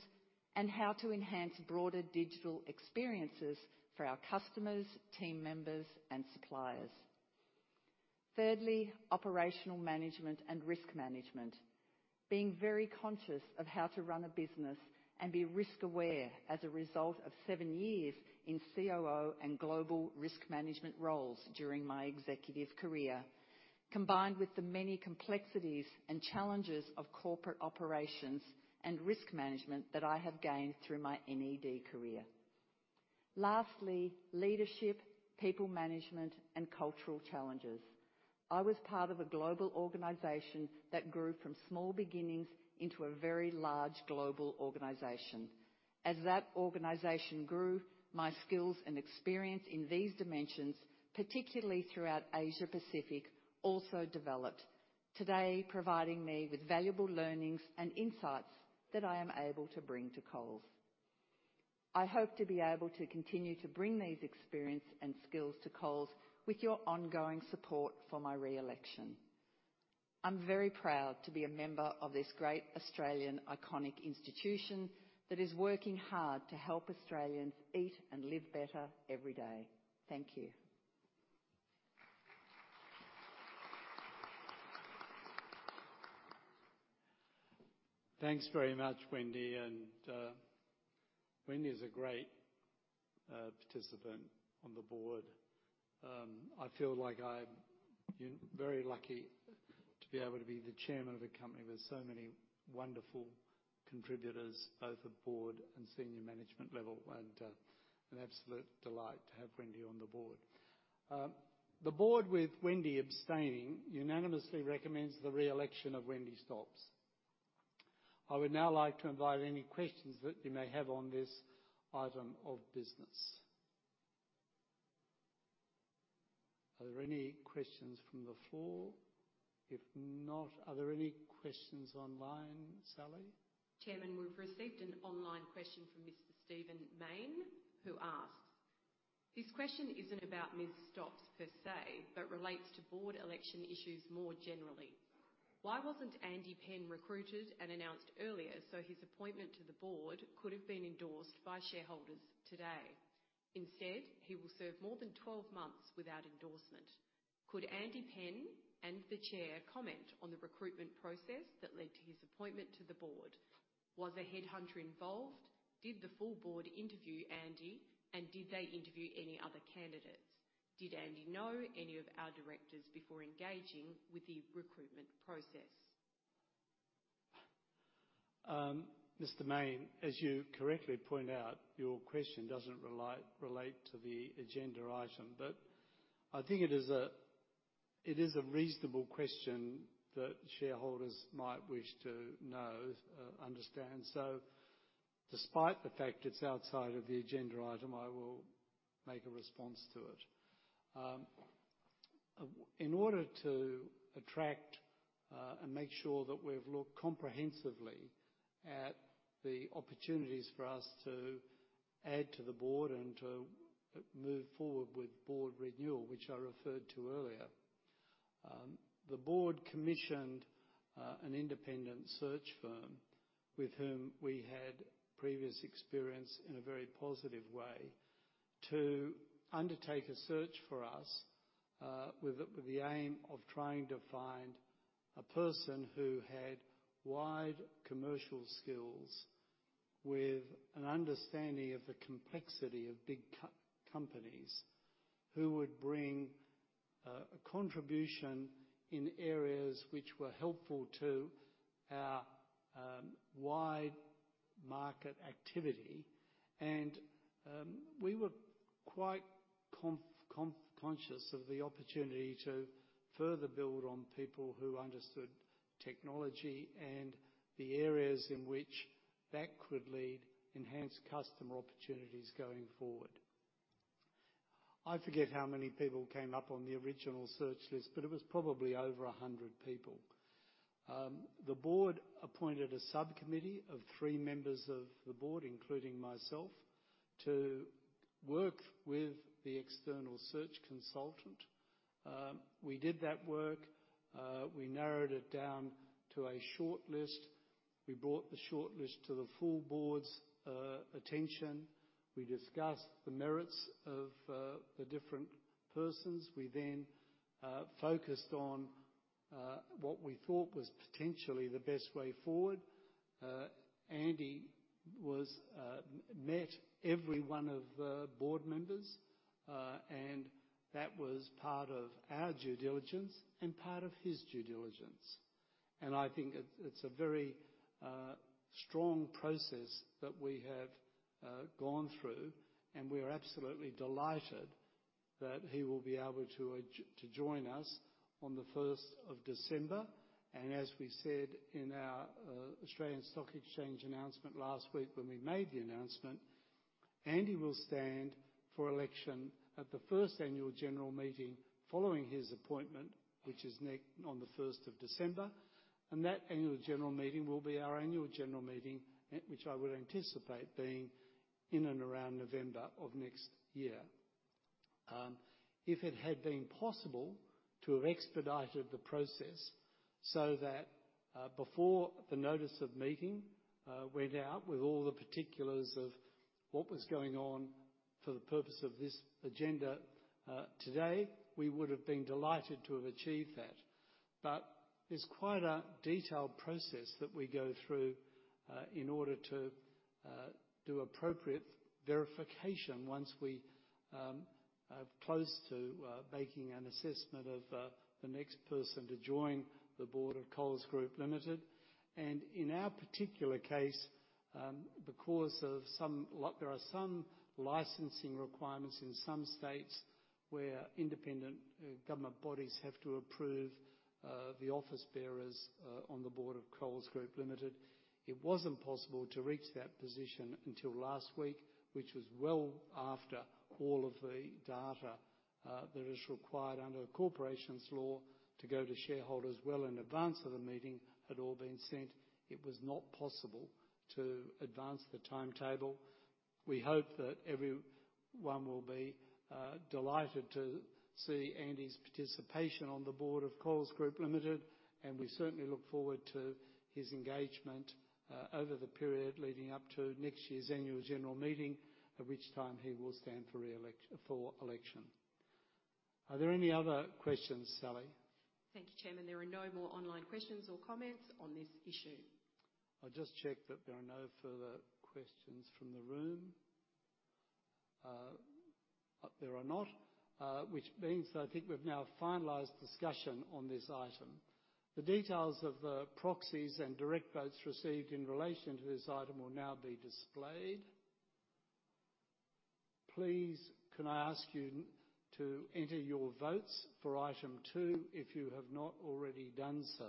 [SPEAKER 13] and how to enhance broader digital experiences for our customers, team members, and suppliers. Thirdly, operational management and risk management. Being very conscious of how to run a business and be risk-aware as a result of seven years in COO and global risk management roles during my executive career, combined with the many complexities and challenges of corporate operations and risk management that I have gained through my NED career. Lastly, leadership, people management, and cultural challenges. I was part of a global organization that grew from small beginnings into a very large global organization. As that organization grew, my skills and experience in these dimensions, particularly throughout Asia Pacific, also developed, today, providing me with valuable learnings and insights that I am able to bring to Coles. I hope to be able to continue to bring these experience and skills to Coles with your ongoing support for my re-election. I'm very proud to be a member of this great Australian iconic institution that is working hard to help Australians eat and live better every day. Thank you.
[SPEAKER 2] Thanks very much, Wendy, and Wendy is a great participant on the board. I feel like I'm very lucky to be able to be the chairman of a company with so many wonderful contributors, both at board and senior management level, and an absolute delight to have Wendy on the board. The board, with Wendy abstaining, unanimously recommends the re-election of Wendy Stops. I would now like to invite any questions that you may have on this item of business. Are there any questions from the floor? If not, are there any questions online, Sally?
[SPEAKER 7] Chairman, we've received an online question from Mr. Steven Maine, who asks: "This question isn't about Ms. Stops per se, but relates to board election issues more generally. Why wasn't Andy Penn recruited and announced earlier, so his appointment to the board could have been endorsed by shareholders today? Instead, he will serve more than 12 months without endorsement. Could Andy Penn and the Chair comment on the recruitment process that led to his appointment to the board? Was a headhunter involved? Did the full board interview Andy, and did they interview any other candidates? Did Andy know any of our directors before engaging with the recruitment process?
[SPEAKER 2] Mr. Maine, as you correctly point out, your question doesn't relate to the agenda item, but I think it is a reasonable question that shareholders might wish to know, understand. So despite the fact it's outside of the agenda item, I will make a response to it. In order to attract and make sure that we've looked comprehensively at the opportunities for us to add to the board and to move forward with board renewal, which I referred to earlier. The board commissioned an independent search firm, with whom we had previous experience in a very positive way, to undertake a search for us, with the aim of trying to find a person who had wide commercial skills, with an understanding of the complexity of big companies, who would bring a contribution in areas which were helpful to our wide market activity. We were quite conscious of the opportunity to further build on people who understood technology and the areas in which that could lead enhanced customer opportunities going forward. I forget how many people came up on the original search list, but it was probably over 100 people. The board appointed a subcommittee of three members of the board, including myself, to work with the external search consultant. We did that work. We narrowed it down to a shortlist. We brought the shortlist to the full board's attention. We discussed the merits of the different persons. We then focused on what we thought was potentially the best way forward. Andy met every one of the board members, and that was part of our due diligence and part of his due diligence. And I think it's a very strong process that we have gone through, and we are absolutely delighted that he will be able to to join us on the 1st of December. And as we said in our Australian Securities Exchange announcement last week when we made the announcement, Andy will stand for election at the first annual general meeting following his appointment, which is next, on the 1st of December. That annual general meeting will be our annual general meeting, at which I would anticipate being in and around November of next year. If it had been possible to have expedited the process so that, before the notice of meeting went out, with all the particulars of what was going on for the purpose of this agenda today, we would have been delighted to have achieved that. But there's quite a detailed process that we go through in order to do appropriate verification once we are close to making an assessment of the next person to join the board of Coles Group Limited. In our particular case, because of some there are some licensing requirements in some states where independent government bodies have to approve the office bearers on the board of Coles Group Limited, it wasn't possible to reach that position until last week, which was well after all of the data that is required under the Corporations Law to go to shareholders well in advance of the meeting, had all been sent. It was not possible to advance the timetable. We hope that everyone will be delighted to see Andy's participation on the board of Coles Group Limited, and we certainly look forward to his engagement over the period leading up to next year's annual general meeting, at which time he will stand for election. Are there any other questions, Sally?
[SPEAKER 7] Thank you, Chairman. There are no more online questions or comments on this issue.
[SPEAKER 2] I'll just check that there are no further questions from the room.... there are not, which means I think we've now finalized discussion on this item. The details of the proxies and direct votes received in relation to this item will now be displayed. Please, can I ask you to enter your votes for item two if you have not already done so?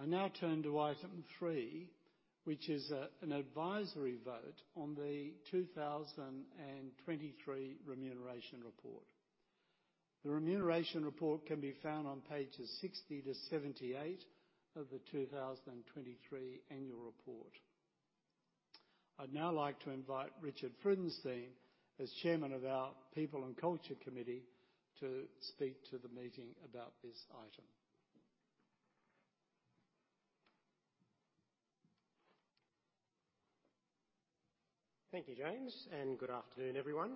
[SPEAKER 2] I now turn to item three, which is an advisory vote on the 2023 Remuneration Report. The Remuneration Report can be found on pages 60 to 78 of the 2023 Annual Report. I'd now like to invite Richard Freudenstein, as Chairman of our People and Culture Committee, to speak to the meeting about this item.
[SPEAKER 17] Thank you, James, and good afternoon, everyone.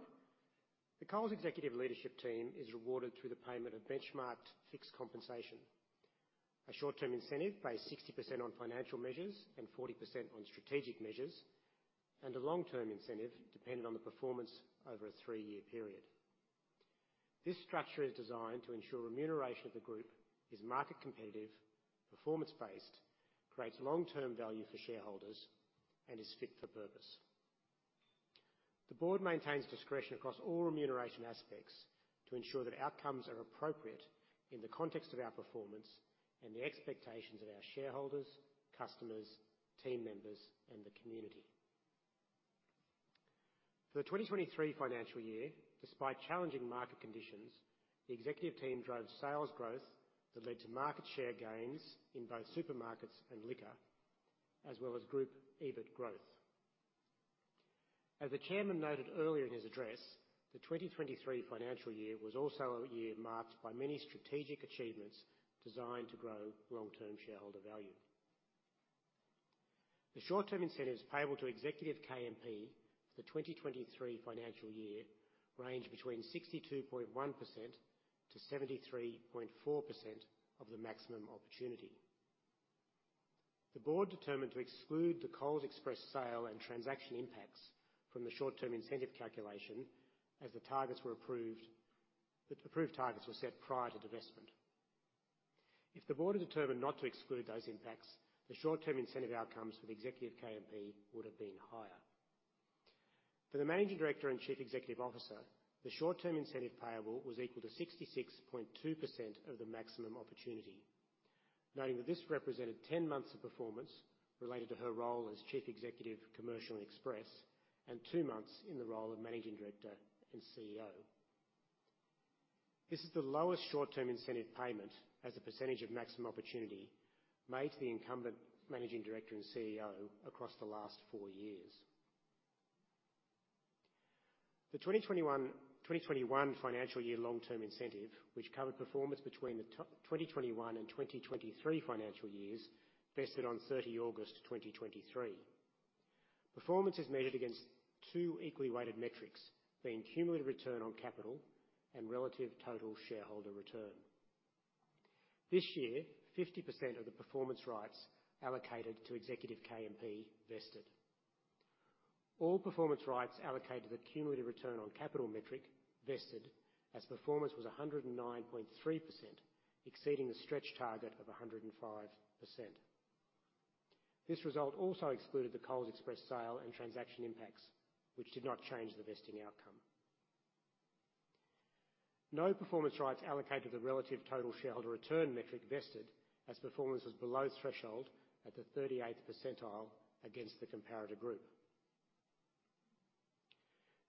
[SPEAKER 17] The Coles Executive Leadership Team is rewarded through the payment of benchmarked fixed compensation. A short-term incentive based 60% on financial measures and 40% on strategic measures, and a long-term incentive dependent on the performance over a three-year period. This structure is designed to ensure remuneration of the group is market competitive, performance-based, creates long-term value for shareholders, and is fit for purpose. The board maintains discretion across all remuneration aspects to ensure that outcomes are appropriate in the context of our performance and the expectations of our shareholders, customers, team members, and the community. For the 2023 financial year, despite challenging market conditions, the executive team drove sales growth that led to market share gains in both supermarkets and liquor, as well as group EBIT growth. As the chairman noted earlier in his address, the 2023 financial year was also a year marked by many strategic achievements designed to grow long-term shareholder value. The short-term incentives payable to executive KMP for the 2023 financial year range between 62.1%-73.4% of the maximum opportunity. The board determined to exclude the Coles Express sale and transaction impacts from the short-term incentive calculation as the targets were approved, the approved targets were set prior to divestment. If the board had determined not to exclude those impacts, the short-term incentive outcomes for the executive KMP would have been higher. For the Managing Director and Chief Executive Officer, the short-term incentive payable was equal to 66.2% of the maximum opportunity, noting that this represented 10 months of performance related to her role as Chief Executive Commercial and Express, and two months in the role of Managing Director and CEO. This is the lowest short-term incentive payment as a percentage of maximum opportunity made to the incumbent Managing Director and CEO across the last four years. The 2021, 2021 financial year long-term incentive, which covered performance between the 2021 and 2023 financial years, vested on 30 August 2023. Performance is measured against two equally weighted metrics, being cumulative return on capital and relative total shareholder return. This year, 50% of the performance rights allocated to executive KMP vested. All performance rights allocated to the cumulative return on capital metric vested, as performance was 109.3%, exceeding the stretch target of 105%. This result also excluded the Coles Express sale and transaction impacts, which did not change the vesting outcome. No performance rights allocated to the relative total shareholder return metric vested, as performance was below threshold at the 38th percentile against the comparator group.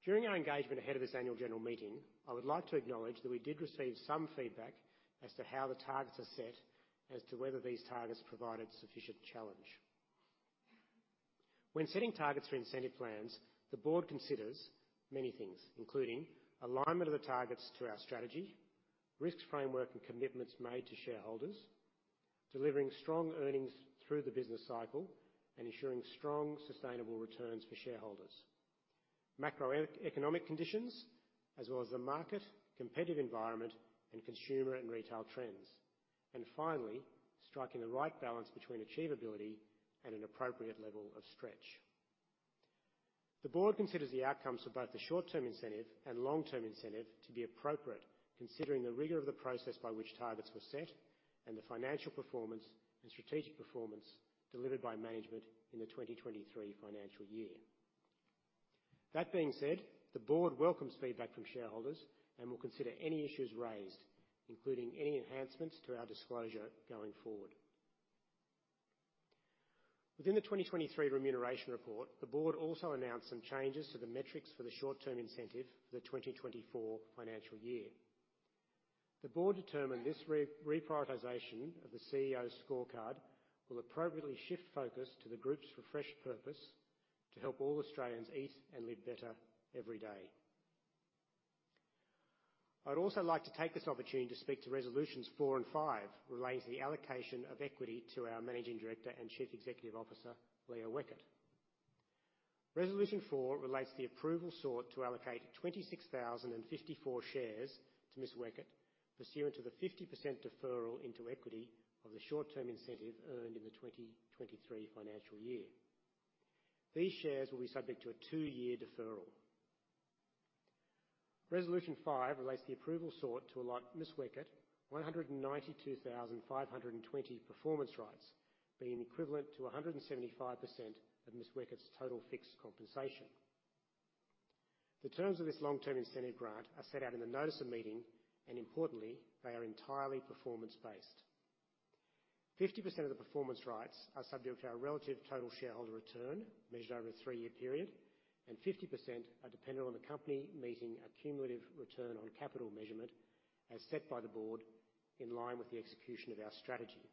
[SPEAKER 17] During our engagement ahead of this annual general meeting, I would like to acknowledge that we did receive some feedback as to how the targets are set, as to whether these targets provided sufficient challenge. When setting targets for incentive plans, the board considers many things, including alignment of the targets to our strategy, risks framework and commitments made to shareholders, delivering strong earnings through the business cycle and ensuring strong, sustainable returns for shareholders, macroeconomic conditions, as well as the market, competitive environment, and consumer and retail trends, and finally, striking the right balance between achievability and an appropriate level of stretch. The board considers the outcomes for both the short-term incentive and long-term incentive to be appropriate, considering the rigor of the process by which targets were set and the financial performance and strategic performance delivered by management in the 2023 financial year. That being said, the board welcomes feedback from shareholders and will consider any issues raised, including any enhancements to our disclosure going forward. Within the 2023 Remuneration Report, the board also announced some changes to the metrics for the short-term incentive for the 2024 financial year. The board determined this reprioritization of the CEO's scorecard will appropriately shift focus to the group's refreshed purpose to help all Australians eat and live better every day. I'd also like to take this opportunity to speak to resolutions four and five, relating to the allocation of equity to our Managing Director and Chief Executive Officer, Leah Weckert. Resolution four relates the approval sought to allocate 26,054 shares to Ms. Weckert, pursuant to the 50% deferral into equity of the short-term incentive earned in the 2023 financial year. These shares will be subject to a two-year deferral. Resolution five relates the approval sought to allot Ms. Weckert 192,520 performance rights, being equivalent to 175% of Ms. Weckert's total fixed compensation. The terms of this long-term incentive grant are set out in the notice of meeting, and importantly, they are entirely performance-based. 50% of the performance rights are subject to our Relative Total Shareholder Return, measured over a three-year period, and 50% are dependent on the company meeting a cumulative Return on Capital measurement, as set by the board, in line with the execution of our strategy.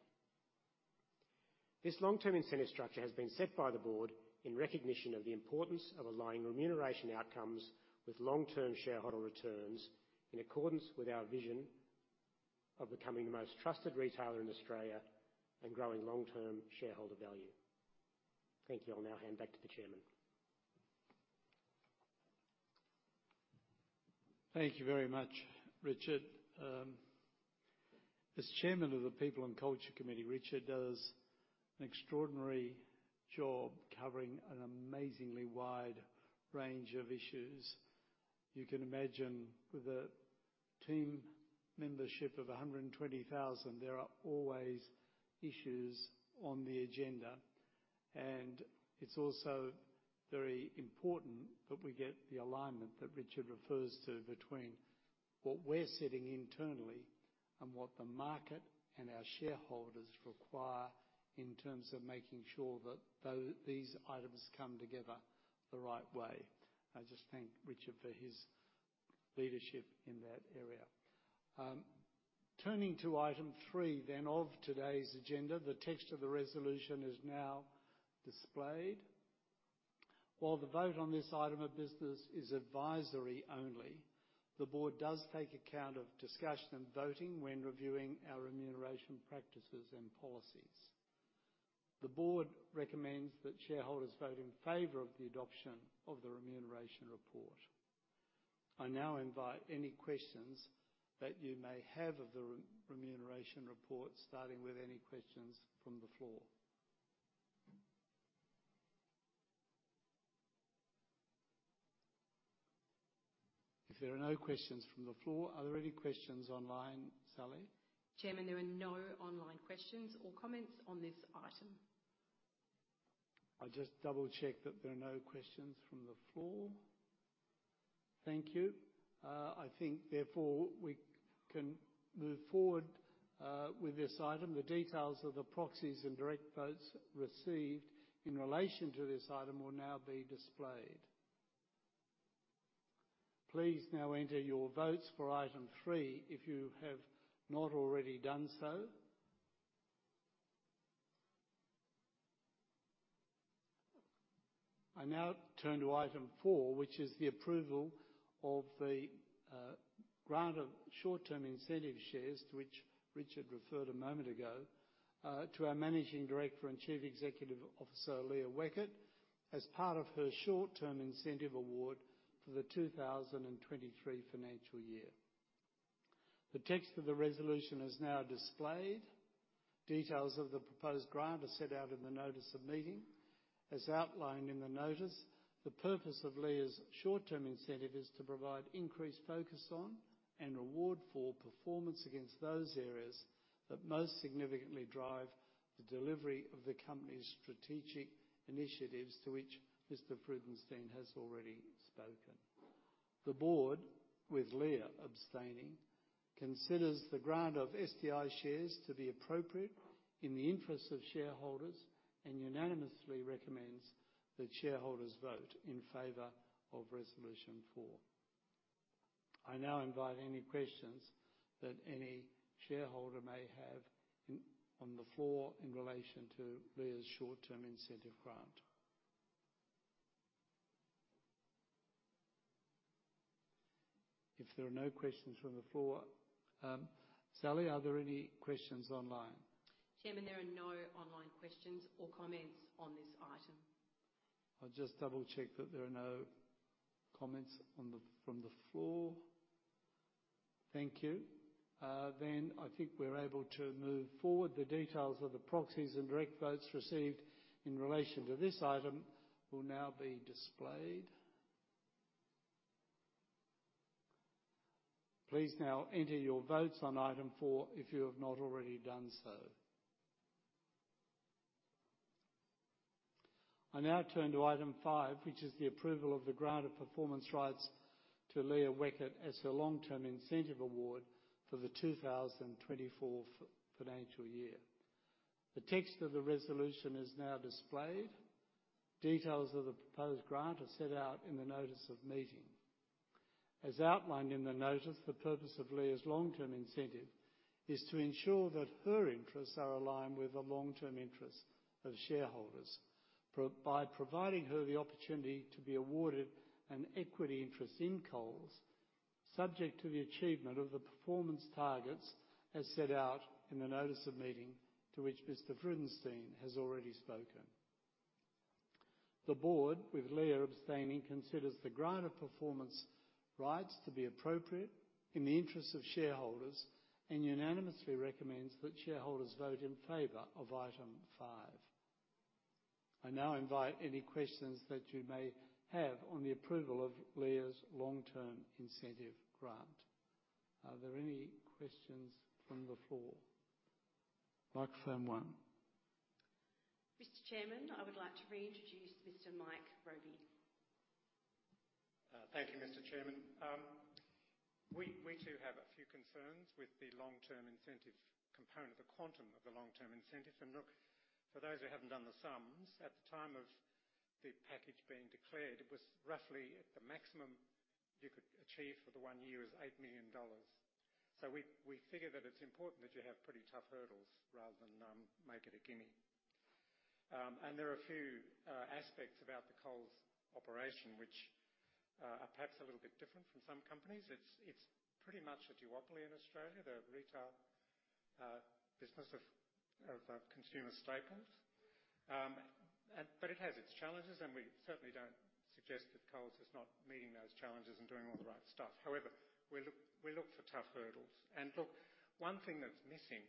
[SPEAKER 17] This long-term incentive structure has been set by the board in recognition of the importance of aligning remuneration outcomes with long-term shareholder returns, in accordance with our vision of becoming the most trusted retailer in Australia and growing long-term shareholder value. Thank you. I'll now hand back to the chairman.
[SPEAKER 2] Thank you very much, Richard. As chairman of the People and Culture Committee, Richard does an extraordinary job covering an amazingly wide range of issues. You can imagine, with a team membership of 120,000, there are always issues on the agenda. It's also very important that we get the alignment that Richard refers to between what we're setting internally and what the market and our shareholders require in terms of making sure that these items come together the right way. I just thank Richard for his leadership in that area. Turning to item three, then, of today's agenda, the text of the resolution is now displayed. While the vote on this item of business is advisory only, the board does take account of discussion and voting when reviewing our remuneration practices and policies. The board recommends that shareholders vote in favor of the adoption of the remuneration report. I now invite any questions that you may have of the remuneration report, starting with any questions from the floor. If there are no questions from the floor, are there any questions online, Sally?
[SPEAKER 7] Chairman, there are no online questions or comments on this item.
[SPEAKER 2] I'll just double-check that there are no questions from the floor. Thank you. I think, therefore, we can move forward with this item. The details of the proxies and direct votes received in relation to this item will now be displayed. Please now enter your votes for item three, if you have not already done so. I now turn to item four, which is the approval of the grant of short-term incentive shares, to which Richard referred a moment ago, to our Managing Director and Chief Executive Officer, Leah Weckert, as part of her short-term incentive award for the 2023 financial year. The text of the resolution is now displayed. Details of the proposed grant are set out in the notice of meeting. As outlined in the notice, the purpose of Leah's short-term incentive is to provide increased focus on, and reward for, performance against those areas that most significantly drive the delivery of the company's strategic initiatives, to which Mr. Freudenstein has already spoken. The board, with Leah abstaining, considers the grant of STI shares to be appropriate in the interests of shareholders and unanimously recommends that shareholders vote in favor of resolution four. I now invite any questions that any shareholder may have on the floor in relation to Leah's short-term incentive grant. If there are no questions from the floor, Sally, are there any questions online?
[SPEAKER 7] Chairman, there are no online questions or comments on this item.
[SPEAKER 2] I'll just double-check that there are no comments from the floor. Thank you. Then, I think we're able to move forward. The details of the proxies and direct votes received in relation to this item will now be displayed. Please now enter your votes on item four, if you have not already done so. I now turn to item five, which is the approval of the grant of performance rights to Leah Weckert as her long-term incentive award for the 2024 financial year. The text of the resolution is now displayed. Details of the proposed grant are set out in the notice of meeting. As outlined in the notice, the purpose of Leah's long-term incentive is to ensure that her interests are aligned with the long-term interests of shareholders. Probably by providing her the opportunity to be awarded an equity interest in Coles... subject to the achievement of the performance targets, as set out in the notice of meeting, to which Mr. Freudenstein has already spoken. The board, with Leah abstaining, considers the grant of performance rights to be appropriate in the interest of shareholders, and unanimously recommends that shareholders vote in favor of item five. I now invite any questions that you may have on the approval of Leah's long-term incentive grant. Are there any questions from the floor? Microphone one.
[SPEAKER 7] Mr. Chairman, I would like to reintroduce Mr. Mike Robey.
[SPEAKER 8] Thank you, Mr. Chairman. We do have a few concerns with the long-term incentive component, the quantum of the long-term incentive. Look, for those who haven't done the sums, at the time of the package being declared, it was roughly at the maximum you could achieve for the one year is 8 million dollars. We figure that it's important that you have pretty tough hurdles rather than make it a gimme. There are a few aspects about the Coles operation, which are perhaps a little bit different from some companies. It's pretty much a duopoly in Australia, the retail business of consumer staples. But it has its challenges, and we certainly don't suggest that Coles is not meeting those challenges and doing all the right stuff. However, we look, we look for tough hurdles. And look, one thing that's missing,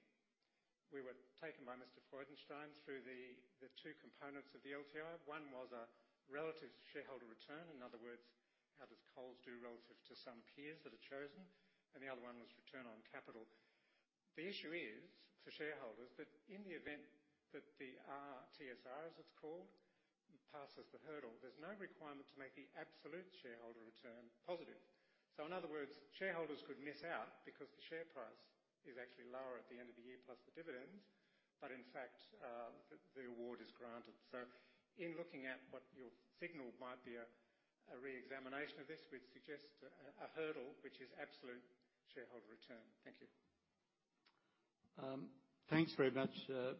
[SPEAKER 8] we were taken by Mr. Freudenstein through the two components of the LTI. One was a relative shareholder return. In other words, how does Coles do relative to some peers that are chosen? And the other one was return on capital. The issue is, for shareholders, that in the event that the RTSR, as it's called, passes the hurdle, there's no requirement to make the absolute shareholder return positive. So in other words, shareholders could miss out because the share price is actually lower at the end of the year, plus the dividends, but in fact, the award is granted. So in looking at what your signal might be, a hurdle, which is absolute shareholder return. Thank you.
[SPEAKER 2] Thanks very much,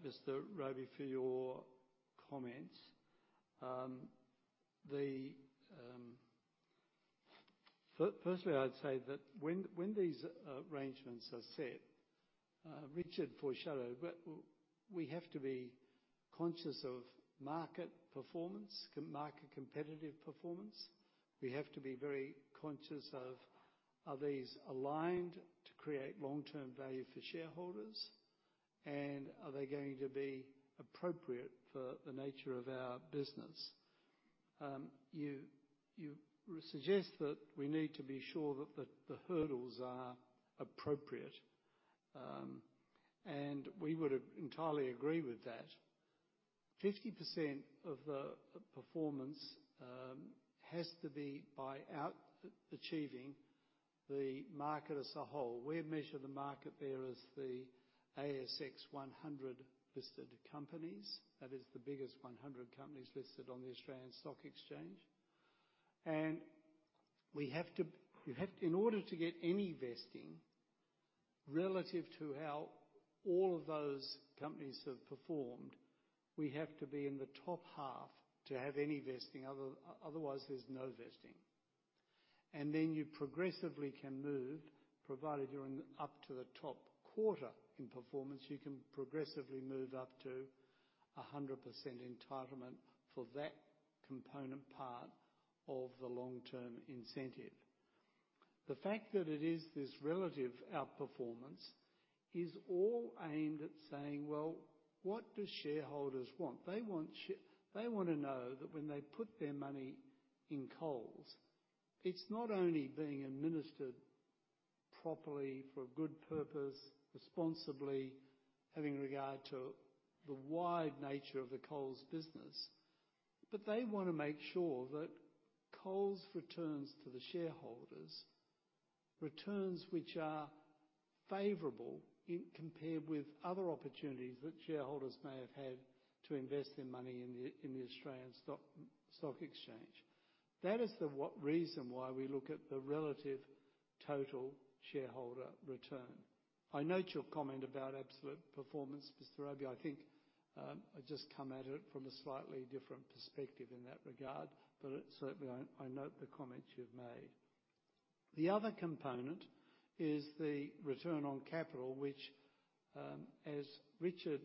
[SPEAKER 2] Mr. Robey, for your comments. Firstly, I'd say that when these arrangements are set, Richard foreshadowed, but we have to be conscious of market performance, market competitive performance. We have to be very conscious of, are these aligned to create long-term value for shareholders? And are they going to be appropriate for the nature of our business? You suggest that we need to be sure that the hurdles are appropriate. And we would entirely agree with that. 50% of the performance has to be by out-achieving the market as a whole. We measure the market there as the ASX 100 listed companies. That is the biggest 100 companies listed on the Australian Stock Exchange. We have—in order to get any vesting relative to how all of those companies have performed, we have to be in the top half to have any vesting. Otherwise, there's no vesting. And then you progressively can move, provided you're in up to the top quarter in performance, you can progressively move up to a 100% entitlement for that component part of the long-term incentive. The fact that it is this relative outperformance is all aimed at saying, "Well, what do shareholders want?" They want to know that when they put their money in Coles, it's not only being administered properly for a good purpose, responsibly, having regard to the wide nature of the Coles business, but they want to make sure that Coles returns to the shareholders, returns which are favorable in compared with other opportunities that shareholders may have had to invest their money in the, in the Australian Stock, Stock Exchange. That is the what, reason why we look at the Relative Total Shareholder Return. I note your comment about absolute performance, Mr. Robey. I think, I just come at it from a slightly different perspective in that regard, but it certainly I, I note the comments you've made. The other component is the return on capital, which, as Richard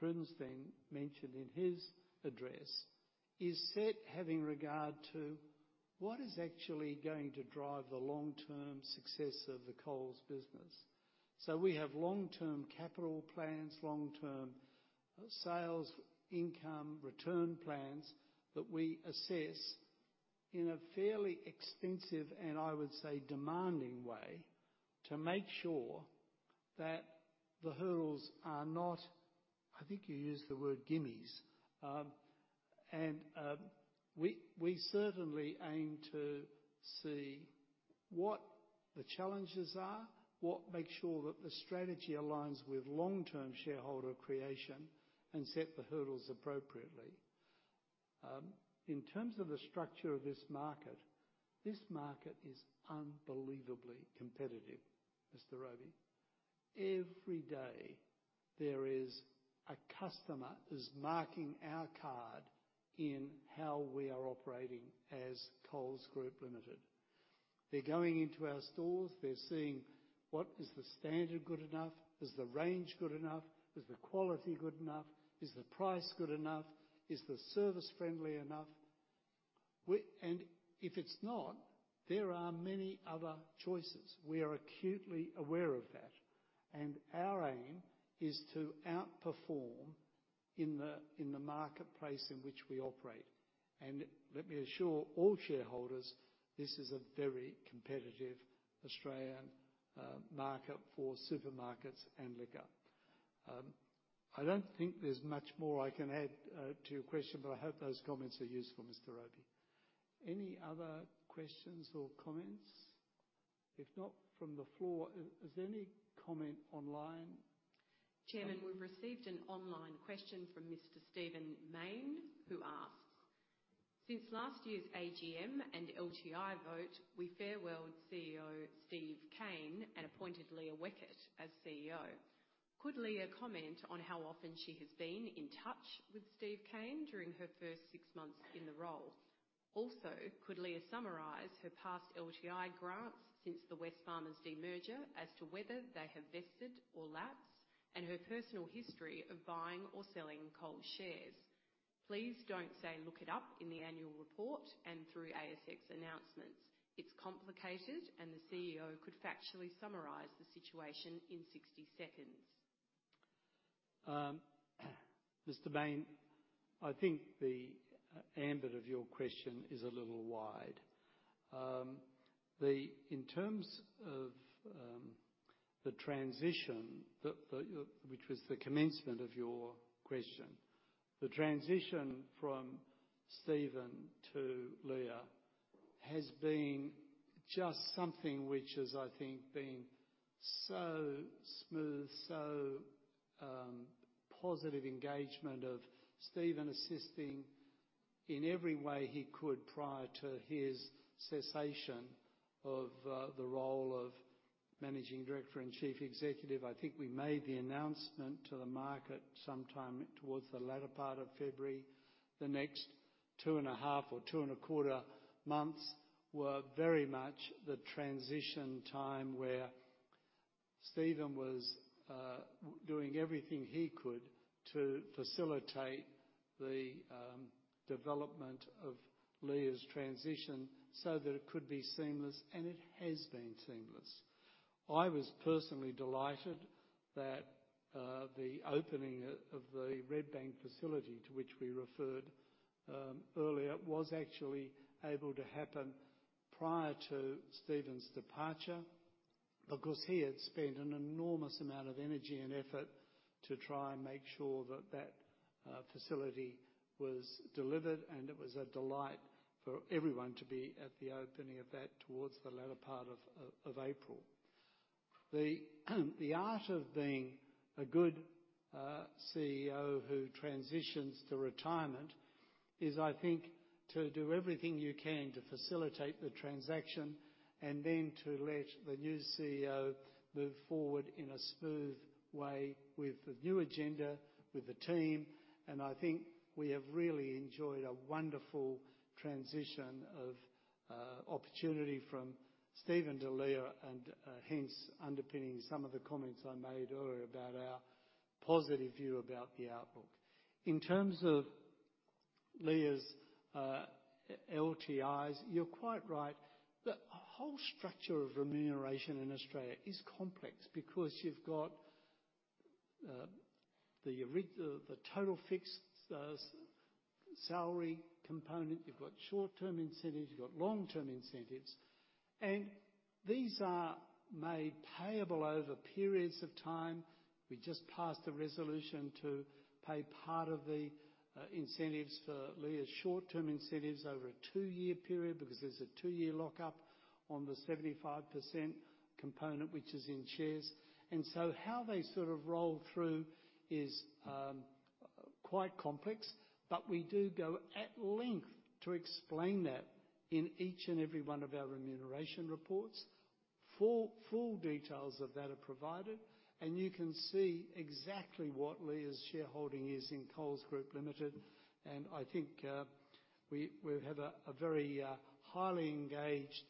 [SPEAKER 2] Freudenstein mentioned in his address, is set having regard to what is actually going to drive the long-term success of the Coles business. So we have long-term capital plans, long-term sales, income, return plans that we assess in a fairly extensive, and I would say, demanding way, to make sure that the hurdles are not... I think you used the word gimmes. And, we certainly aim to see what the challenges are, what makes sure that the strategy aligns with long-term shareholder creation, and set the hurdles appropriately. In terms of the structure of this market, this market is unbelievably competitive, Mr. Robey. Every day, there is a customer who's marking our card in how we are operating as Coles Group Limited. They're going into our stores, they're seeing what is the standard good enough? Is the range good enough? Is the quality good enough? Is the price good enough? Is the service friendly enough? And if it's not, there are many other choices. We are acutely aware of that, and our aim is to outperform in the marketplace in which we operate. And let me assure all shareholders, this is a very competitive Australian market for supermarkets and liquor. I don't think there's much more I can add to your question, but I hope those comments are useful, Mr. Robey. Any other questions or comments? If not from the floor, is there any comment online?
[SPEAKER 7] Chairman, we've received an online question from Mr. Steven Maine, who asks: Since last year's AGM and LTI vote, we farewelled CEO Steve Cain, and appointed Leah Weckert as CEO. Could Leah comment on how often she has been in touch with Steve Cain during her first six months in the role? Also, could Leah summarize her past LTI grants since the Wesfarmers demerger, as to whether they have vested or lapsed, and her personal history of buying or selling Coles shares? Please don't say, "Look it up in the annual report and through ASX announcements." It's complicated, and the CEO could factually summarize the situation in 60 seconds.
[SPEAKER 2] Mr. Maine, I think the ambit of your question is a little wide. In terms of the transition, which was the commencement of your question, the transition from Steven to Leah has been just something which has, I think, been so smooth, so positive engagement of Steven assisting in every way he could prior to his cessation of the role of Managing Director and Chief Executive. I think we made the announcement to the market sometime towards the latter part of February. The next 2.5 or 2.25 months were very much the transition time, where Steven was doing everything he could to facilitate the development of Leah's transition so that it could be seamless, and it has been seamless. I was personally delighted that the opening of the Redbank facility, to which we referred earlier, was actually able to happen prior to Steven's departure. Because he had spent an enormous amount of energy and effort to try and make sure that facility was delivered, and it was a delight for everyone to be at the opening of that towards the latter part of April. The art of being a good CEO who transitions to retirement is, I think, to do everything you can to facilitate the transaction, and then to let the new CEO move forward in a smooth way with the new agenda, with the team. I think we have really enjoyed a wonderful transition of opportunity from Steven to Leah, and hence underpinning some of the comments I made earlier about our positive view about the outlook. In terms of Leah's LTIs, you're quite right. The whole structure of remuneration in Australia is complex, because you've got the total fixed salary component, you've got short-term incentives, you've got long-term incentives. These are made payable over periods of time. We just passed a resolution to pay part of the incentives for Leah's short-term incentives over a two-year period, because there's a two-year lockup on the 75% component, which is in shares. So how they sort of roll through is quite complex, but we do go at length to explain that in each and every one of our remuneration reports. Full details of that are provided, and you can see exactly what Leah's shareholding is in Coles Group Limited. I think we have a very highly engaged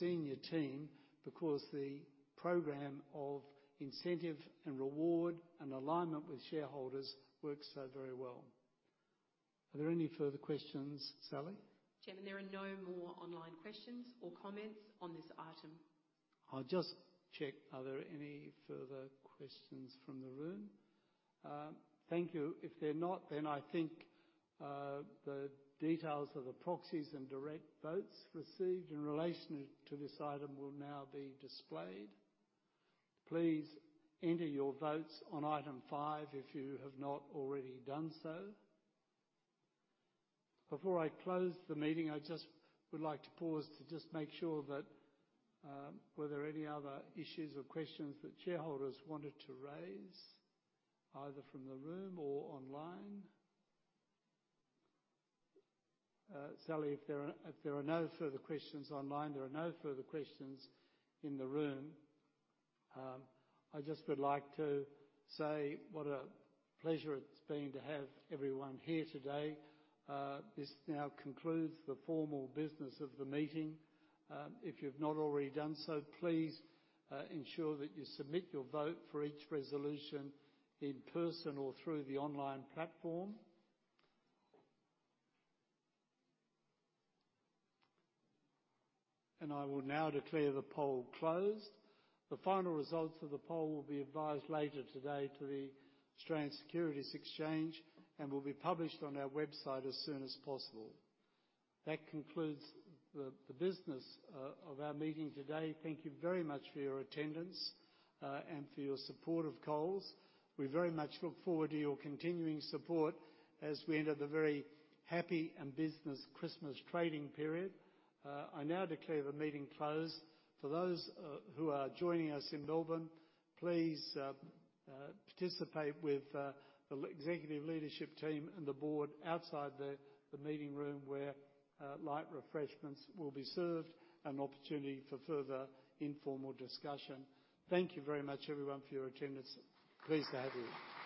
[SPEAKER 2] senior team, because the program of incentive and reward and alignment with shareholders works so very well. Are there any further questions, Sally?
[SPEAKER 7] Chairman, there are no more online questions or comments on this item.
[SPEAKER 2] I'll just check, are there any further questions from the room? Thank you. If there are not, then I think, the details of the proxies and direct votes received in relation to this item will now be displayed. Please enter your votes on item five, if you have not already done so. Before I close the meeting, I just would like to pause to just make sure that, were there any other issues or questions that shareholders wanted to raise, either from the room or online? Sally, if there are, if there are no further questions online, there are no further questions in the room. I just would like to say what a pleasure it's been to have everyone here today. This now concludes the formal business of the meeting. If you've not already done so, please ensure that you submit your vote for each resolution in person or through the online platform. I will now declare the poll closed. The final results of the poll will be advised later today to the Australian Securities Exchange, and will be published on our website as soon as possible. That concludes the business of our meeting today. Thank you very much for your attendance and for your support of Coles. We very much look forward to your continuing support as we enter the very happy and business Christmas trading period. I now declare the meeting closed. For those who are joining us in Melbourne, please participate with the executive leadership team and the board outside the meeting room, where light refreshments will be served, and an opportunity for further informal discussion. Thank you very much, everyone, for your attendance. Pleased to have you.